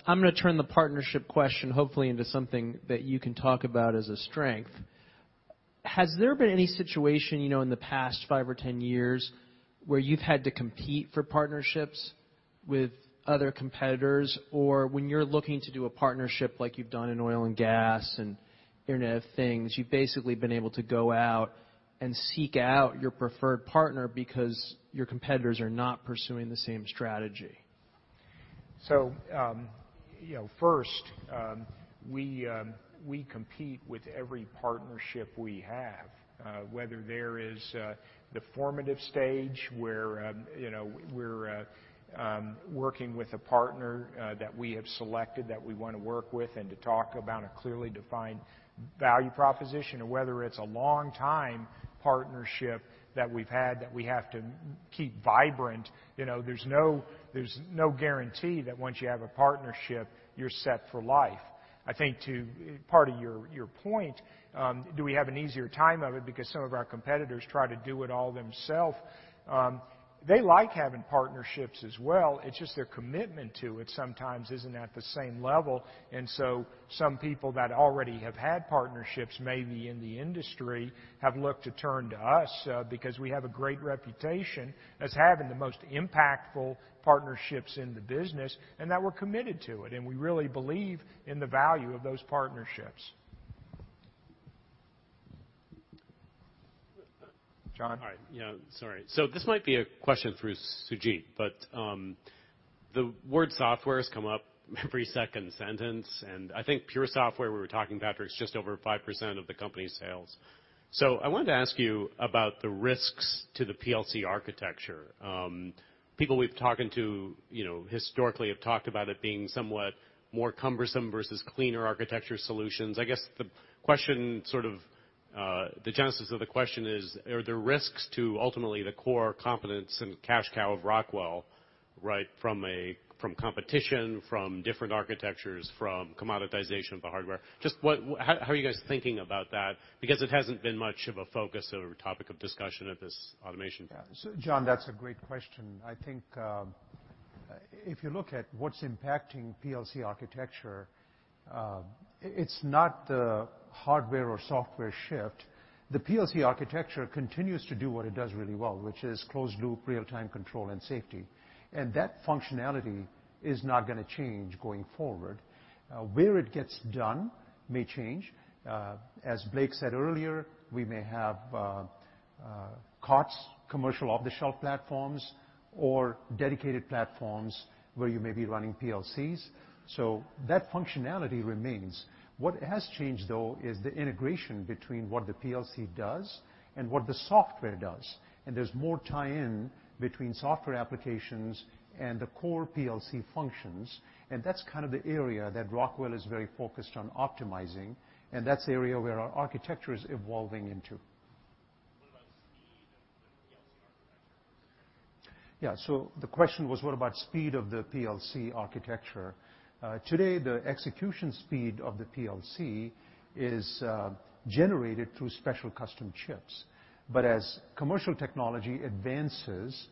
S16: I'm going to turn the partnership question hopefully into something that you can talk about as a strength. Has there been any situation, in the past five or 10 years, where you've had to compete for partnerships with other competitors? When you're looking to do a partnership like you've done in oil and gas and Internet of Things, you've basically been able to go out and seek out your preferred partner because your competitors are not pursuing the same strategy.
S3: First, we compete with every partnership we have, whether there is the formative stage where we're working with a partner that we have selected that we want to work with and to talk about a clearly defined value proposition, or whether it's a long-time partnership that we've had that we have to keep vibrant. There's no guarantee that once you have a partnership, you're set for life. I think to part of your point, do we have an easier time of it because some of our competitors try to do it all themselves? They like having partnerships as well. It's just their commitment to it sometimes isn't at the same level. Some people that already have had partnerships, maybe in the industry, have looked to turn to us because we have a great reputation as having the most impactful partnerships in the business, and that we're committed to it, and we really believe in the value of those partnerships. John.
S19: All right. Yeah, sorry. This might be a question through Sujeet, but the word software has come up every second sentence, and I think pure software, we were talking, Patrick, it's just over 5% of the company's sales. I wanted to ask you about the risks to the PLC architecture. People we've taken to historically have talked about it being somewhat more cumbersome versus cleaner architecture solutions. I guess the genesis of the question is, are there risks to ultimately the core competence and cash cow of Rockwell from competition, from different architectures, from commoditization of the hardware? Just how are you guys thinking about that? Because it hasn't been much of a focus or topic of discussion at this automation conference.
S4: John, that's a great question. I think if you look at what's impacting PLC architecture, it's not the hardware or software shift. The PLC architecture continues to do what it does really well, which is closed loop real-time control and safety. That functionality is not going to change going forward. Where it gets done may change. As Blake said earlier, we may have COTS, commercial off-the-shelf platforms, or dedicated platforms where you may be running PLCs, so that functionality remains. What has changed, though, is the integration between what the PLC does and what the software does, and there's more tie-in between software applications and the core PLC functions, and that's kind of the area that Rockwell is very focused on optimizing, and that's the area where our architecture is evolving into.
S19: What about speed of the PLC architecture?
S4: The question was what about speed of the PLC architecture? Today, the execution speed of the PLC is generated through special custom chips, but as commercial technology advances,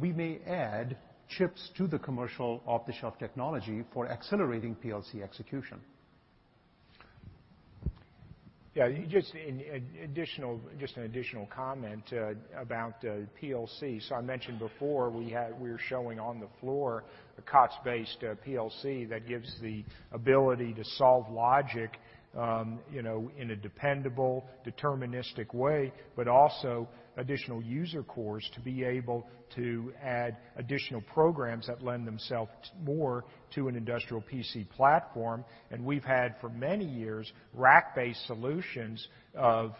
S4: we may add chips to the commercial off-the-shelf technology for accelerating PLC execution.
S3: Just an additional comment about PLC. I mentioned before, we were showing on the floor a COTS-based PLC that gives the ability to solve logic, in a dependable, deterministic way, but also additional user cores to be able to add additional programs that lend themselves more to an industrial PC platform. We've had, for many years, rack-based solutions of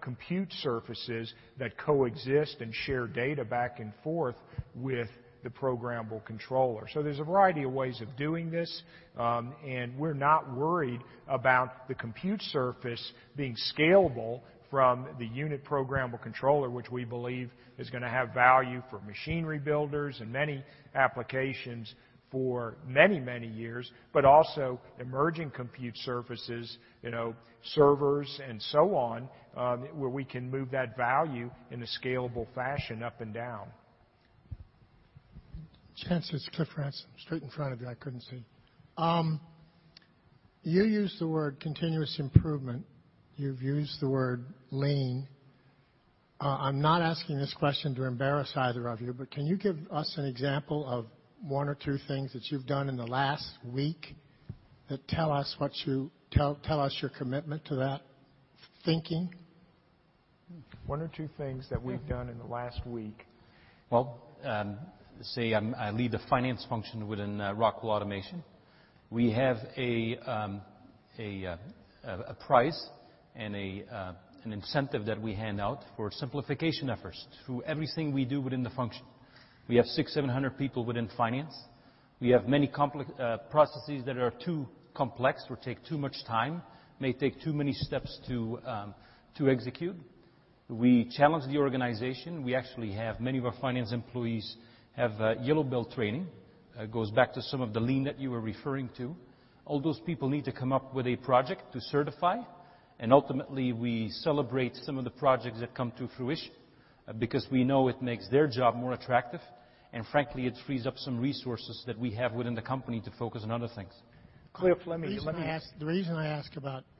S3: compute surfaces that coexist and share data back and forth with the programmable controller. There's a variety of ways of doing this, and we're not worried about the compute surface being scalable from the unit programmable controller, which we believe is going to have value for machinery builders and many applications for many years. Also emerging compute surfaces, servers, and so on, where we can move that value in a scalable fashion up and down.
S20: Chance, it's Cliff Ransom, straight in front of you, I couldn't see. You used the word continuous improvement. You've used the word lean. I'm not asking this question to embarrass either of you, but can you give us an example of one or two things that you've done in the last week that tell us your commitment to that thinking?
S3: One or two things that we've done in the last week.
S11: Well, I lead the finance function within Rockwell Automation. We have a price and an incentive that we hand out for simplification efforts through everything we do within the function. We have 600, 700 people within finance. We have many processes that are too complex or take too much time, may take too many steps to execute. We challenge the organization. We actually have many of our finance employees have Yellow Belt training. It goes back to some of the lean that you were referring to. All those people need to come up with a project to certify, and ultimately, we celebrate some of the projects that come to fruition because we know it makes their job more attractive, and frankly, it frees up some resources that we have within the company to focus on other things.
S3: Cliff.
S20: The reason I ask.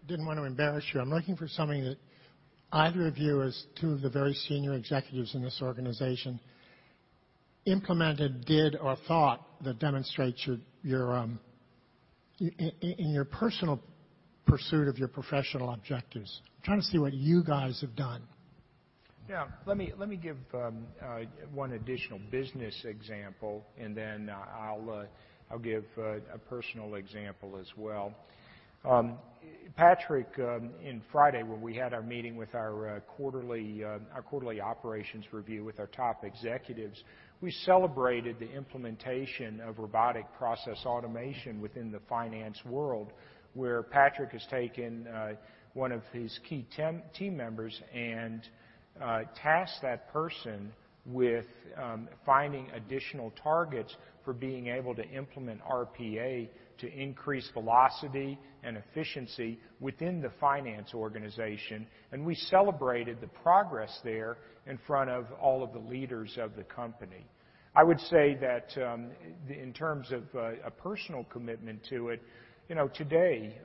S20: Didn't want to embarrass you. I'm looking for something that either of you, as two of the very senior executives in this organization, implemented, did, or thought that demonstrates, in your personal pursuit of your professional objectives. I'm trying to see what you guys have done.
S3: Yeah. Let me give one additional business example, and then I'll give a personal example as well. Patrick, on Friday, when we had our meeting with our quarterly operations review with our top executives, we celebrated the implementation of robotic process automation within the finance world, where Patrick has taken one of his key team members and tasked that person with finding additional targets for being able to implement RPA to increase velocity and efficiency within the finance organization. We celebrated the progress there in front of all of the leaders of the company. I would say that in terms of a personal commitment to it, today,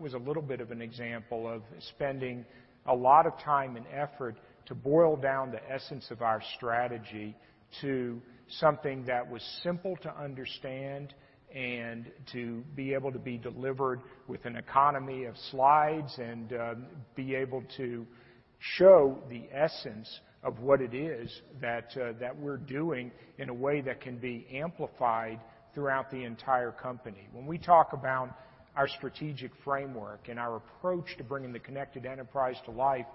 S3: was a little bit of an example of spending a lot of time and effort to boil down the essence of our strategy to something that was simple to understand and to be able to be delivered with an economy of slides and be able to show the essence of what it is that we're doing in a way that can be amplified throughout the entire company. When we talk about our strategic framework and our approach to bringing the Connected Enterprise to life,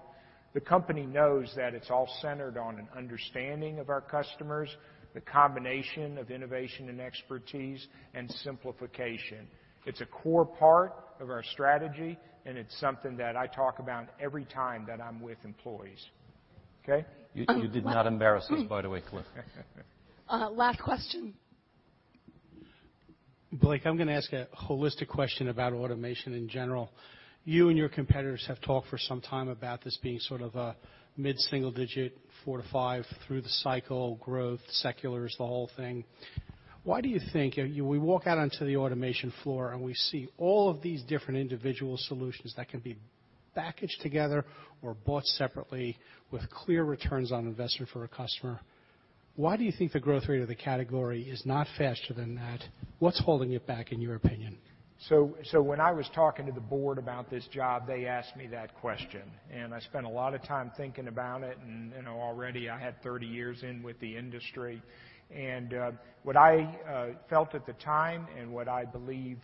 S3: the company knows that it's all centered on an understanding of our customers, the combination of innovation and expertise, and simplification. It's a core part of our strategy, and it's something that I talk about every time that I'm with employees. Okay.
S11: You did not embarrass us, by the way, Cliff.
S2: Last question.
S16: Blake, I'm going to ask a holistic question about automation in general. You and your competitors have talked for some time about this being sort of a mid-single digit, four to five through the cycle growth, secular is the whole thing. We walk out onto the automation floor and we see all of these different individual solutions that can be packaged together or bought separately with clear returns on investment for a customer. Why do you think the growth rate of the category is not faster than that? What's holding it back, in your opinion?
S3: When I was talking to the board about this job, they asked me that question, and I spent a lot of time thinking about it, and already I had 30 years in with the industry. What I felt at the time, and what I believe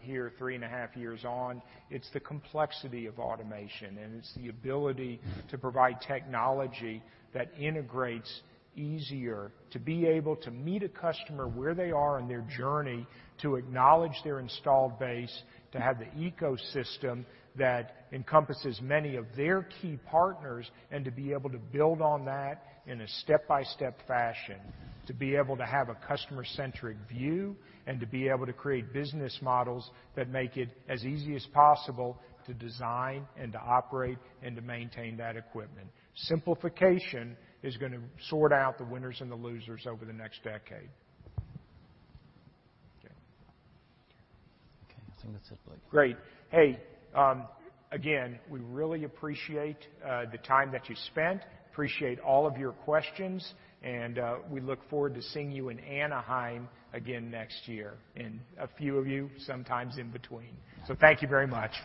S3: here, three and a half years on, it's the complexity of automation, and it's the ability to provide technology that integrates easier to be able to meet a customer where they are in their journey, to acknowledge their installed base, to have the ecosystem that encompasses many of their key partners, and to be able to build on that in a step-by-step fashion. To be able to have a customer-centric view, and to be able to create business models that make it as easy as possible to design and to operate and to maintain that equipment. Simplification is going to sort out the winners and the losers over the next decade.
S11: Okay. I think that's it, Blake.
S3: Great. Hey, again, we really appreciate the time that you spent, appreciate all of your questions, and we look forward to seeing you in Anaheim again next year, and a few of you sometimes in between. Thank you very much.